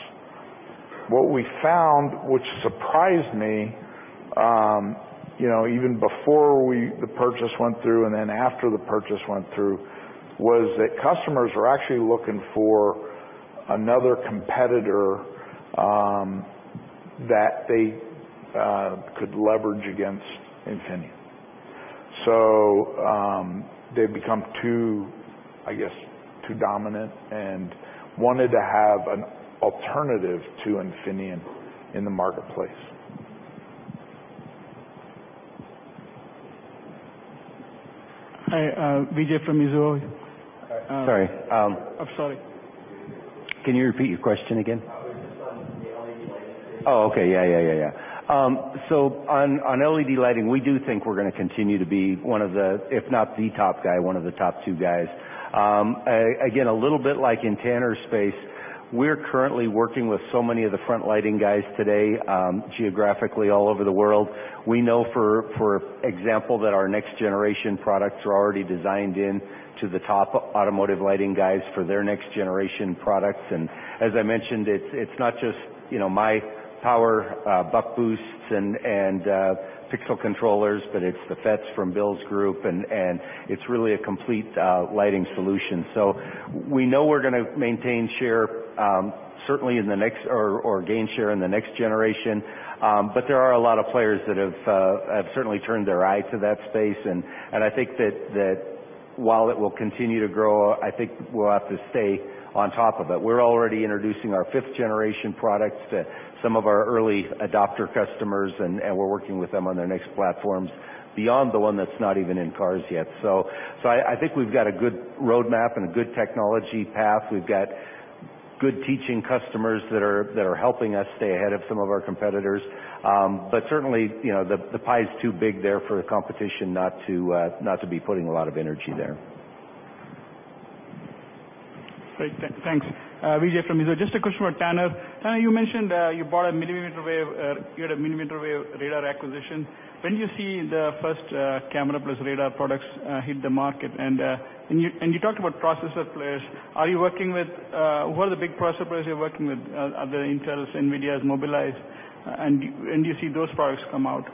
What we found, which surprised me, even before the purchase went through and then after the purchase went through, was that customers are actually looking for another competitor that they could leverage against Infineon. They've become, I guess, too dominant and wanted to have an alternative to Infineon in the marketplace. Hi, Vijay from Mizuho. Sorry. I'm sorry. Can you repeat your question again? It was just on the LED lighting space. Oh, okay. Yeah. On LED lighting, we do think we're going to continue to be, if not the top guy, one of the top two guys. Again, a little bit like in Tanner's space. We're currently working with so many of the front lighting guys today, geographically all over the world. We know, for example, that our next generation products are already designed in to the top automotive lighting guys for their next generation products. As I mentioned, it's not just my power buck boosts and pixel controllers, but it's the FETs from Bill's group, and it's really a complete lighting solution. We know we're going to maintain share, certainly, or gain share in the next generation. There are a lot of players that have certainly turned their eye to that space, and I think that while it will continue to grow, I think we'll have to stay on top of it. We're already introducing our fifth-generation products to some of our early adopter customers, and we're working with them on their next platforms beyond the one that's not even in cars yet. I think we've got a good roadmap and a good technology path. We've got good teaching customers that are helping us stay ahead of some of our competitors. Certainly, the pie is too big there for the competition not to be putting a lot of energy there. Great. Thanks. Vijay from Mizuho. Just a question for Taner. Taner, you mentioned you had a millimeter wave radar acquisition. When do you see the first camera plus radar products hit the market? You talked about processor players. Who are the big processor players you're working with? Are there Intel, NVIDIA, Mobileye, and when do you see those products come out?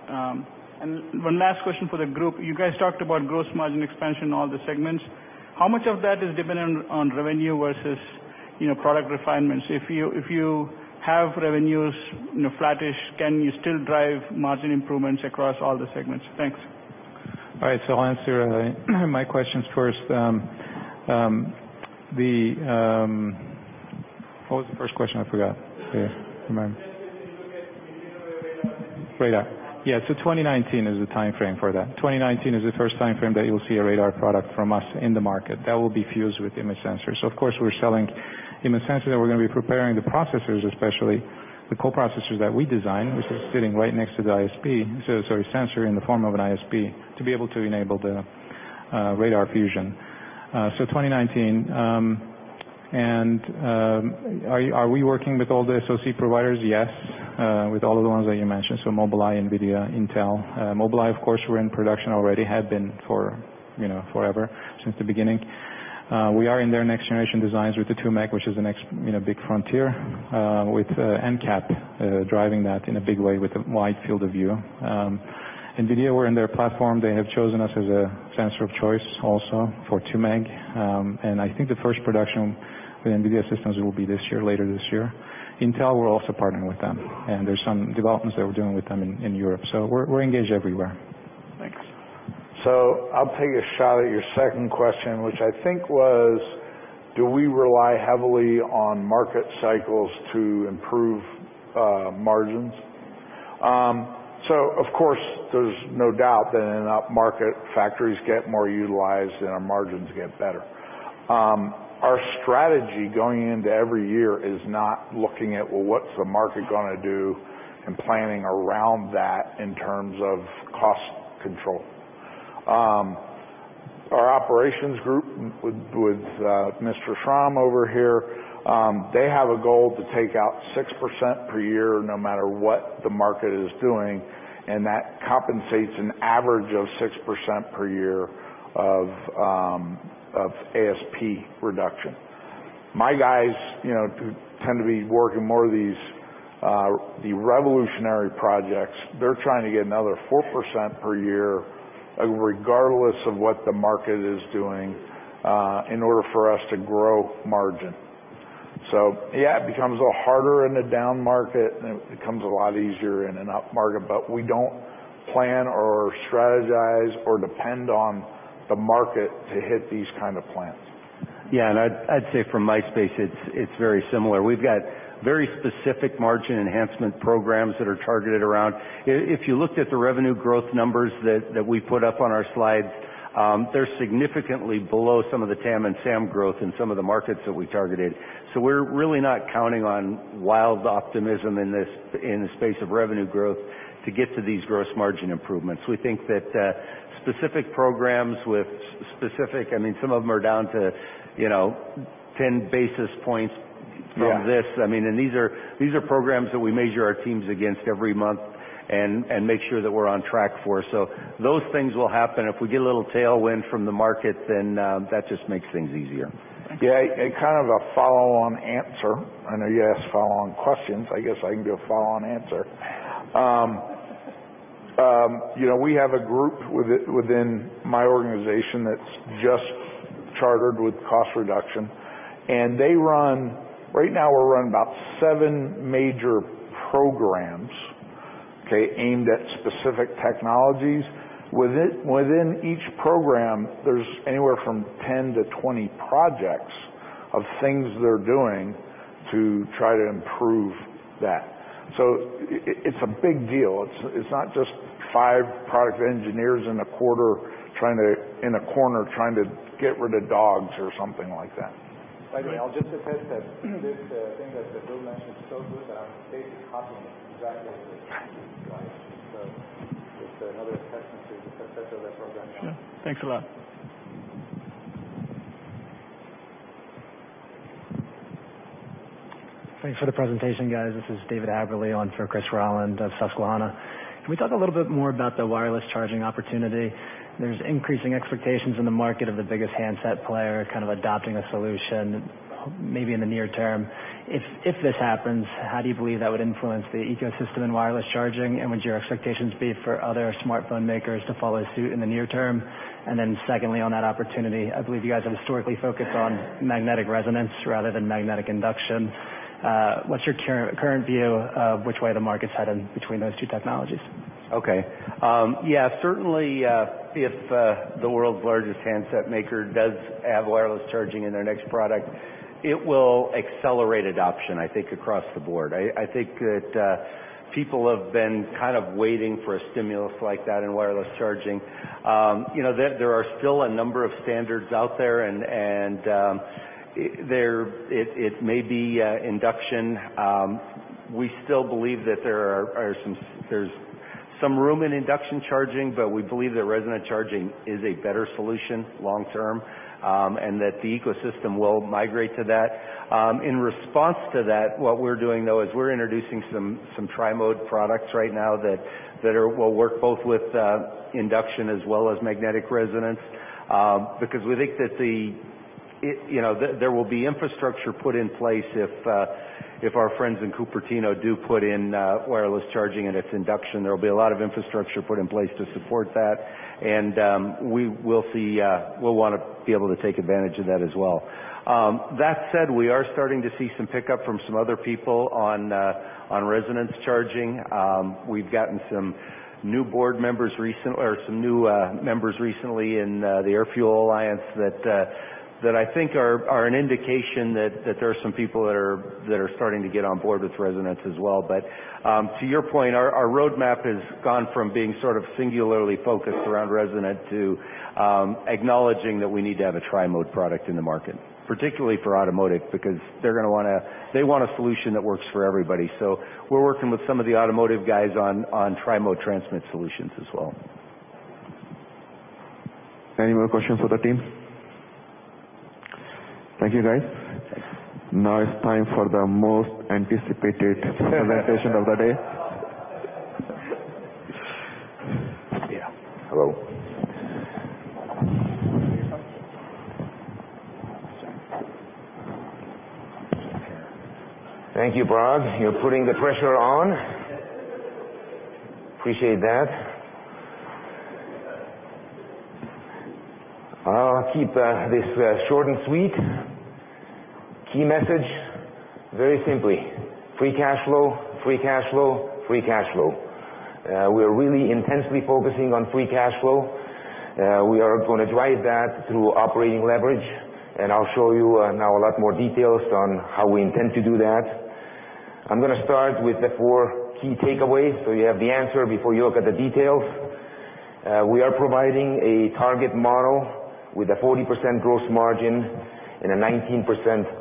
One last question for the group. You guys talked about gross margin expansion in all the segments. How much of that is dependent on revenue versus product refinements? If you have revenues flattish, can you still drive margin improvements across all the segments? Thanks. All right. I'll answer my questions first. What was the first question? I forgot. Yeah, remind me. Just when can we look at millimeter wave radar on the market? Radar. Yeah. 2019 is the timeframe for that. 2019 is the first timeframe that you'll see a radar product from us in the market that will be fused with image sensors. Of course, we're selling image sensors that we're going to be preparing the processors especially, the co-processors that we design, which is sitting right next to the ISP. Sorry, sensor in the form of an ISP to be able to enable the radar fusion. 2019. Are we working with all the associate providers? Yes. With all of the ones that you mentioned, Mobileye, NVIDIA, Intel. Mobileye, of course, we're in production already, have been for forever, since the beginning. We are in their next generation designs with the 2 meg, which is the next big frontier, with NCAP driving that in a big way with a wide field of view. NVIDIA, we're in their platform. They have chosen us as a sensor of choice also for 2 meg. I think the first production with NVIDIA systems will be later this year. Intel, we're also partnering with them, and there's some developments that we're doing with them in Europe. We're engaged everywhere. Thanks. I'll take a shot at your second question, which I think was, do we rely heavily on market cycles to improve margins? Of course, there's no doubt that in an upmarket, factories get more utilized and our margins get better. Our strategy going into every year is not looking at, well, what's the market going to do, and planning around that in terms of cost control. Our operations group, with Mr. Schromm over here, they have a goal to take out 6% per year no matter what the market is doing, and that compensates an average of 6% per year of ASP reduction. My guys who tend to be working more of the revolutionary projects, they're trying to get another 4% per year, regardless of what the market is doing, in order for us to grow margin. Yeah, it becomes a little harder in a down market, and it becomes a lot easier in an up market. We don't plan or strategize or depend on the market to hit these kind of plans. I'd say from my space, it's very similar. We've got very specific margin enhancement programs that are targeted around. If you looked at the revenue growth numbers that we put up on our slides, they're significantly below some of the TAM and SAM growth in some of the markets that we targeted. We're really not counting on wild optimism in the space of revenue growth to get to these gross margin improvements. We think that specific programs with specific. Some of them are down to 10 basis points from this. Yeah. These are programs that we measure our teams against every month and make sure that we're on track for. Those things will happen. If we get a little tailwind from the market, that just makes things easier. Kind of a follow-on answer. I know you asked follow-on questions, I guess I can do a follow-on answer. We have a group within my organization that's just chartered with cost reduction. Right now, we're running about seven major programs, okay, aimed at specific technologies. Within each program, there's anywhere from 10 to 20 projects of things they're doing to try to improve that. It's a big deal. It's not just five product engineers in a corner trying to get rid of dogs or something like that. By the way, I'll just attest that this thing that Bill mentioned is so good that Dave is copying it exactly as it is. It's another testimony to the success of the program. Sure. Thanks a lot. Thanks for the presentation, guys. This is David Williams on for Christopher Rolland of Susquehanna. Can we talk a little bit more about the wireless charging opportunity? There's increasing expectations in the market of the biggest handset player kind of adopting a solution, maybe in the near term. If this happens, how do you believe that would influence the ecosystem in wireless charging? Would your expectations be for other smartphone makers to follow suit in the near term? Secondly, on that opportunity, I believe you guys have historically focused on magnetic resonance rather than magnetic induction. What's your current view of which way the market's heading between those two technologies? Certainly, if the world's largest handset maker does have wireless charging in their next product, it will accelerate adoption, I think across the board. I think that people have been kind of waiting for a stimulus like that in wireless charging. There are still a number of standards out there, and it may be induction. We still believe that there's some room in induction charging, but we believe that resonant charging is a better solution long term, and that the ecosystem will migrate to that. In response to that, what we're doing, though, is we're introducing some tri-mode products right now that will work both with induction as well as magnetic resonance. Because we think that there will be infrastructure put in place if our friends in Cupertino do put in wireless charging, and it's induction. There will be a lot of infrastructure put in place to support that, and we'll want to be able to take advantage of that as well. That said, we are starting to see some pickup from some other people on resonance charging. We've gotten some new board members recently, or some new members recently in the AirFuel Alliance that I think are an indication that there are some people that are starting to get on board with resonance as well. To your point, our roadmap has gone from being sort of singularly focused around resonant to acknowledging that we need to have a tri-mode product in the market. Particularly for automotive, because they want a solution that works for everybody. We're working with some of the automotive guys on tri-mode transmit solutions as well. Any more questions for the team? Thank you, guys. Thanks. Now it's time for the most anticipated presentation of the day. Yeah. Hello. Sorry. Here. Thank you, Brad. You're putting the pressure on. Appreciate that. I'll keep this short and sweet. Key message, very simply, free cash flow, free cash flow, free cash flow. We're really intensely focusing on free cash flow. We are going to drive that through operating leverage, and I'll show you now a lot more details on how we intend to do that. I'm going to start with the four key takeaways, so you have the answer before you look at the details. We are providing a target model with a 40% gross margin and a 19%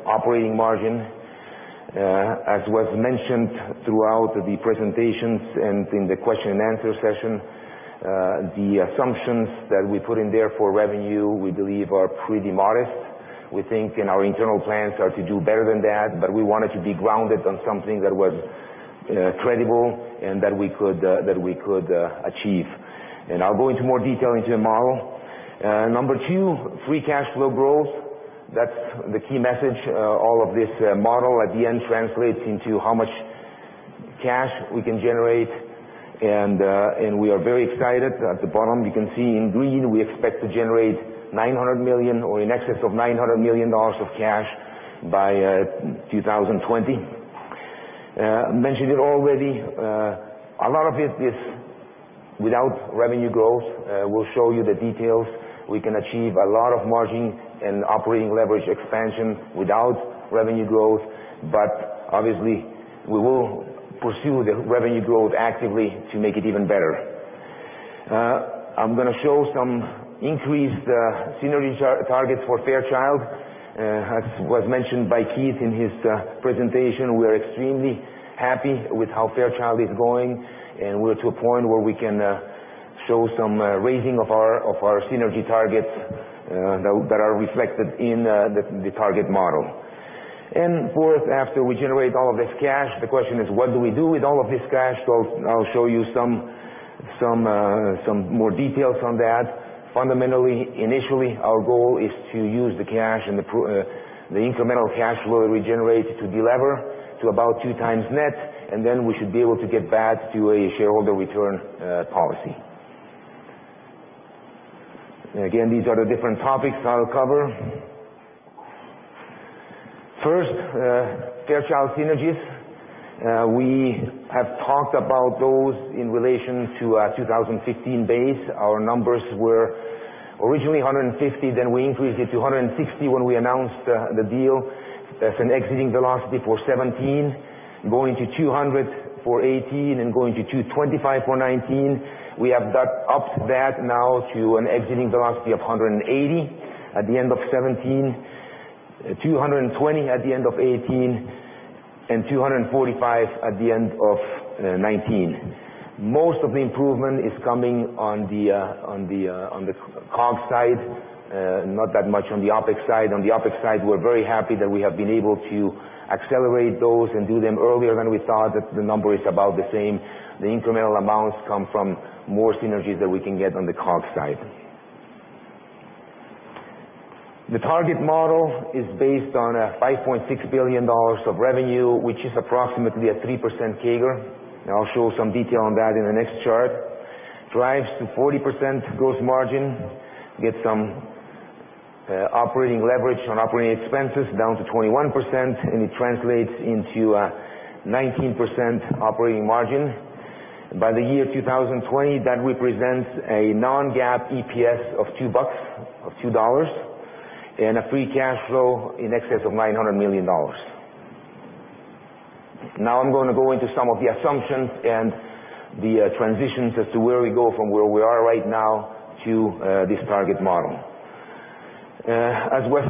operating margin. As was mentioned throughout the presentations and in the question and answer session, the assumptions that we put in there for revenue, we believe are pretty modest. We think in our internal plans are to do better than that, but we wanted to be grounded on something that was credible and that we could achieve. I'll go into more detail into the model. Number two, free cash flow growth. That's the key message. All of this model at the end translates into how much cash we can generate, and we are very excited. At the bottom, you can see in green, we expect to generate $900 million or in excess of $900 million of cash by 2020. Mentioned it already. A lot of it is without revenue growth. We'll show you the details. We can achieve a lot of margin and operating leverage expansion without revenue growth, but obviously, we will pursue the revenue growth actively to make it even better. I'm going to show some increased synergy targets for Fairchild. As was mentioned by Keith Jackson in his presentation, we are extremely happy with how Fairchild is going, and we are to a point where we can show some raising of our synergy targets that are reflected in the target model. Fourth, after we generate all of this cash, the question is, what do we do with all of this cash? I will show you some more details on that. Fundamentally, initially, our goal is to use the incremental cash flow we generate to delever to about two times net, and then we should be able to get back to a shareholder return policy. Again, these are the different topics I will cover. First, Fairchild synergies. We have talked about those in relation to our 2015 base. Our numbers were originally $150 million, then we increased it to $160 million when we announced the deal as an exiting velocity for 2017, going to $200 million for 2018, and going to $225 million for 2019. We have upped that now to an exiting velocity of $180 million at the end of 2017, $220 million at the end of 2018, and $245 million at the end of 2019. Most of the improvement is coming on the COGS side, not that much on the OpEx side. On the OpEx side, we are very happy that we have been able to accelerate those and do them earlier than we thought, that the number is about the same. The incremental amounts come from more synergies that we can get on the COGS side. The target model is based on $5.6 billion of revenue, which is approximately a 3% CAGR. I will show some detail on that in the next chart. Drives to 40% gross margin, get some operating leverage on operating expenses down to 21%, and it translates into a 19% operating margin. By the year 2020, that represents a non-GAAP EPS of $2.00, and a free cash flow in excess of $900 million. Now I am going to go into some of the assumptions and the transitions as to where we go from where we are right now to this target model. As was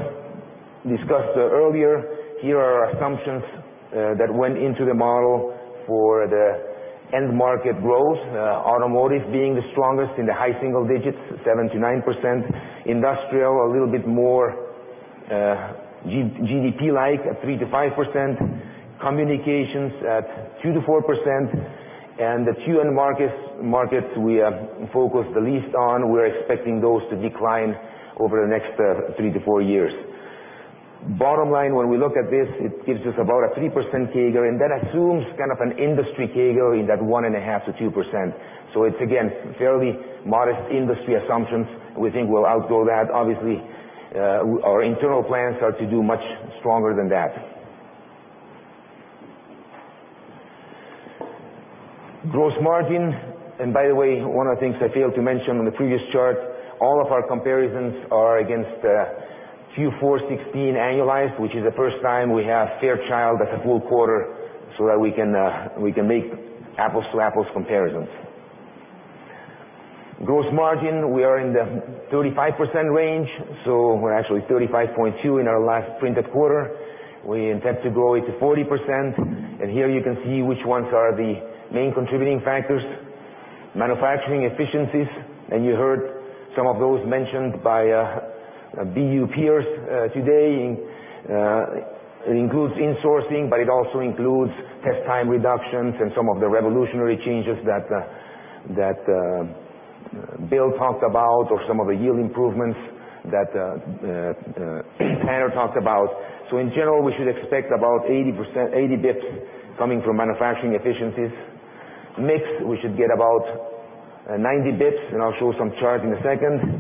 discussed earlier, here are our assumptions that went into the model for the end market growth. Automotive being the strongest in the high single digits, 7%-9%. Industrial, a little bit more GDP-like at 3%-5%. Communications at 2%-4%. The few end markets we have focused the least on, we are expecting those to decline over the next 3-4 years. Bottom line, when we look at this, it gives us about a 3% CAGR, and that assumes an industry CAGR in that 1.5%-2%. So it is, again, fairly modest industry assumptions. We think we will outgrow that. Obviously, our internal plans are to do much stronger than that. Gross margin. By the way, one of the things I failed to mention on the previous chart, all of our comparisons are against Q4 2016 annualized, which is the first time we have Fairchild as a full quarter so that we can make apples-to-apples comparisons. Gross margin, we are in the 35% range, so we are actually 35.2% in our last printed quarter. We intend to grow it to 40%. Here you can see which ones are the main contributing factors. Manufacturing efficiencies, and you heard some of those mentioned by BU peers today. It includes insourcing, but it also includes test time reductions and some of the revolutionary changes that Bill talked about or some of the yield improvements that Taner talked about. In general, we should expect about 80 basis points coming from manufacturing efficiencies. Mix, we should get about 90 basis points, and I'll show some charts in a second.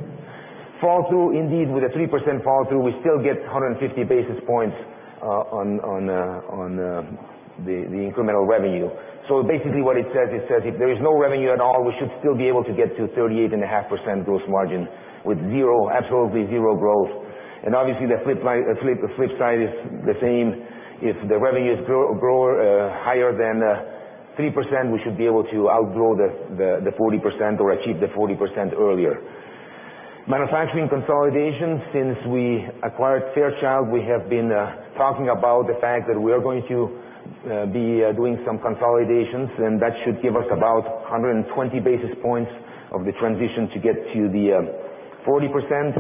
Fall-through, indeed, with a 3% fall-through, we still get 150 basis points on the incremental revenue. Basically, what it says is, if there is no revenue at all, we should still be able to get to 38.5% gross margin with absolutely zero growth. Obviously, the flip side is the same. If the revenue is higher than 3%, we should be able to outgrow the 40% or achieve the 40% earlier. Manufacturing consolidation. Since we acquired Fairchild Semiconductor, we have been talking about the fact that we are going to be doing some consolidations, and that should give us about 120 basis points of the transition to get to the 40%.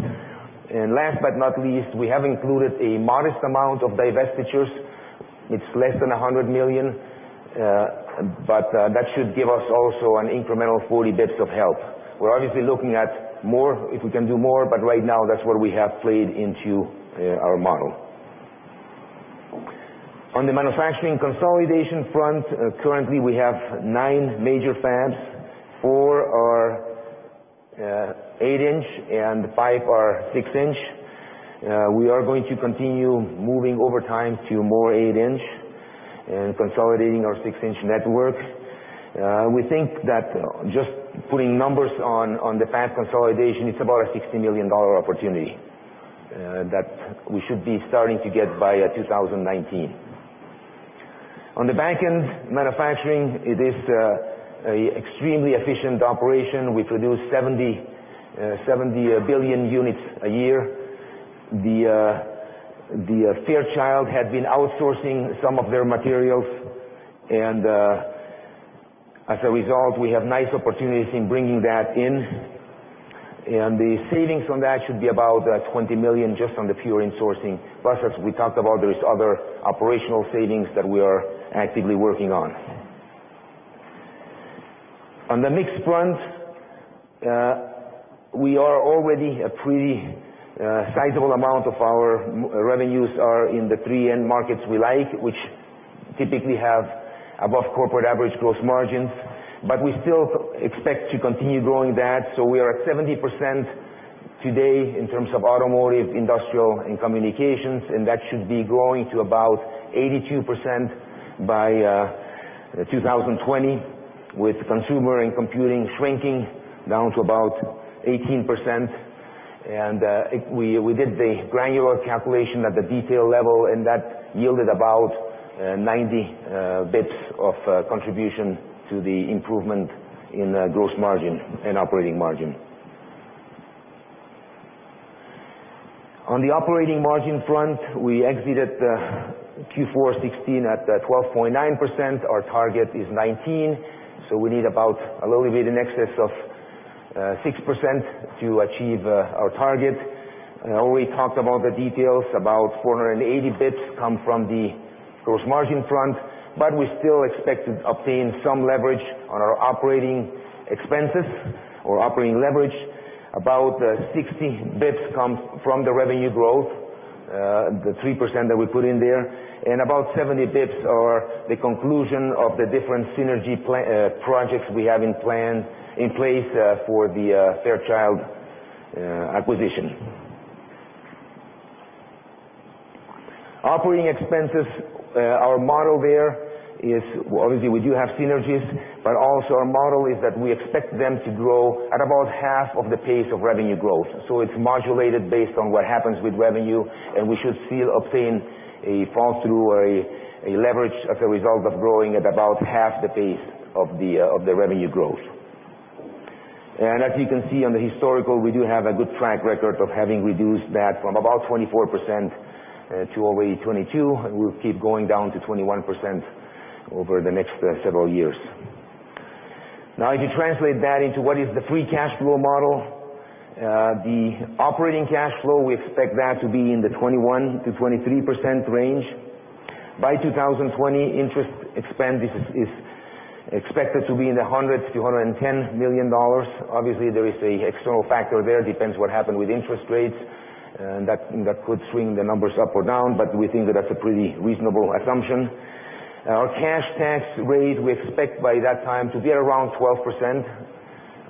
Last but not least, we have included a modest amount of divestitures. It's less than $100 million, but that should give us also an incremental 40 basis points of help. We're obviously looking at more, if we can do more, but right now that's what we have played into our model. On the manufacturing consolidation front, currently we have nine major fabs. Four are eight-inch and five are six-inch. We are going to continue moving over time to more eight-inch and consolidating our six-inch networks. We think that just putting numbers on the fab consolidation, it's about a $60 million opportunity that we should be starting to get by 2019. On the back end, manufacturing, it is an extremely efficient operation. We produce 70 billion units a year. Fairchild Semiconductor had been outsourcing some of their materials and, as a result, we have nice opportunities in bringing that in, and the savings from that should be about $20 million just on the pure insourcing. Plus, as we talked about, there's other operational savings that we are actively working on. On the mix front, already a pretty sizable amount of our revenues are in the three end markets we like, which typically have above corporate average gross margins. We still expect to continue growing that. We are at 70% today in terms of automotive, industrial, and communications, and that should be growing to about 82% by 2020, with consumer and computing shrinking down to about 18%. We did the granular calculation at the detail level, and that yielded about 90 basis points of contribution to the improvement in gross margin and operating margin. On the operating margin front, we exited Q4 2016 at 12.9%. Our target is 19%, we need about a little bit in excess of 6% to achieve our target. I already talked about the details. About 480 basis points come from the gross margin front, we still expect to obtain some leverage on our operating expenses or operating leverage. About 60 basis points come from the revenue growth, the 3% that we put in there. About 70 basis points are the conclusion of the different synergy projects we have in place for the Fairchild Semiconductor acquisition. Operating expenses. Our model there is, obviously, we do have synergies, but also our model is that we expect them to grow at about half of the pace of revenue growth. It's modulated based on what happens with revenue, and we should still obtain a fall-through or a leverage as a result of growing at about half the pace of the revenue growth. As you can see on the historical, we do have a good track record of having reduced that from about 24% to already 22%, and we'll keep going down to 21% over the next several years. If you translate that into what is the free cash flow model, the operating cash flow, we expect that to be in the 21%-23% range. By 2020, interest expense is expected to be in the $100 million-$110 million. Obviously, there is an external factor there. Depends what happen with interest rates, and that could swing the numbers up or down, but we think that that's a pretty reasonable assumption. Our cash tax rate, we expect by that time to be around 12%.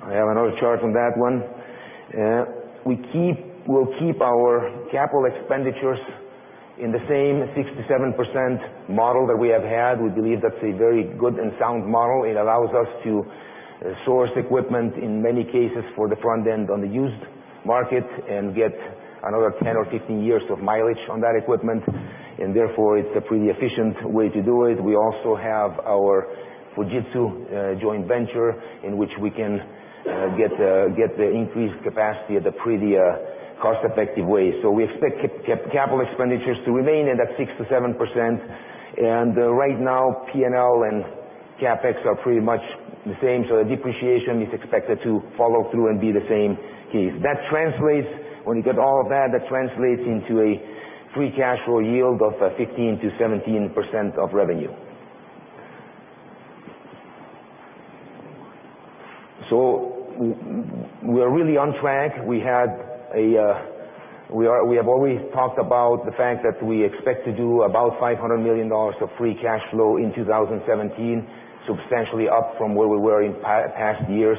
I have another chart on that one. We'll keep our capital expenditures in the same 67% model that we have had. We believe that's a very good and sound model. It allows us to source equipment, in many cases, for the front end on the used market and get another 10 or 15 years of mileage on that equipment, and therefore, it's a pretty efficient way to do it. We also have our Fujitsu joint venture, in which we can get the increased capacity at a pretty cost-effective way. We expect capital expenditures to remain in that 6%-7%. Right now, P&L and CapEx are pretty much the same. The depreciation is expected to follow through and be the same case. When you get all of that translates into a free cash flow yield of 15%-17% of revenue. We're really on track. We have always talked about the fact that we expect to do about $500 million of free cash flow in 2017, substantially up from where we were in past years.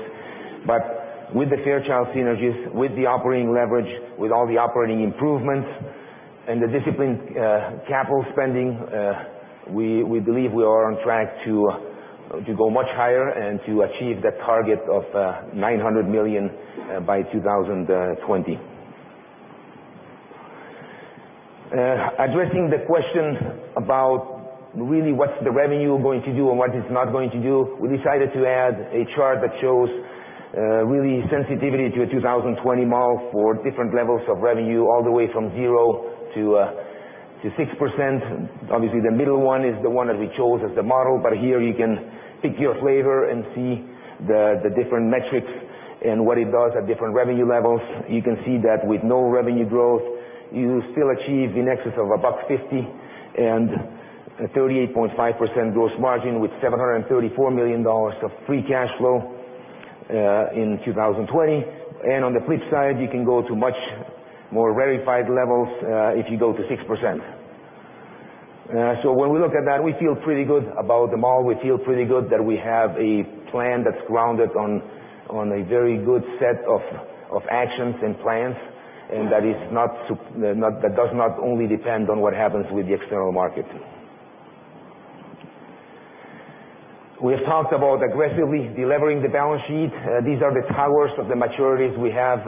With the Fairchild synergies, with the operating leverage, with all the operating improvements And the disciplined capital spending, we believe we are on track to go much higher and to achieve that target of $900 million by 2020. Addressing the question about really what's the revenue going to do and what it's not going to do, we decided to add a chart that shows really sensitivity to a 2020 model for different levels of revenue, all the way from 0%-6%. Obviously, the middle one is the one that we chose as the model, but here you can pick your flavor and see the different metrics and what it does at different revenue levels. You can see that with no revenue growth, you still achieve in excess of $1.50 and 38.5% gross margin with $734 million of free cash flow in 2020. On the flip side, you can go to much more rarefied levels if you go to 6%. When we look at that, we feel pretty good about the model. We feel pretty good that we have a plan that's grounded on a very good set of actions and plans, that does not only depend on what happens with the external market. We have talked about aggressively de-levering the balance sheet. These are the towers of the maturities we have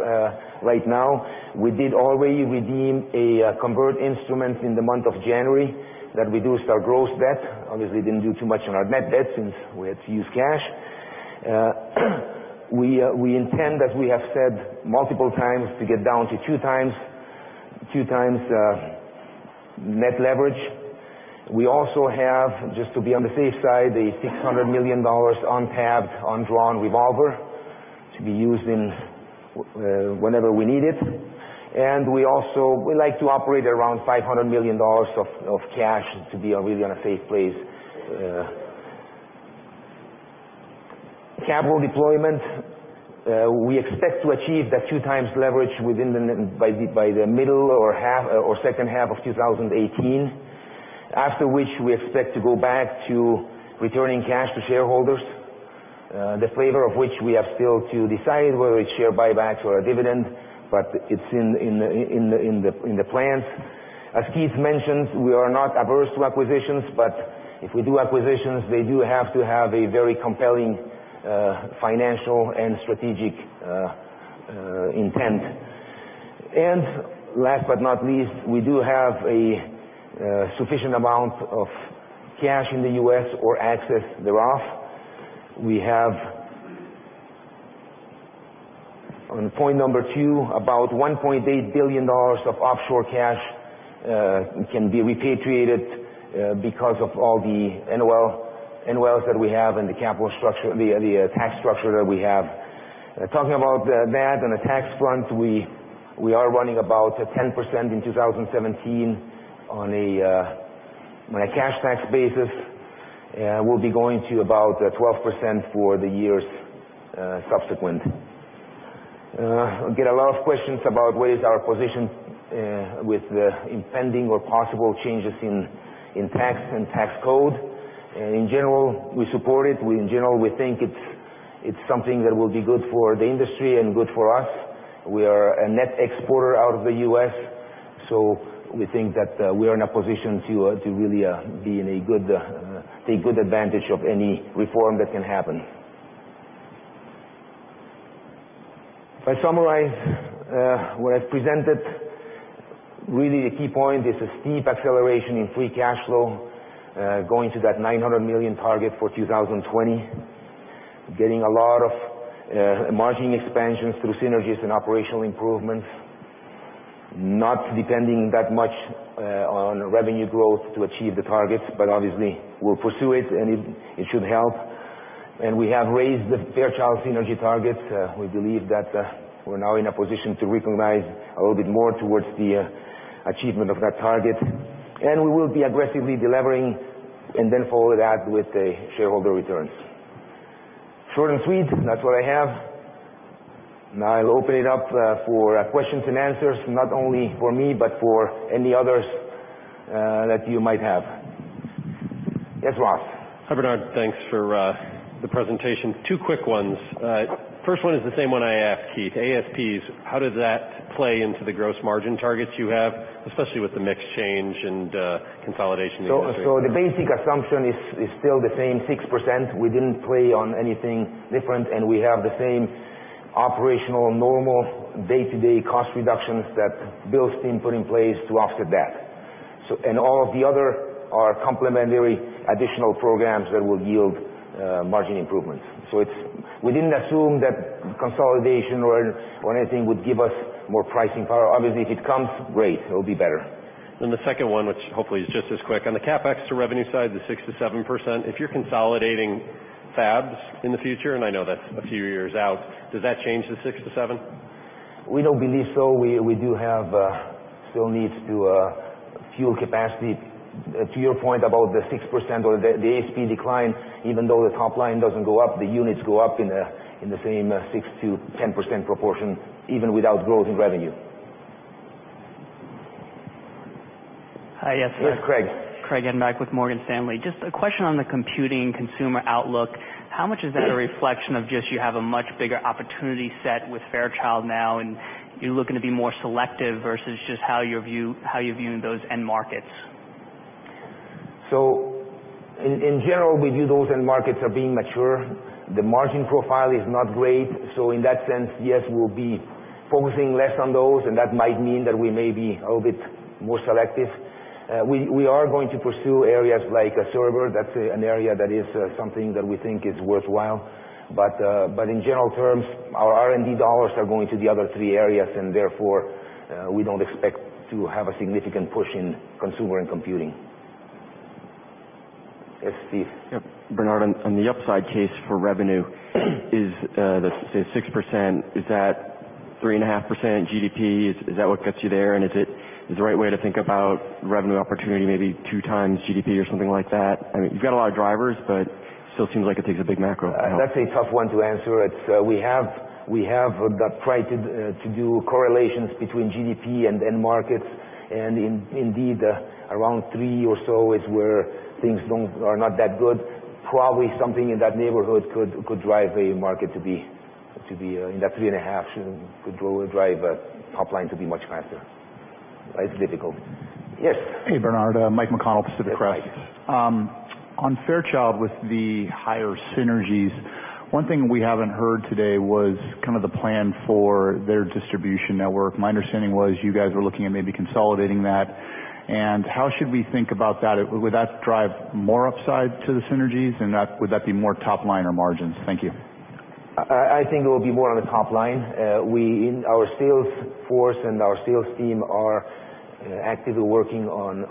right now. We did already redeem a convert instrument in the month of January that reduced our gross debt. Obviously, didn't do too much on our net debt since we had to use cash. We intend, as we have said multiple times, to get down to two times net leverage. We also have, just to be on the safe side, a $600 million untapped, undrawn revolver to be used whenever we need it. We like to operate around $500 million of cash to be really in a safe place. Capital deployment. We expect to achieve that two times leverage by the middle or second half of 2018. After which, we expect to go back to returning cash to shareholders. The flavor of which we have still to decide whether it's share buybacks or a dividend, but it's in the plans. As Keith mentioned, we are not averse to acquisitions, but if we do acquisitions, they do have to have a very compelling financial and strategic intent. Last but not least, we do have a sufficient amount of cash in the U.S. or access thereof. We have, on point number two, about $1.8 billion of offshore cash can be repatriated because of all the NOLs that we have and the tax structure that we have. Talking about that on a tax front, we are running about 10% in 2017 on a cash tax basis. We'll be going to about 12% for the years subsequent. I get a lot of questions about where is our position with the impending or possible changes in tax and tax code. In general, we support it. In general, we think it's something that will be good for the industry and good for us. We are a net exporter out of the U.S., we think that we are in a position to really take good advantage of any reform that can happen. If I summarize what I've presented, really the key point is a steep acceleration in free cash flow, going to that $900 million target for 2020. Getting a lot of margin expansion through synergies and operational improvements. Not depending that much on revenue growth to achieve the targets, but obviously we'll pursue it should help. We have raised the Fairchild synergy target. We believe that we're now in a position to recognize a little bit more towards the achievement of that target. We will be aggressively de-levering, then follow that with shareholder returns. Short and sweet, that's what I have. Now I'll open it up for questions and answers, not only for me, but for any others that you might have. Yes, Ross. Hi, Bernard. Thanks for the presentation. Two quick ones. First one is the same one I asked Keith. ASPs, how does that play into the gross margin targets you have, especially with the mix change and consolidation you guys made? The basic assumption is still the same 6%. We didn't play on anything different, and we have the same operational, normal day-to-day cost reductions that Bill's team put in place to offset that. All of the other are complementary additional programs that will yield margin improvements. We didn't assume that consolidation or anything would give us more pricing power. Obviously, if it comes, great. It'll be better. The second one, which hopefully is just as quick. On the CapEx to revenue side, the 6%-7%. If you're consolidating fabs in the future, and I know that's a few years out, does that change the 6%-7%? We don't believe so. We do have still needs to fuel capacity. To your point about the 6% or the ASP decline, even though the top line doesn't go up, the units go up in the same 6%-10% proportion, even without growth in revenue. Hi. Yes. Yes, Craig. Craig Hettenbach with Morgan Stanley. Just a question on the computing consumer outlook. How much is that a reflection of just you have a much bigger opportunity set with Fairchild now, and you're looking to be more selective versus just how you're viewing those end markets? In general, we view those end markets are being mature. The margin profile is not great. In that sense, yes, we'll be focusing less on those, and that might mean that we may be a bit more selective. We are going to pursue areas like a server. That's an area that is something that we think is worthwhile. In general terms, our R&D dollars are going to the other three areas, and therefore, we don't expect to have a significant push in consumer and computing. Yes, Steve. Yep. Bernard, on the upside case for revenue is the, say, 6%, is that 3.5% GDP? Is that what gets you there? Is the right way to think about revenue opportunity maybe two times GDP or something like that? You've got a lot of drivers, but still seems like it takes a big macro to help. That's a tough one to answer. We have tried to do correlations between GDP and end markets, and indeed, around three or so is where things are not that good. Probably something in that neighborhood could drive a market to be in that three and a half could drive top line to be much faster. It's difficult. Yes. Hey, Bernard. Michael McConnell, Pacific Crest. Yes, Mike. On Fairchild, with the higher synergies, one thing we haven't heard today was the plan for their distribution network. My understanding was you guys were looking at maybe consolidating that. How should we think about that? Would that drive more upside to the synergies, and would that be more top line or margins? Thank you. I think it will be more on the top line. Our sales force and our sales team are actively working on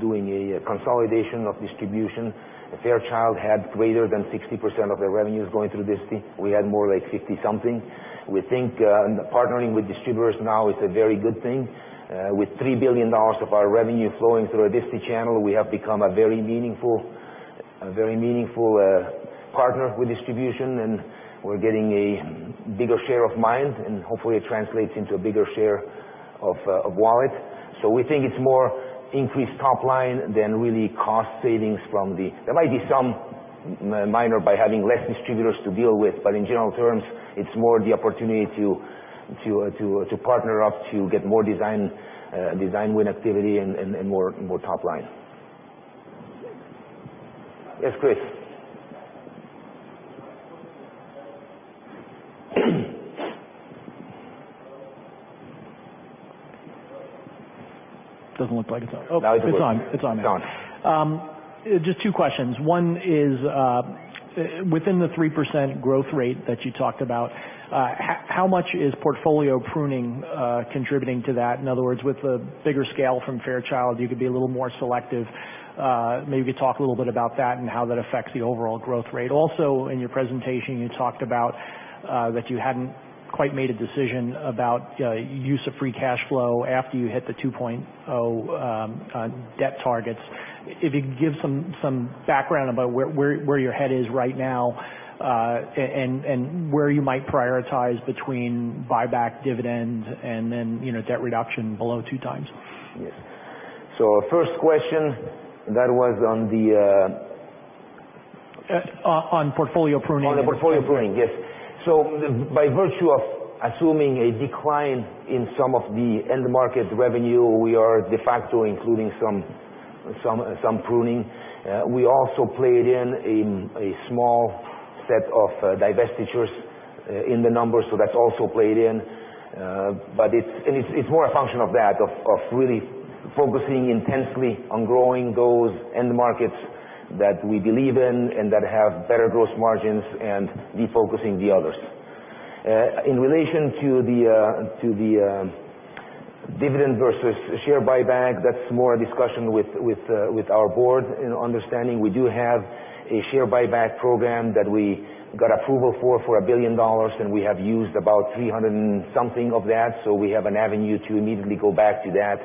doing a consolidation of distribution. Fairchild had greater than 60% of their revenues going through disti. We had more like 50 something. We think partnering with distributors now is a very good thing. With $3 billion of our revenue flowing through a disti channel, we have become a very meaningful partner with distribution, and we're getting a bigger share of mind, and hopefully it translates into a bigger share of wallet. We think it's more increased top line than really cost savings. There might be some minor by having less distributors to deal with, but in general terms, it's more the opportunity to partner up to get more design win activity and more top line. Yes, Chris. Doesn't look like it's on. Oh, it's on now. Now it's on. Just two questions. One is within the 3% growth rate that you talked about, how much is portfolio pruning contributing to that? In other words, with the bigger scale from Fairchild, you could be a little more selective. Maybe talk a little bit about that and how that affects the overall growth rate. Also, in your presentation, you talked about that you hadn't quite made a decision about use of free cash flow after you hit the 2.0 debt targets. If you could give some background about where your head is right now, and where you might prioritize between buyback dividends and then debt reduction below two times. Yes. First question. On portfolio pruning. On the portfolio pruning, yes. By virtue of assuming a decline in some of the end market revenue, we are de facto including some pruning. We also played in a small set of divestitures in the numbers, that's also played in. It's more a function of that, of really focusing intensely on growing those end markets that we believe in and that have better gross margins and refocusing the others. In relation to the dividend versus share buyback, that's more a discussion with our Board and understanding we do have a share buyback program that we got approval for $1 billion, and we have used about 300 and something of that. We have an avenue to immediately go back to that.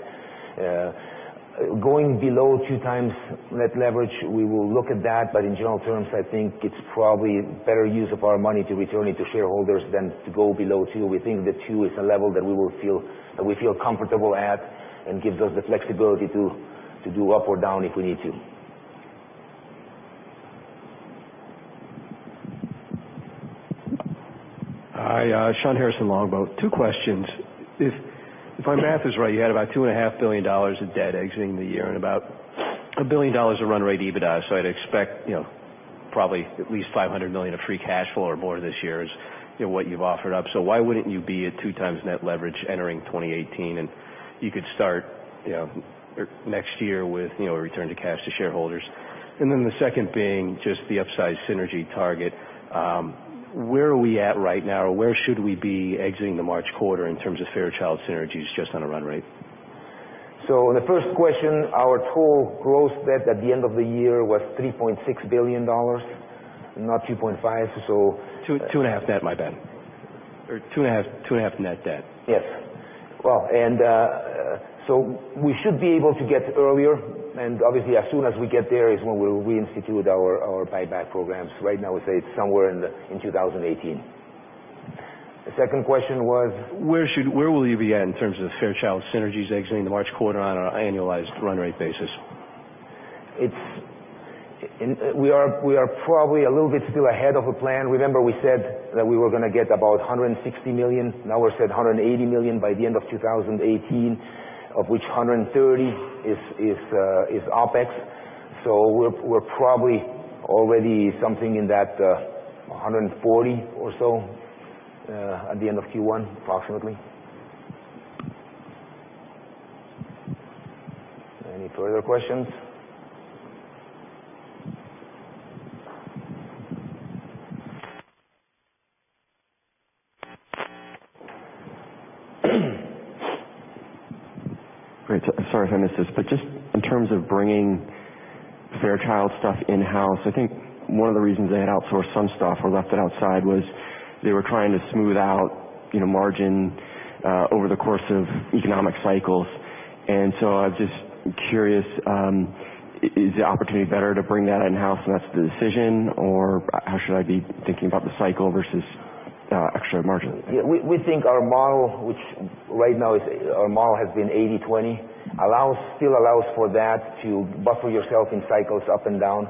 Going below two times net leverage, we will look at that. In general terms, I think it's probably better use of our money to return it to shareholders than to go below two. We think that two is a level that we feel comfortable at and gives us the flexibility to do up or down if we need to. Hi, Shawn Harrison, Longbow. Two questions. If my math is right, you had about $2.5 billion of debt exiting the year and about $1 billion of run rate EBITDA. I'd expect probably at least $500 million of free cash flow or more this year is what you've offered up. Why wouldn't you be at two times net leverage entering 2018, and you could start next year with return to cash to shareholders? The second being just the upside synergy target. Where are we at right now? Where should we be exiting the March quarter in terms of Fairchild synergies just on a run rate? On the first question, our total gross debt at the end of the year was $3.6 billion, not $3.5. Two and a half net, my bad. Two and a half net debt. Yes. Well, we should be able to get earlier, and obviously as soon as we get there is when we'll reinstitute our buyback programs. Right now, we say it's somewhere in 2018. The second question was? Where will you be at in terms of Fairchild synergies exiting the March quarter on an annualized run rate basis? We are probably a little bit still ahead of the plan. Remember we said that we were going to get about $160 million. Now we're saying $180 million by the end of 2018, of which $130 is OPEX. We're probably already something in that $140 or so at the end of Q1, approximately. Any further questions? Great. Sorry if I missed this, just in terms of bringing Fairchild stuff in-house, I think one of the reasons they had outsourced some stuff or left it outside was they were trying to smooth out margin over the course of economic cycles. I was just curious, is the opportunity better to bring that in-house and that's the decision, or how should I be thinking about the cycle versus actual margin? We think our model, which right now our model has been 80/20, still allows for that to buffer yourself in cycles up and down.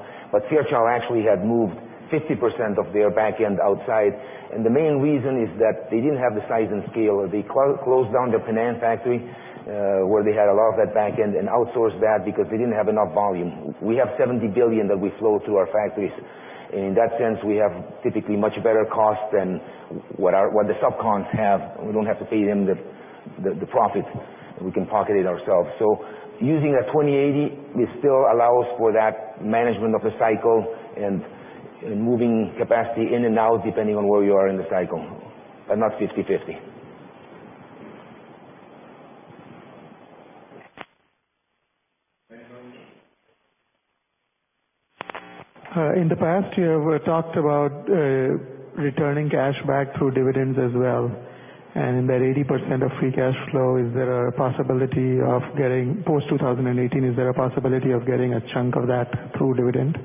Fairchild actually had moved 50% of their back end outside. The main reason is that they didn't have the size and scale, or they closed down their finance factory, where they had a lot of that back end and outsourced that because they didn't have enough volume. We have $70 billion that we flow through our factories. In that sense, we have typically much better cost than what the sub cons have. We don't have to pay them the profit, and we can pocket it ourselves. Using that 20/80, it still allows for that management of the cycle and moving capacity in and out depending on where you are in the cycle, but not 50/50. Any comments? In the past year, we talked about returning cash back through dividends as well, and that 80% of free cash flow. Post 2018, is there a possibility of getting a chunk of that through dividend?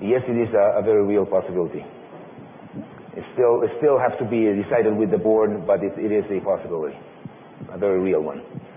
Yes, it is a very real possibility. It still has to be decided with the board, but it is a possibility, a very real one.